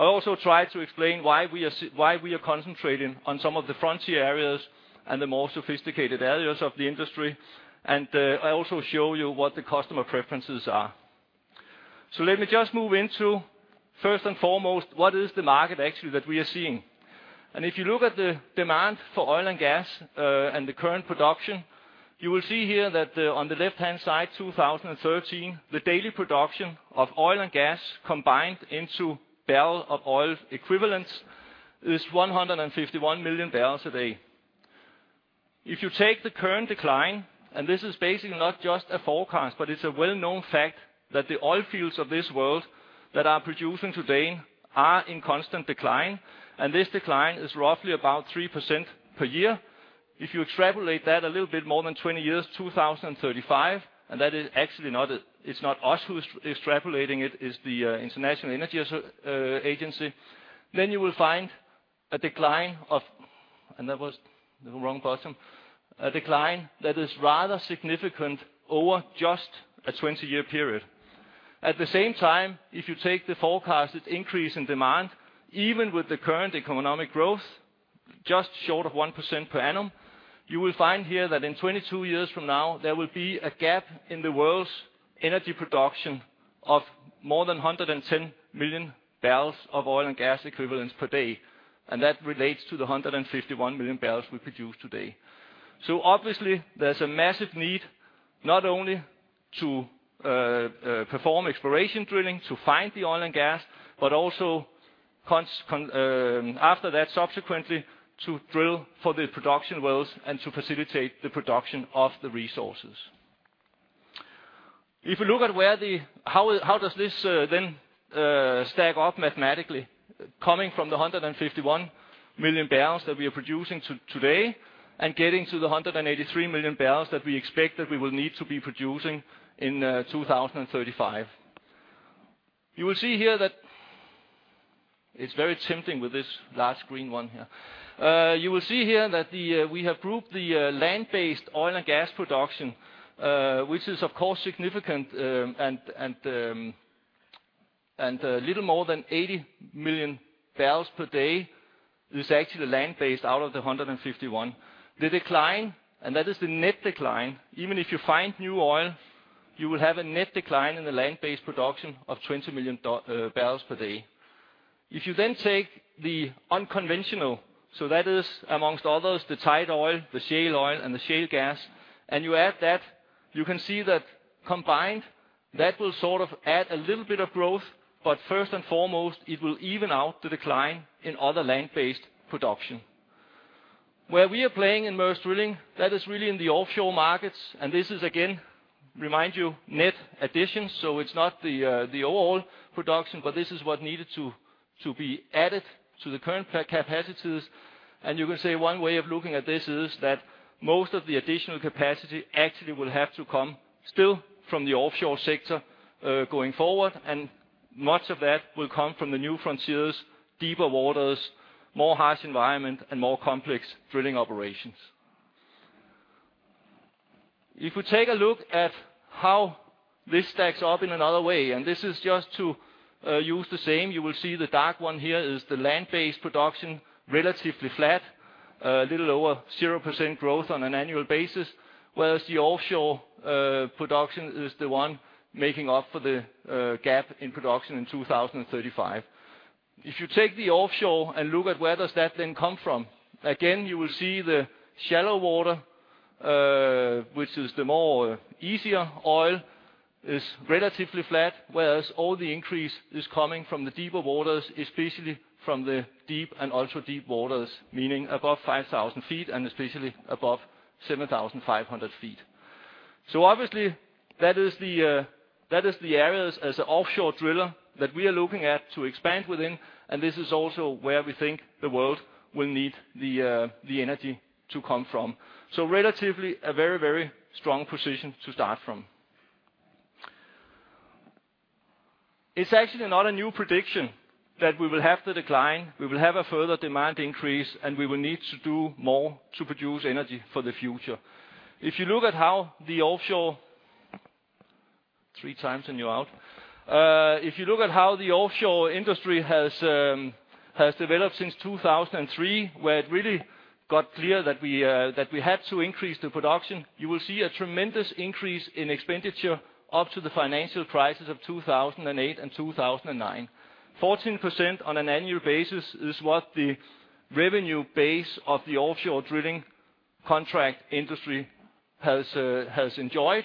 I'll also try to explain why we are concentrating on some of the frontier areas and the more sophisticated areas of the industry, and I also show you what the customer preferences are. Let me just move into, first and foremost, what is the market actually that we are seeing. If you look at the demand for oil and gas, and the current production, you will see here that, on the left-hand side, 2013, the daily production of oil and gas combined into barrel of oil equivalents is 151 million barrels a day. If you take the current decline, and this is basically not just a forecast, but it's a well-known fact that the oil fields of this world that are producing today are in constant decline, and this decline is roughly about 3% per year. If you extrapolate that a little bit more than 20 years, 2035, and that is actually not, it's not us who's extrapolating it's the International Energy Agency, then you will find a decline. That was the wrong button. A decline that is rather significant over just a 20-year period. At the same time, if you take the forecasted increase in demand, even with the current economic growth, just short of 1% per annum, you will find here that in 22 years from now, there will be a gap in the world's energy production of more than 110 million barrels of oil and gas equivalents per day, and that relates to the 151 million barrels we produce today. Obviously, there's a massive need not only to perform exploration drilling to find the oil and gas, but also after that subsequently, to drill for the production wells and to facilitate the production of the resources. If you look at where how does this then stack up mathematically coming from the 151 million barrels that we are producing today and getting to the 183 million barrels that we expect that we will need to be producing in 2035. You will see here that. It's very tempting with this large green one here. You will see here that we have grouped the land-based oil and gas production, which is of course significant, and little more than 80 million barrels per day is actually land-based out of the 151. The decline, that is the net decline. Even if you find new oil, you will have a net decline in the land-based production of 20 million barrels per day. If you then take the unconventional, that is among others, the tight oil, the shale oil, and the shale gas, and you add that, you can see that combined, that will sort of add a little bit of growth, but first and foremost, it will even out the decline in other land-based production. Where we are playing in Maersk Drilling, that is really in the offshore markets, and this is again, remind you, net additions, so it's not the overall production, but this is what needed to be added to the current capacities. You can say one way of looking at this is that most of the additional capacity actually will have to come still from the offshore sector, going forward, and much of that will come from the new frontiers, deeper waters, more harsh environment, and more complex drilling operations. If you take a look at how this stacks up in another way, and this is just to use the same, you will see the dark one here is the land-based production, relatively flat. A little over 0% growth on an annual basis, whereas the offshore production is the one making up for the gap in production in 2035. If you take the offshore and look at where does that then come from, again, you will see the shallow water, which is the easier oil, is relatively flat, whereas all the increase is coming from the deeper waters, especially from the deep and ultra-deep waters, meaning above 5,000 feet and especially above 7,500 feet. Obviously that is the areas as an offshore driller that we are looking at to expand within, and this is also where we think the world will need the energy to come from. Relatively a very, very strong position to start from. It's actually not a new prediction that we will have the decline, we will have a further demand increase, and we will need to do more to produce energy for the future. If you look at how the offshore industry has developed since 2003 where it really got clear that we had to increase the production, you will see a tremendous increase in expenditure up to the financial crisis of 2008 and 2009. 14% on an annual basis is what the revenue base of the offshore drilling contract industry has enjoyed.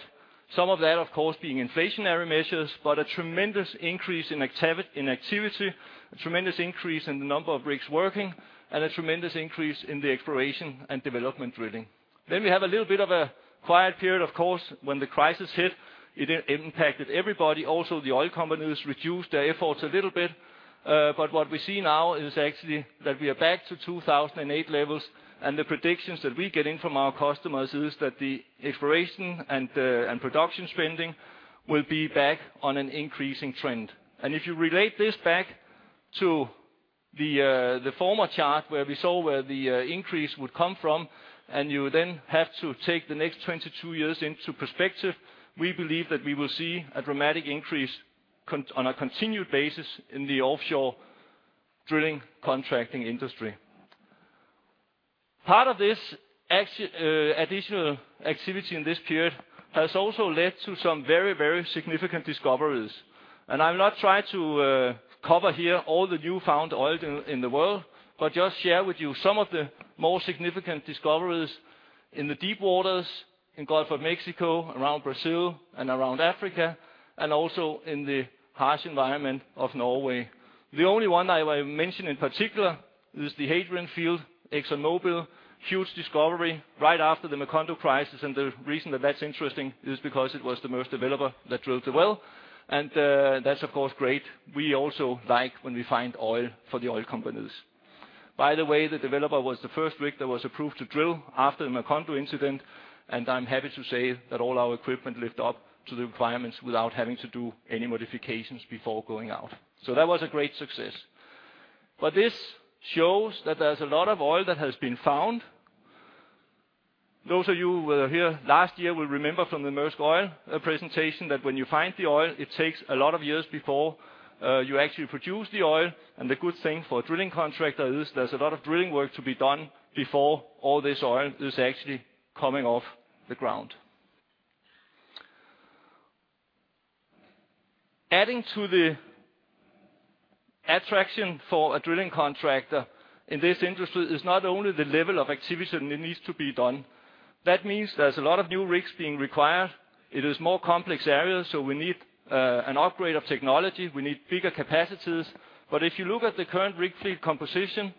Some of that of course being inflationary measures, but a tremendous increase in activity, a tremendous increase in the number of rigs working, and a tremendous increase in the exploration and development drilling. We have a little bit of a quiet period, of course, when the crisis hit, it impacted everybody. Also, the oil companies reduced their efforts a little bit, but what we see now is actually that we are back to 2008 levels, and the predictions that we're getting from our customers is that the exploration and production spending will be back on an increasing trend. If you relate this back to the former chart where we saw where the increase would come from, and you then have to take the next 22 years into perspective, we believe that we will see a dramatic increase on a continued basis in the offshore drilling contracting industry. Part of this additional activity in this period has also led to some very, very significant discoveries. I will not try to cover here all the newfound oil in the world, but just share with you some of the more significant discoveries in the deep waters in Gulf of Mexico, around Brazil, and around Africa, and also in the harsh environment of Norway. The only one I will mention in particular is the Hadrian South field, ExxonMobil. Huge discovery right after the Macondo crisis, and the reason that that's interesting is because it was the Maersk Developer that drilled the well, and that's of course great. We also like when we find oil for the oil companies. By the way, the Developer was the first rig that was approved to drill after the Macondo incident, and I'm happy to say that all our equipment lived up to the requirements without having to do any modifications before going out. That was a great success. This shows that there's a lot of oil that has been found. Those of you who were here last year will remember from the Maersk Oil presentation that when you find the oil, it takes a lot of years before you actually produce the oil. The good thing for a drilling contractor is there's a lot of drilling work to be done before all this oil is actually coming off the ground. Adding to the attraction for a drilling contractor in this industry is not only the level of activity that needs to be done. That means there's a lot of new rigs being required. It is more complex areas, so we need an upgrade of technology. We need bigger capacities. If you look at the current rig fleet composition,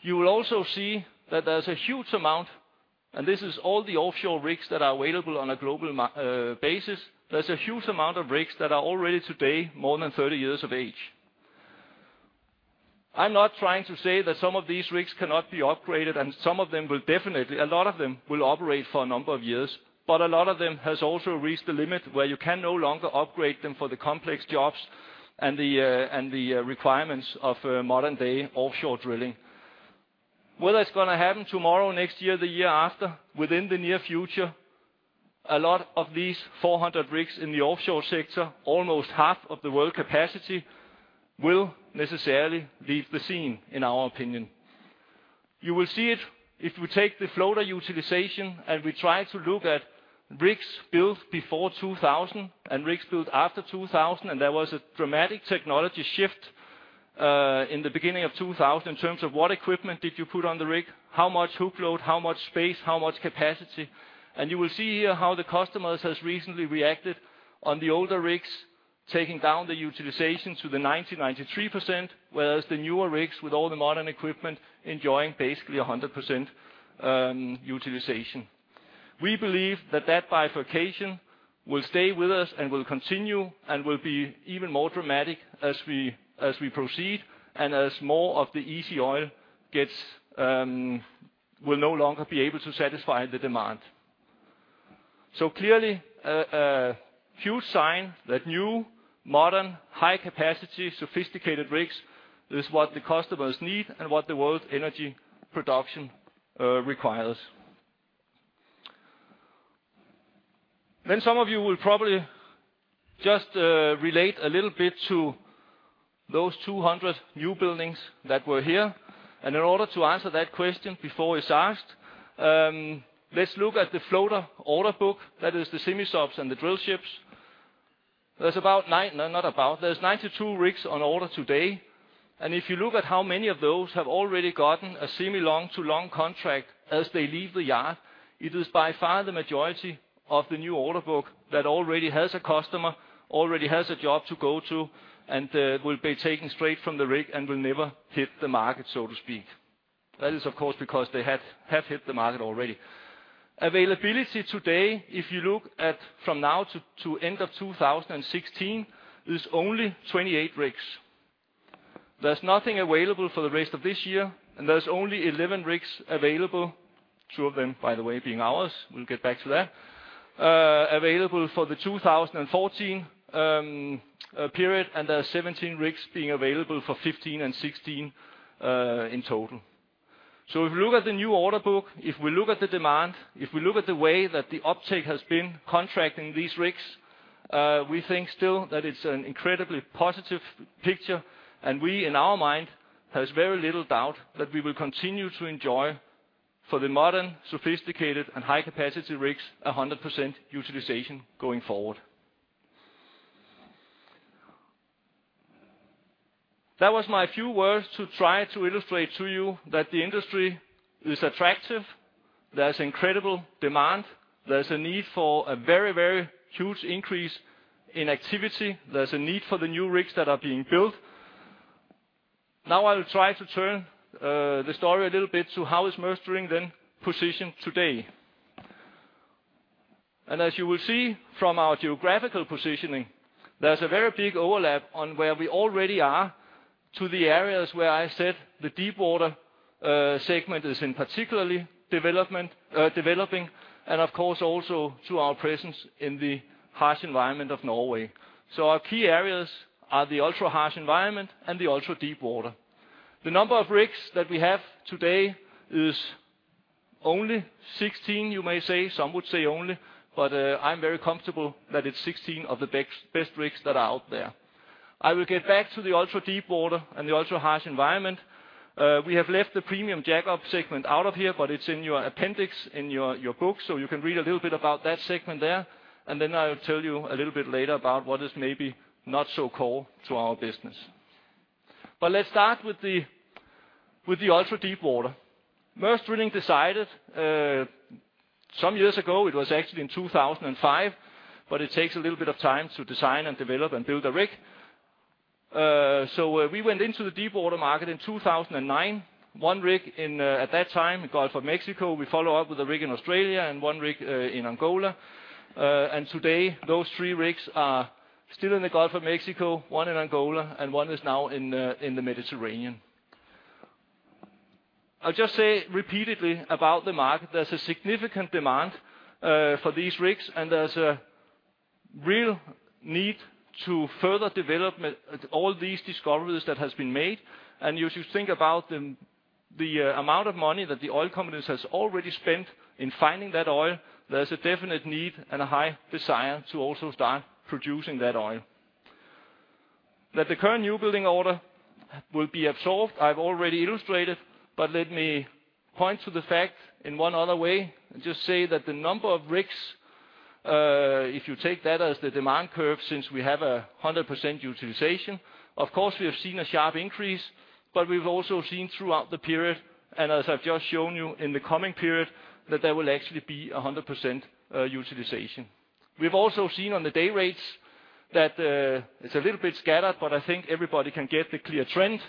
you will also see that there's a huge amount, and this is all the offshore rigs that are available on a global basis. There's a huge amount of rigs that are already today more than 30 years of age. I'm not trying to say that some of these rigs cannot be upgraded, and some of them will definitely, a lot of them will operate for a number of years. A lot of them has also reached the limit where you can no longer upgrade them for the complex jobs and the requirements of modern-day offshore drilling. Whether it's gonna happen tomorrow, next year, the year after, within the near future, a lot of these 400 rigs in the offshore sector, almost half of the world capacity, will necessarily leave the scene, in our opinion. You will see it if we take the floater utilization, and we try to look at rigs built before 2000 and rigs built after 2000, and there was a dramatic technology shift in the beginning of 2000 in terms of what equipment did you put on the rig, how much hook load, how much space, how much capacity. You will see here how the customers has recently reacted on the older rigs, taking down the utilization to the 90%-93%, whereas the newer rigs with all the modern equipment enjoying basically a 100% utilization. We believe that bifurcation will stay with us and will continue and will be even more dramatic as we proceed and as more of the easy oil gets will no longer be able to satisfy the demand. Clearly a huge sign that new, modern, high-capacity, sophisticated rigs is what the customers need and what the world's energy production requires. Some of you will probably just relate a little bit to those 200 new buildings that were here. In order to answer that question before it's asked, let's look at the floater order book, that is the semi-subs and the drill ships. There's 92 rigs on order today. If you look at how many of those have already gotten a semi-long to long contract as they leave the yard, it is by far the majority of the new order book that already has a customer, already has a job to go to, and will be taken straight from the rig and will never hit the market, so to speak. That is, of course, because they have hit the market already. Availability today, if you look at from now to end of 2016, is only 28 rigs. There's nothing available for the rest of this year, and there's only 11 rigs available, 2 of them, by the way, being ours, we'll get back to that, available for the 2014 period, and there are 17 rigs being available for 2015 and 2016, in total. If we look at the new order book, if we look at the demand, if we look at the way that the uptake has been contracting these rigs, we think still that it's an incredibly positive picture and we, in our mind, has very little doubt that we will continue to enjoy for the modern, sophisticated, and high-capacity rigs 100% utilization going forward. That was my few words to try to illustrate to you that the industry is attractive. There's incredible demand. There's a need for a very, very huge increase in activity. There's a need for the new rigs that are being built. Now I'll try to turn the story a little bit to how is Maersk Drilling then positioned today. As you will see from our geographical positioning, there's a very big overlap on where we already are to the areas where I said the deepwater segment is in particularly developing, and of course also to our presence in the harsh environment of Norway. Our key areas are the ultra harsh environment and the ultra deepwater. The number of rigs that we have today is only 16, you may say. Some would say only, but I'm very comfortable that it's 16 of the best rigs that are out there. I will get back to the ultra deepwater and the ultra harsh environment. We have left the premium jackup segment out of here, but it's in your appendix in your book, so you can read a little bit about that segment there. I'll tell you a little bit later about what is maybe not so core to our business. Let's start with the ultra deepwater. Maersk Drilling decided some years ago, it was actually in 2005, but it takes a little bit of time to design and develop and build a rig. We went into the deepwater market in 2009. One rig in, at that time, the Gulf of Mexico. We follow up with a rig in Australia and one rig in Angola. Today, those three rigs are still in the Gulf of Mexico, one in Angola, and one is now in the Mediterranean. I'll just say repeatedly about the market, there's a significant demand for these rigs, and there's a real need to further development all these discoveries that has been made. You should think about the amount of money that the oil companies has already spent in finding that oil. There's a definite need and a high desire to also start producing that oil. That the current new building order will be absorbed, I've already illustrated, but let me point to the fact in one other way and just say that the number of rigs, if you take that as the demand curve since we have 100% utilization, of course, we have seen a sharp increase, but we've also seen throughout the period, and as I've just shown you in the coming period, that there will actually be 100% utilization. We've also seen on the day rates that it's a little bit scattered, but I think everybody can get the clear trend.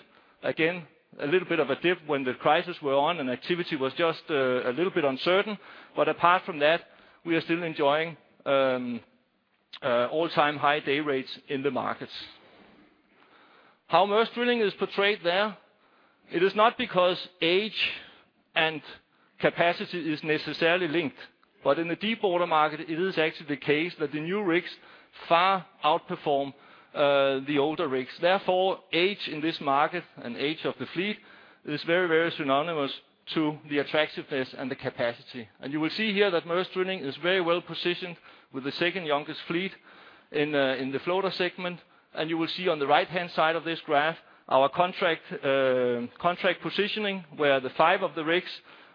Again, a little bit of a dip when the crisis were on and activity was just a little bit uncertain. Apart from that, we are still enjoying all-time high day rates in the markets. How Maersk Drilling is portrayed there, it is not because age and capacity is necessarily linked. In the deepwater market, it is actually the case that the new rigs far outperform the older rigs. Therefore, age in this market and age of the fleet is very, very synonymous to the attractiveness and the capacity. You will see here that Maersk Drilling is very well positioned with the second youngest fleet in the floater segment. You will see on the right-hand side of this graph, our contract positioning, where the 5 of the rigs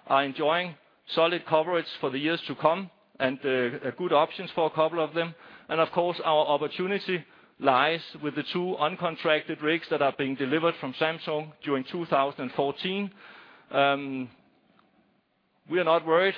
are enjoying solid coverage for the years to come and good options for a couple of them. Of course, our opportunity lies with the 2 uncontracted rigs that are being delivered from Samsung during 2014. We are not worried,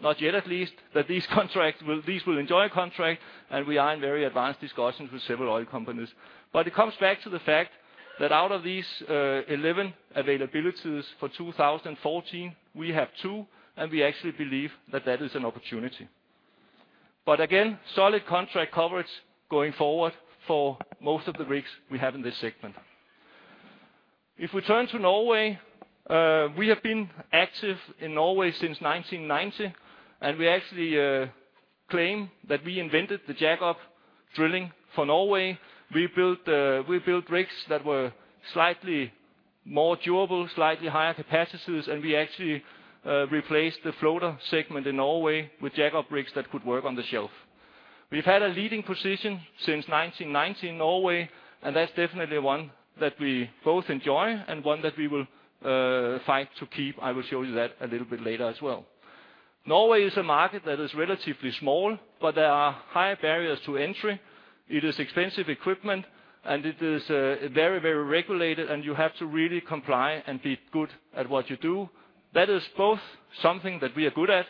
not yet at least, that these will enjoy a contract, and we are in very advanced discussions with several oil companies. It comes back to the fact that out of these 11 availabilities for 2014, we have 2, and we actually believe that that is an opportunity. Again, solid contract coverage going forward for most of the rigs we have in this segment. If we turn to Norway, we have been active in Norway since 1990, and we actually claim that we invented the jackup drilling for Norway. We built rigs that were slightly more durable, slightly higher capacities, and we actually replaced the floater segment in Norway with jackup rigs that could work on the shelf. We've had a leading position since 1990 in Norway, and that's definitely one that we both enjoy and one that we will fight to keep. I will show you that a little bit later as well. Norway is a market that is relatively small, but there are high barriers to entry. It is expensive equipment, and it is very, very regulated, and you have to really comply and be good at what you do. That is both something that we are good at,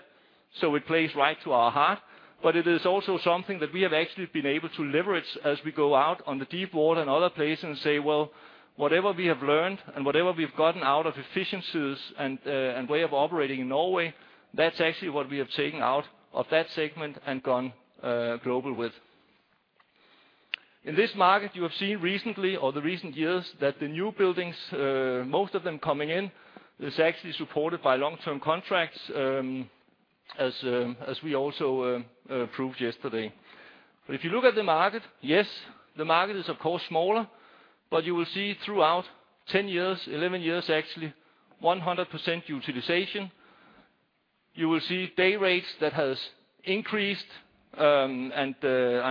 so it plays right to our heart. It is also something that we have actually been able to leverage as we go out on the deep water and other places and say, "Well, whatever we have learned and whatever we've gotten out of efficiencies and way of operating in Norway, that's actually what we have taken out of that segment and gone global with." In this market, you have seen recently or the recent years that the new buildings most of them coming in is actually supported by long-term contracts, as we also proved yesterday. If you look at the market, yes, the market is of course smaller, but you will see throughout 10 years, 11 years actually, 100% utilization. You will see day rates that has increased. I'm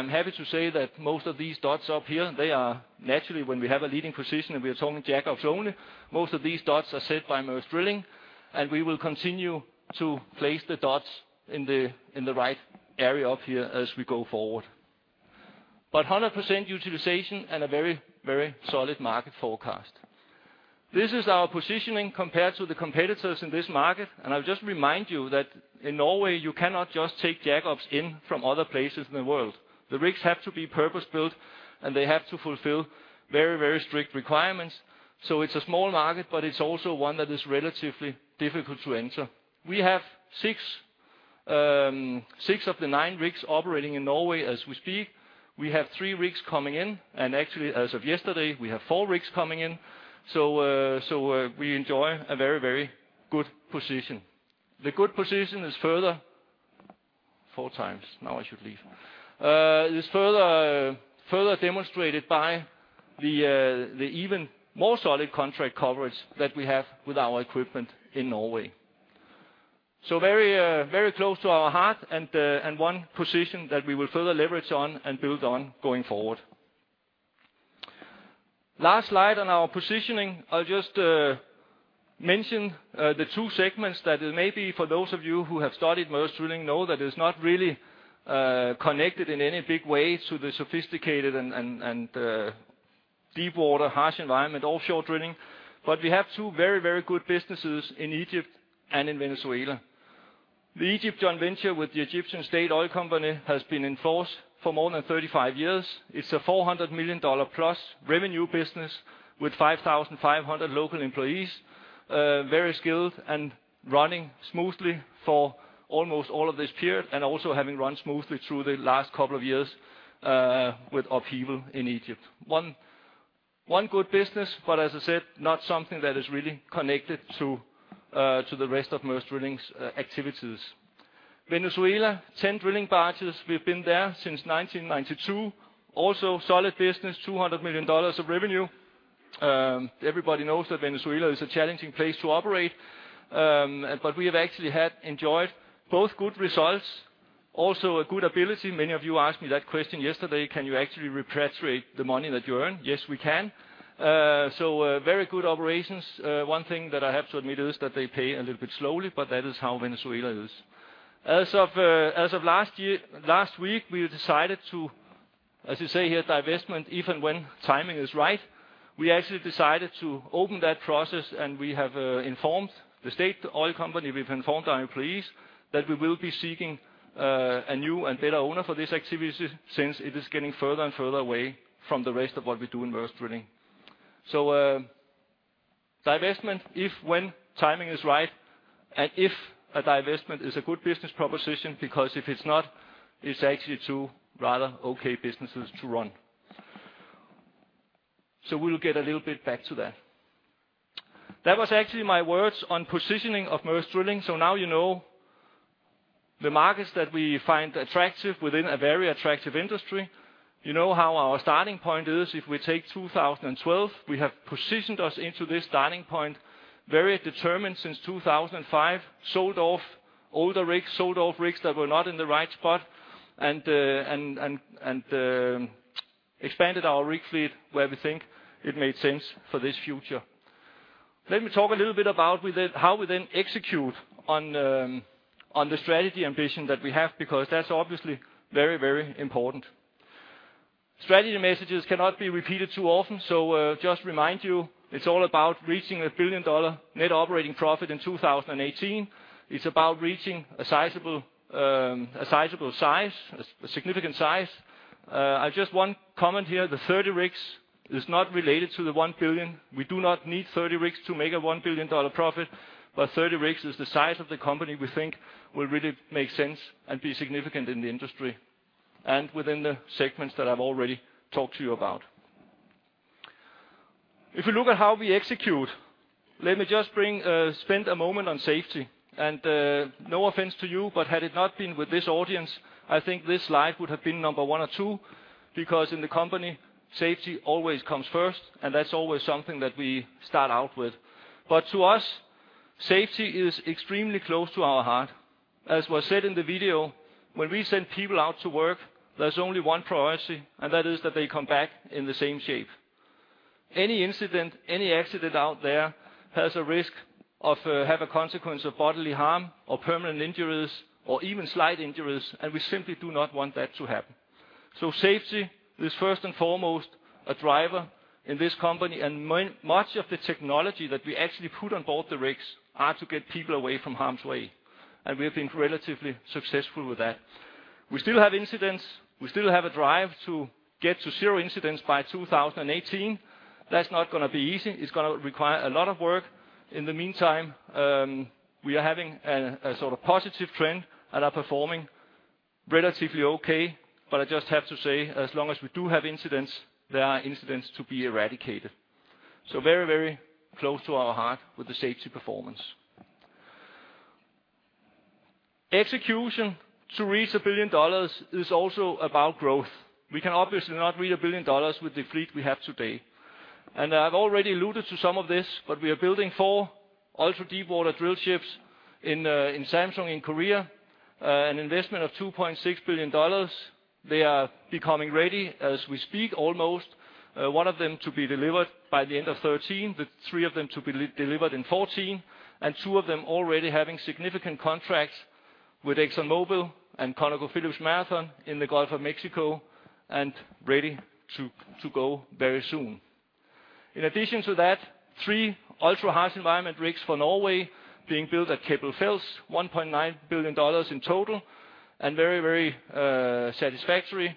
happy to say that most of these dots up here, they are naturally when we have a leading position, and we are talking jackups only, most of these dots are set by Maersk Drilling, and we will continue to place the dots in the right area up here as we go forward. 100% utilization and a very, very solid market forecast. This is our positioning compared to the competitors in this market, and I'll just remind you that in Norway, you cannot just take jackups in from other places in the world. The rigs have to be purpose-built, and they have to fulfill very, very strict requirements. It's a small market, but it's also one that is relatively difficult to enter. We have six of the nine rigs operating in Norway as we speak. We have three rigs coming in, and actually as of yesterday, we have four rigs coming in. We enjoy a very good position. The good position is further demonstrated by the even more solid contract coverage that we have with our equipment in Norway. Very close to our heart and one position that we will further leverage on and build on going forward. Last slide on our positioning. I'll just mention the two segments that may be for those of you who have studied Maersk Drilling know that it's not really connected in any big way to the sophisticated and deep water, harsh environment, offshore drilling. We have two very good businesses in Egypt and in Venezuela. The Egypt joint venture with the Egyptian state oil company has been in force for more than 35 years. It's a $400 million+ revenue business with 5,500 local employees. Very skilled and running smoothly for almost all of this period, and also having run smoothly through the last couple of years with upheaval in Egypt. One good business, but as I said, not something that is really connected to the rest of Maersk Drilling's activities. Venezuela, 10 drilling barges. We've been there since 1992. Also solid business, $200 million of revenue. Everybody knows that Venezuela is a challenging place to operate. But we have actually had enjoyed both good results, also a good ability. Many of you asked me that question yesterday, "Can you actually repatriate the money that you earn?" Yes, we can. Very good operations. One thing that I have to admit is that they pay a little bit slowly, but that is how Venezuela is. As of last week, we decided to divest if and when the timing is right. We actually decided to open that process, and we have informed the state oil company. We've informed our employees that we will be seeking a new and better owner for this activity since it is getting further and further away from the rest of what we do in Maersk Drilling. Divestment if, when timing is right and if a divestment is a good business proposition because if it's not, it's actually two rather okay businesses to run. We'll get a little bit back to that. That was actually my words on positioning of Maersk Drilling. Now you know the markets that we find attractive within a very attractive industry. You know how our starting point is. If we take 2012, we have positioned us into this starting point very determined since 2005. Sold off older rigs, sold off rigs that were not in the right spot, and expanded our rig fleet where we think it made sense for this future. Let me talk a little bit about how we then execute on the strategy ambition that we have, because that's obviously very, very important. Strategy messages cannot be repeated too often. Just remind you, it's all about reaching a billion-dollar net operating profit in 2018. It's about reaching a sizable size, a significant size. I've just one comment here. The 30 rigs is not related to the $1 billion. We do not need 30 rigs to make a $1 billion profit, but 30 rigs is the size of the company we think will really make sense and be significant in the industry and within the segments that I've already talked to you about. If you look at how we execute. Let me just spend a moment on safety. No offense to you, but had it not been with this audience, I think this slide would have been number one or two, because in the company, safety always comes first, and that's always something that we start out with. To us, safety is extremely close to our heart. As was said in the video, when we send people out to work, there's only one priority, and that is that they come back in the same shape. Any incident, any accident out there has a risk of have a consequence of bodily harm or permanent injuries or even slight injuries, and we simply do not want that to happen. Safety is first and foremost a driver in this company, and much of the technology that we actually put on board the rigs are to get people away from harm's way, and we have been relatively successful with that. We still have incidents. We still have a drive to get to zero incidents by 2018. That's not gonna be easy. It's gonna require a lot of work. In the meantime, we are having a sort of positive trend and are performing relatively okay. I just have to say, as long as we do have incidents, there are incidents to be eradicated. Very, very close to our heart with the safety performance. Execution to reach $1 billion is also about growth. We can obviously not reach $1 billion with the fleet we have today. I've already alluded to some of this, but we are building four ultra-deepwater drill ships in Samsung Heavy Industries in Korea, an investment of $2.6 billion. They are becoming ready as we speak almost, one of them to be delivered by the end of 2013, the three of them to be delivered in 2014, and two of them already having significant contracts with ExxonMobil and ConocoPhillips and Marathon Oil in the Gulf of Mexico and ready to go very soon. In addition to that, three ultra-harsh environment rigs for Norway being built at Keppel FELS, $1.9 billion in total and very satisfactory.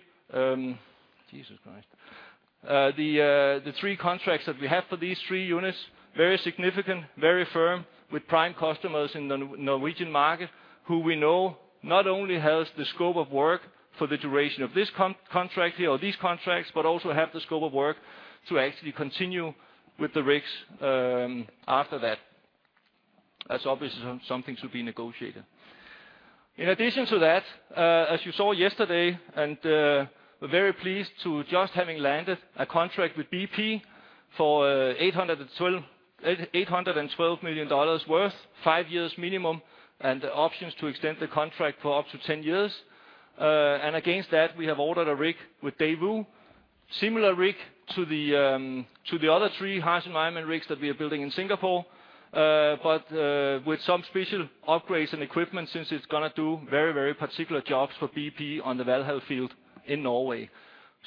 Jesus Christ. The three contracts that we have for these three units, very significant, very firm with prime customers in the Norwegian market who we know not only has the scope of work for the duration of this contract here or these contracts, but also have the scope of work to actually continue with the rigs, after that. That's obviously something to be negotiated. In addition to that, as you saw yesterday and we're very pleased to just having landed a contract with BP for $812 million, five years minimum, and options to extend the contract for up to 10 years. Against that, we have ordered a rig with Daewoo, similar rig to the other three harsh environment rigs that we are building in Singapore, but with some special upgrades and equipment since it's gonna do very, very particular jobs for BP on the Valhall field in Norway.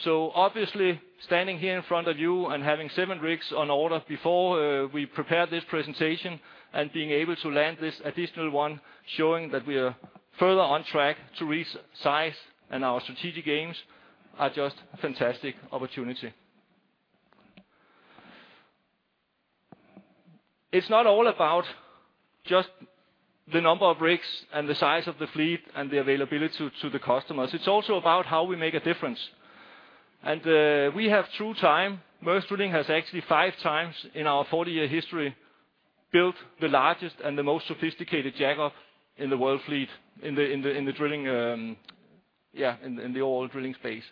Obviously, standing here in front of you and having 7 rigs on order before we prepared this presentation and being able to land this additional one, showing that we are further on track to reach size and our strategic aims are just fantastic opportunity. It's not all about just the number of rigs and the size of the fleet and the availability to the customers. It's also about how we make a difference. We have through time, Maersk Drilling has actually five times in our 40-year history built the largest and the most sophisticated jackup in the world fleet in the drilling, in the oil drilling space.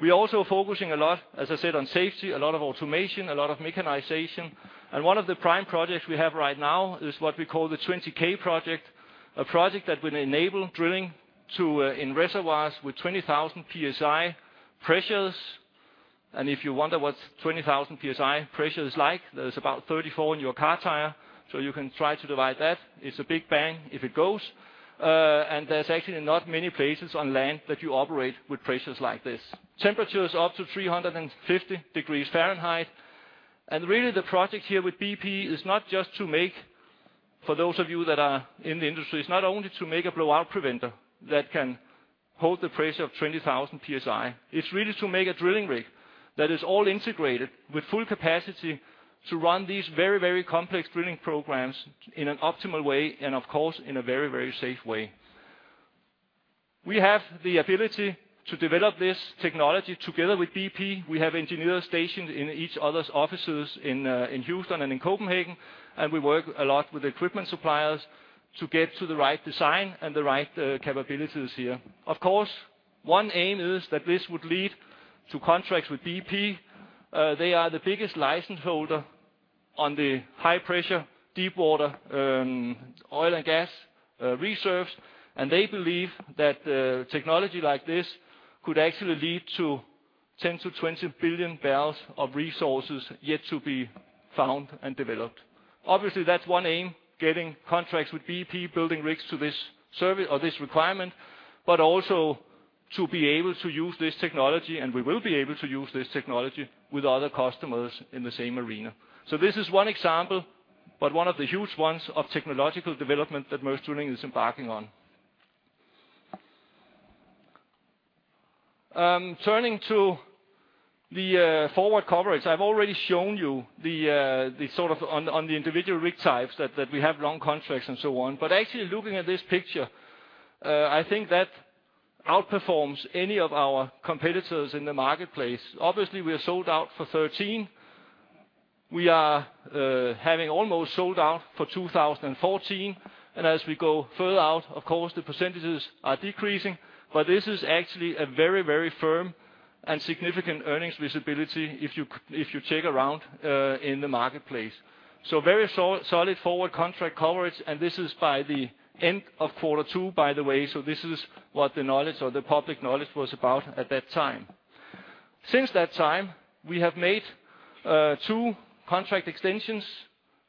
We're also focusing a lot, as I said, on safety, a lot of automation, a lot of mechanization. One of the prime projects we have right now is what we call the 20K project, a project that will enable drilling to in reservoirs with 20,000 PSI pressures. If you wonder what 20,000 PSI pressure is like, there's about 34 in your car tire, so you can try to divide that. It's a big bang if it goes. There's actually not many places on land that you operate with pressures like this. Temperatures up to 350 degrees Fahrenheit. Really, the project here with BP is not just to make, for those of you that are in the industry, it's not only to make a blowout preventer that can hold the pressure of 20,000 PSI. It's really to make a drilling rig that is all integrated with full capacity to run these very, very complex drilling programs in an optimal way and of course, in a very, very safe way. We have the ability to develop this technology together with BP. We have engineers stationed in each other's offices in Houston and in Copenhagen, and we work a lot with equipment suppliers to get to the right design and the right capabilities here. Of course, one aim is that this would lead to contracts with BP. They are the biggest license holder on the high-pressure, deepwater, oil and gas reserves. They believe that technology like this could actually lead to 10 billion-20 billion barrels of resources yet to be found and developed. Obviously, that's one aim, getting contracts with BP, building rigs to this survey or this requirement. To be able to use this technology, and we will be able to use this technology with other customers in the same arena. This is one example, but one of the huge ones of technological development that Maersk Drilling is embarking on. Turning to the forward coverage. I've already shown you the sort of on the individual rig types that we have long contracts and so on. Actually looking at this picture, I think that outperforms any of our competitors in the marketplace. Obviously, we are sold out for 2013. We are having almost sold out for 2014. As we go further out, of course, the percentages are decreasing, but this is actually a very, very firm and significant earnings visibility if you check around in the marketplace. Very solid forward contract coverage, and this is by the end of Q2, by the way, so this is what the knowledge or the public knowledge was about at that time. Since that time, we have made two contract extensions.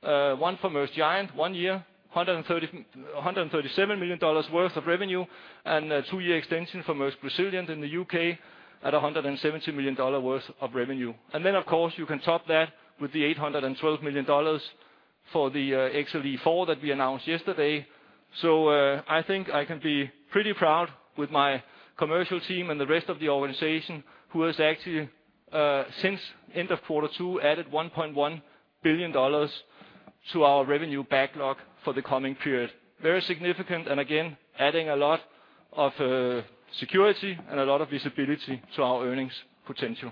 One for Maersk Giant, one year, $137 million worth of revenue, and a two-year extension for Maersk Brigand in the U.K. at $170 million worth of revenue. Of course, you can top that with the $812 million for the XLE4 that we announced yesterday. I think I can be pretty proud with my commercial team and the rest of the organization who has actually, since end of Q2, added $1.1 billion to our revenue backlog for the coming period. Very significant, and again, adding a lot of security and a lot of visibility to our earnings potential.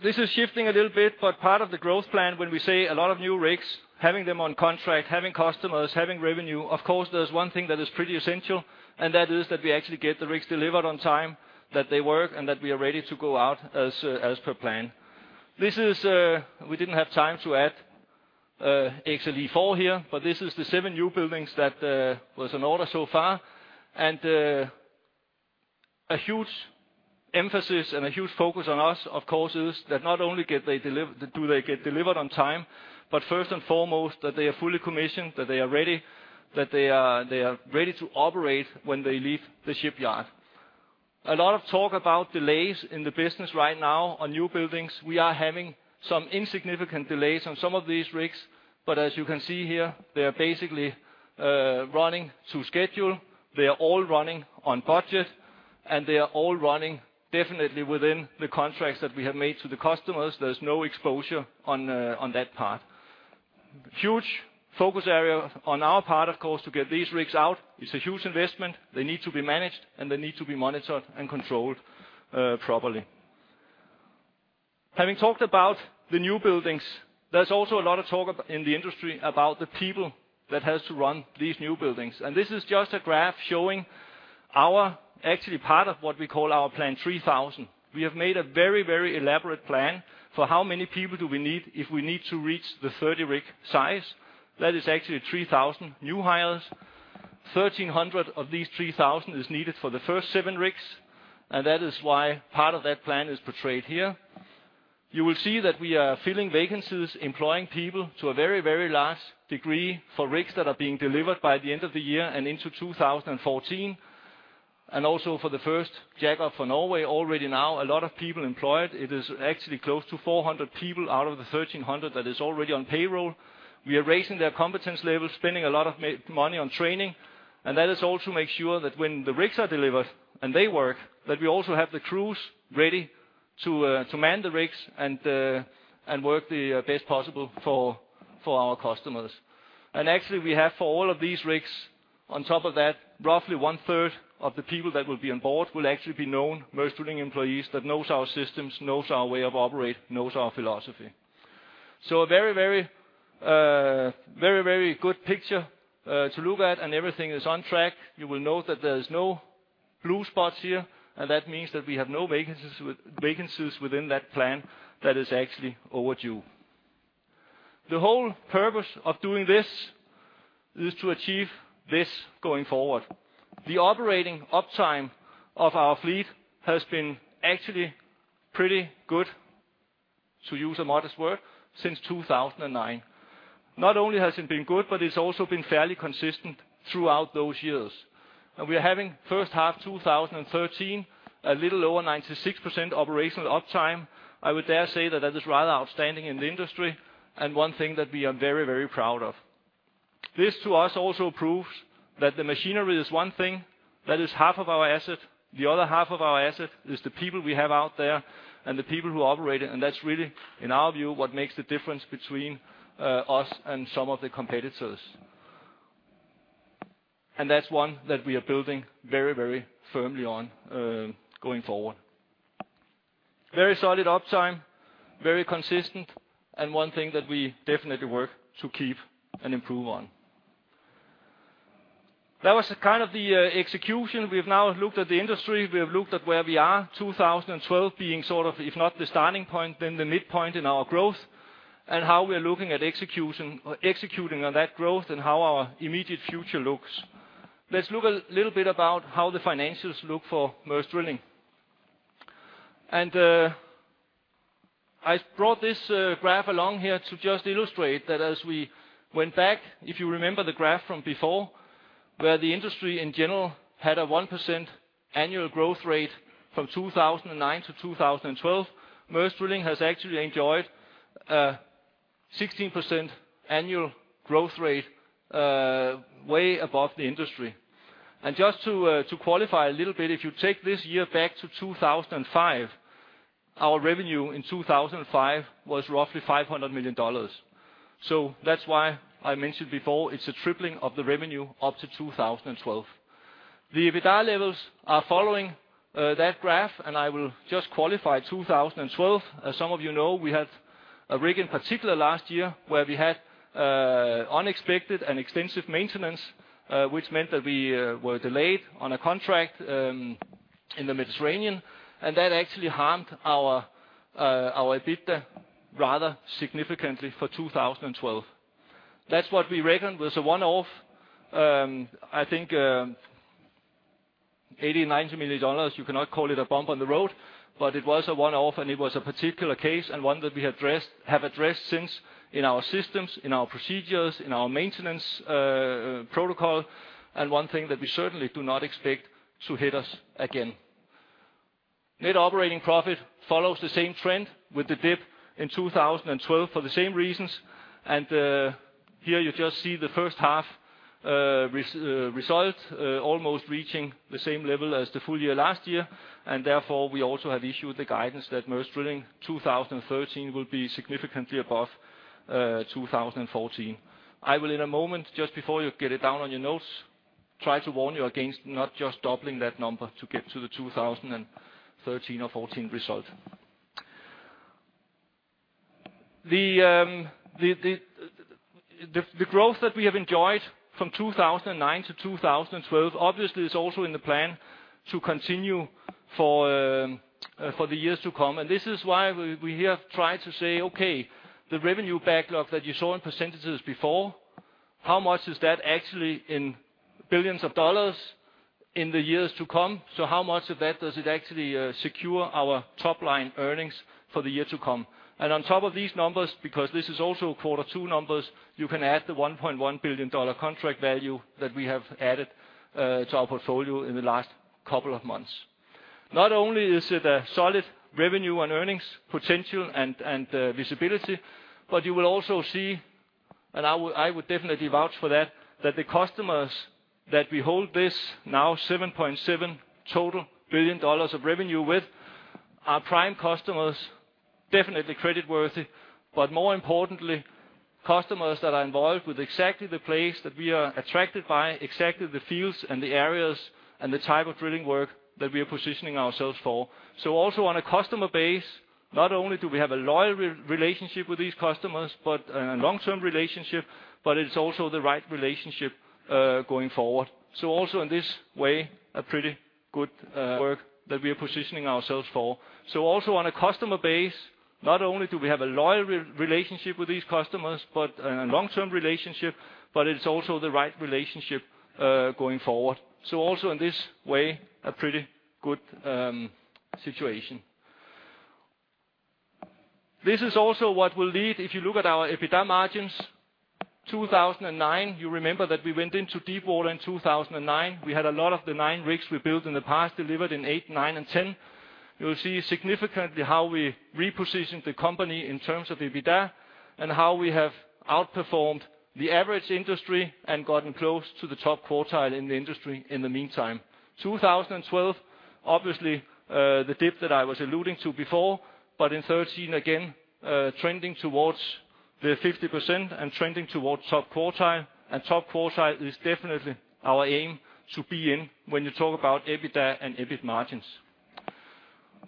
This is shifting a little bit, but part of the growth plan, when we say a lot of new rigs, having them on contract, having customers, having revenue, of course, there's one thing that is pretty essential, and that is that we actually get the rigs delivered on time, that they work, and that we are ready to go out as per plan. This is, we didn't have time to add, XLE4 here, but this is the 7 new buildings that was an order so far. A huge emphasis and a huge focus on us, of course, is that not only do they get delivered on time, but first and foremost, that they are fully commissioned, that they are ready to operate when they leave the shipyard. A lot of talk about delays in the business right now on new buildings. We are having some insignificant delays on some of these rigs. As you can see here, they are basically running to schedule. They are all running on budget, and they are all running definitely within the contracts that we have made to the customers. There's no exposure on that part. Huge focus area on our part, of course, to get these rigs out. It's a huge investment. They need to be managed, and they need to be monitored and controlled properly. Having talked about the new buildings, there's also a lot of talk in the industry about the people that has to run these new buildings. This is just a graph showing actually part of what we call our Plan 3000. We have made a very, very elaborate plan for how many people do we need if we need to reach the 30 rig size. That is actually 3,000 new hires. 1,300 of these 3,000 is needed for the first 7 rigs, and that is why part of that plan is portrayed here. You will see that we are filling vacancies, employing people to a very, very large degree for rigs that are being delivered by the end of the year and into 2014. Also for the first jack-up for Norway, already now, a lot of people employed. It is actually close to 400 people out of the 1,300 that is already on payroll. We are raising their competence levels, spending a lot of money on training. That is all to make sure that when the rigs are delivered and they work, that we also have the crews ready to man the rigs and work the best possible for our customers. Actually, we have for all of these rigs, on top of that, roughly one-third of the people that will be on board will actually be known Maersk Drilling employees that knows our systems, knows our way of operating, knows our philosophy. A very good picture to look at, and everything is on track. You will note that there's no blue spots here, and that means that we have no vacancies within that plan that is actually overdue. The whole purpose of doing this is to achieve this going forward. The operating uptime of our fleet has been actually pretty good, to use a modest word, since 2009. Not only has it been good, but it's also been fairly consistent throughout those years. We are having first half 2013, a little over 96% operational uptime. I would dare say that is rather outstanding in the industry and one thing that we are very, very proud of. This to us also proves that the machinery is one thing, that is half of our asset. The other half of our asset is the people we have out there and the people who operate it, and that's really, in our view, what makes the difference between us and some of the competitors. That's one that we are building very, very firmly on, going forward. Very solid uptime, very consistent, and one thing that we definitely work to keep and improve on. That was kind of the execution. We've now looked at the industry. We have looked at where we are, 2012 being sort of, if not the starting point, then the midpoint in our growth, and how we're looking at execution, executing on that growth and how our immediate future looks. Let's look a little bit about how the financials look for Maersk Drilling. I brought this graph along here to just illustrate that as we went back, if you remember the graph from before, where the industry in general had a 1% annual growth rate from 2009 to 2012, Maersk Drilling has actually enjoyed 16% annual growth rate way above the industry. Just to qualify a little bit, if you take this year back to 2005, our revenue in 2005 was roughly $500 million. That's why I mentioned before, it's a tripling of the revenue up to 2012. The EBITDA levels are following that graph, and I will just qualify 2012. As some of you know, we had a rig in particular last year where we had unexpected and extensive maintenance, which meant that we were delayed on a contract in the Mediterranean. That actually harmed our EBITDA rather significantly for 2012. That's what we reckon was a one-off, I think, $80 million-$90 million. You cannot call it a bump on the road, but it was a one-off, and it was a particular case and one that we have addressed since in our systems, in our procedures, in our maintenance protocol. One thing that we certainly do not expect to hit us again. Net operating profit follows the same trend with the dip in 2012 for the same reasons. Here you just see the first half result almost reaching the same level as the full year last year. Therefore, we also have issued the guidance that Maersk Drilling 2013 will be significantly above 2014. I will in a moment, just before you get it down on your notes, try to warn you against not just doubling that number to get to the 2013 or 2014 result. The growth that we have enjoyed from 2009 to 2012 obviously is also in the plan to continue for the years to come. This is why we have tried to say, okay, the revenue backlog that you saw in percentages before, how much is that actually in billions of dollars in the years to come? How much of that does it actually secure our top-line earnings for the year to come? On top of these numbers, because this is also quarter two numbers, you can add the $1.1 billion contract value that we have added to our portfolio in the last couple of months. Not only is it a solid revenue and earnings potential and visibility, but you will also see, and I would definitely vouch for that the customers that we hold this now $7.7 billion total of revenue with are prime customers, definitely credit worthy. More importantly, customers that are involved with exactly the place that we are attracted by, exactly the fields and the areas and the type of drilling work that we are positioning ourselves for. Also on a customer base, not only do we have a loyal relationship with these customers, but a long-term relationship, but it's also the right relationship going forward. Also in this way, a pretty good situation. This is also what will lead if you look at our EBITDA margins. 2009, you remember that we went into deep water in 2009. We had a lot of the 9 rigs we built in the past delivered in 2008, 2009, and 2010. You'll see significantly how we repositioned the company in terms of EBITDA and how we have outperformed the average industry and gotten close to the top quartile in the industry in the meantime. 2012, obviously, the dip that I was alluding to before, but in 2013 again, trending towards the 50% and trending towards top quartile. Top quartile is definitely our aim to be in when you talk about EBITDA and EBIT margins.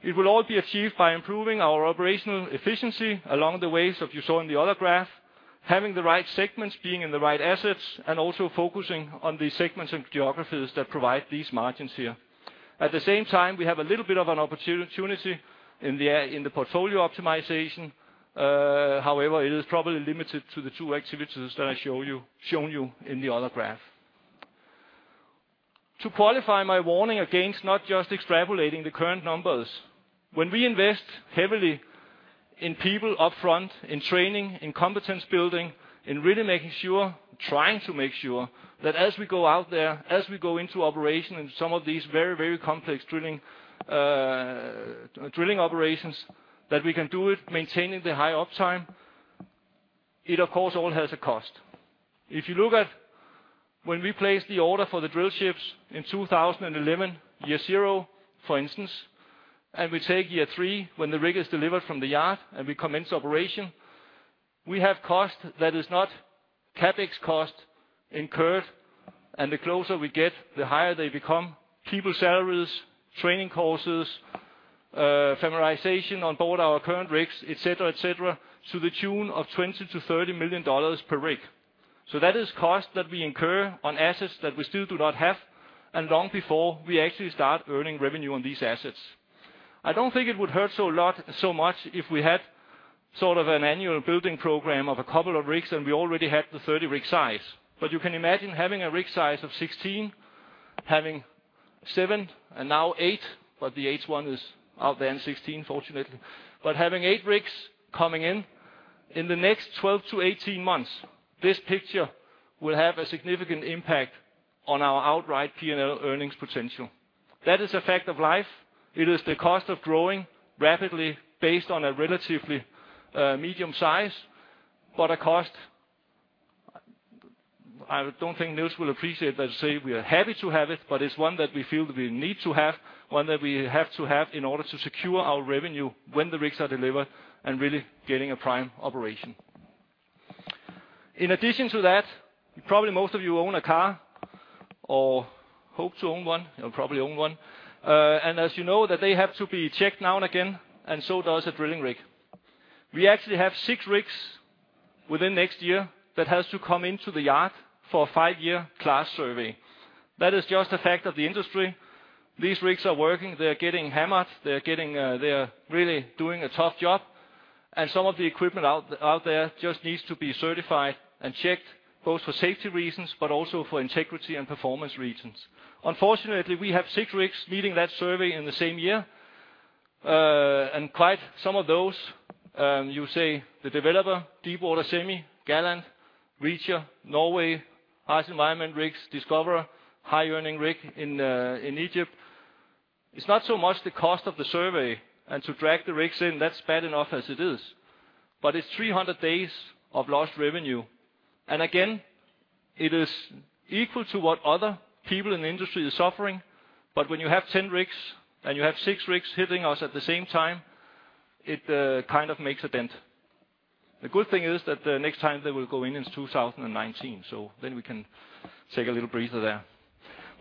It will all be achieved by improving our operational efficiency along the ways that you saw in the other graph. Having the right segments, being in the right assets, and also focusing on the segments and geographies that provide these margins here. At the same time, we have a little bit of an opportunity in the portfolio optimization. However, it is probably limited to the two activities that I shown you in the other graph. To qualify my warning against not just extrapolating the current numbers, when we invest heavily in people up front, in training, in competence building, in really making sure, trying to make sure that as we go out there, as we go into operation in some of these very, very complex drilling operations, that we can do it maintaining the high uptime. It of course all has a cost. If you look at when we place the order for the drill ships in 2011, year zero, for instance, and we take year 3 when the rig is delivered from the yard and we commence operation, we have cost that is not CapEx cost incurred, and the closer we get, the higher they become. People salaries, training courses, familiarization on board our current rigs, et cetera, et cetera, to the tune of $20 million-$30 million per rig. That is cost that we incur on assets that we still do not have, and long before we actually start earning revenue on these assets. I don't think it would hurt so much if we had sort of an annual building program of a couple of rigs, and we already had the 30 rig size. You can imagine having a rig size of 16, having 7 and now 8, but the 8th one is out there in 2016, fortunately. Having 8 rigs coming in the next 12 months-18 months, this picture will have a significant impact on our outright P&L earnings potential. That is a fact of life. It is the cost of growing rapidly based on a relatively medium size. A cost. I don't think Nils will appreciate that I say we are happy to have it, but it's one that we feel we need to have, one that we have to have in order to secure our revenue when the rigs are delivered and really getting a prime operation. In addition to that, probably most of you own a car or hope to own one or probably own one. As you know that they have to be checked now and again, and so does a drilling rig. We actually have six rigs within next year that has to come into the yard for a five-year class survey. That is just a fact of the industry. These rigs are working, they're getting hammered, they're really doing a tough job, and some of the equipment out there just needs to be certified and checked both for safety reasons, but also for integrity and performance reasons. Unfortunately, we have six rigs needing that survey in the same year. Quite some of those, you say the Developer, Deepwater Semi, Gallant, Reacher, Norway, Ice Environment rigs, Discoverer, high-earning rig in Egypt. It's not so much the cost of the survey and to drag the rigs in. That's bad enough as it is. It's 300 days of lost revenue. Again, it is equal to what other people in the industry is suffering. When you have 10 rigs and you have 6 rigs hitting us at the same time, it kind of makes a dent. The good thing is that the next time they will go in is 2019, so then we can take a little breather there.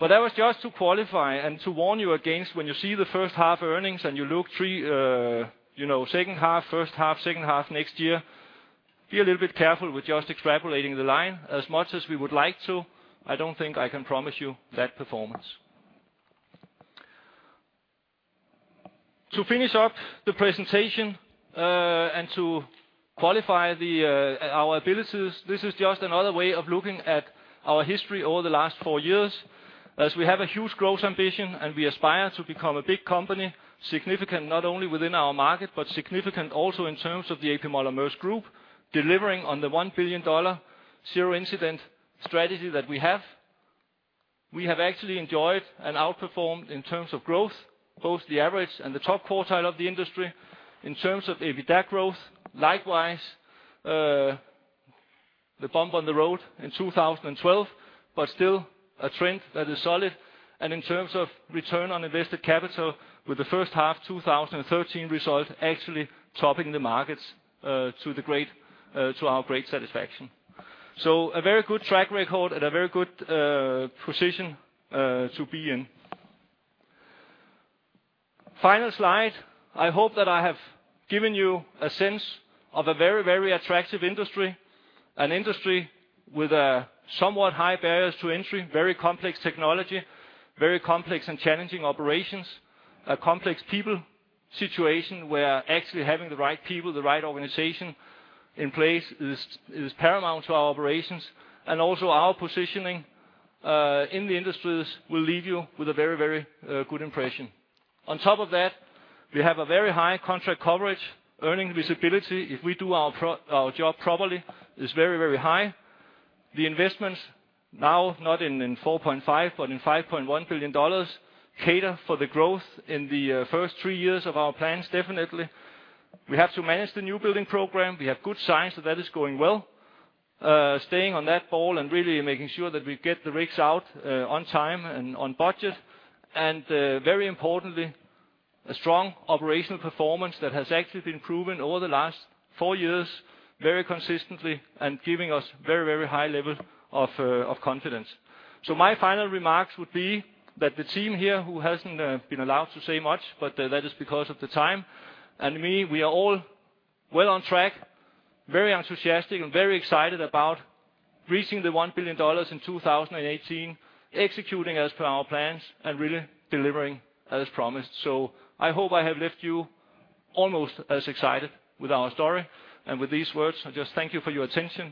That was just to qualify and to warn you against when you see the first half earnings and you look three, you know, second half, first half, second half next year, be a little bit careful with just extrapolating the line. As much as we would like to, I don't think I can promise you that performance. To finish up the presentation and to qualify our abilities, this is just another way of looking at our history over the last four years. As we have a huge growth ambition and we aspire to become a big company, significant not only within our market, but significant also in terms of the A.P. Moller - Maersk group, delivering on the $1 billion zero incident strategy that we have. We have actually enjoyed and outperformed in terms of growth, both the average and the top quartile of the industry. In terms of the EBITDA growth, likewise, the bump on the road in 2012, but still a trend that is solid. In terms of return on invested capital with the first half 2013 result actually topping the markets, to our great satisfaction. A very good track record and a very good position to be in. Final slide. I hope that I have given you a sense of a very, very attractive industry. An industry with somewhat high barriers to entry, very complex technology, very complex and challenging operations, a complex people situation where actually having the right people, the right organization in place is paramount to our operations. Our positioning in the industries will leave you with a very, very good impression. On top of that, we have a very high contract coverage, earning visibility. If we do our job properly, it's very, very high. The investments now, not in $4.5 billion, but in $5.1 billion cater for the growth in the first three years of our plans, definitely. We have to manage the newbuilding program. We have good signs that is going well. Staying on the ball and really making sure that we get the rigs out on time and on budget. Very importantly, a strong operational performance that has actually been proven over the last four years very consistently and giving us very high level of confidence. My final remarks would be that the team here who hasn't been allowed to say much, but that is because of the time, and me, we are all well on track, very enthusiastic and very excited about reaching $1 billion in 2018, executing as per our plans and really delivering as promised. I hope I have left you almost as excited with our story and with these words. I just thank you for your attention.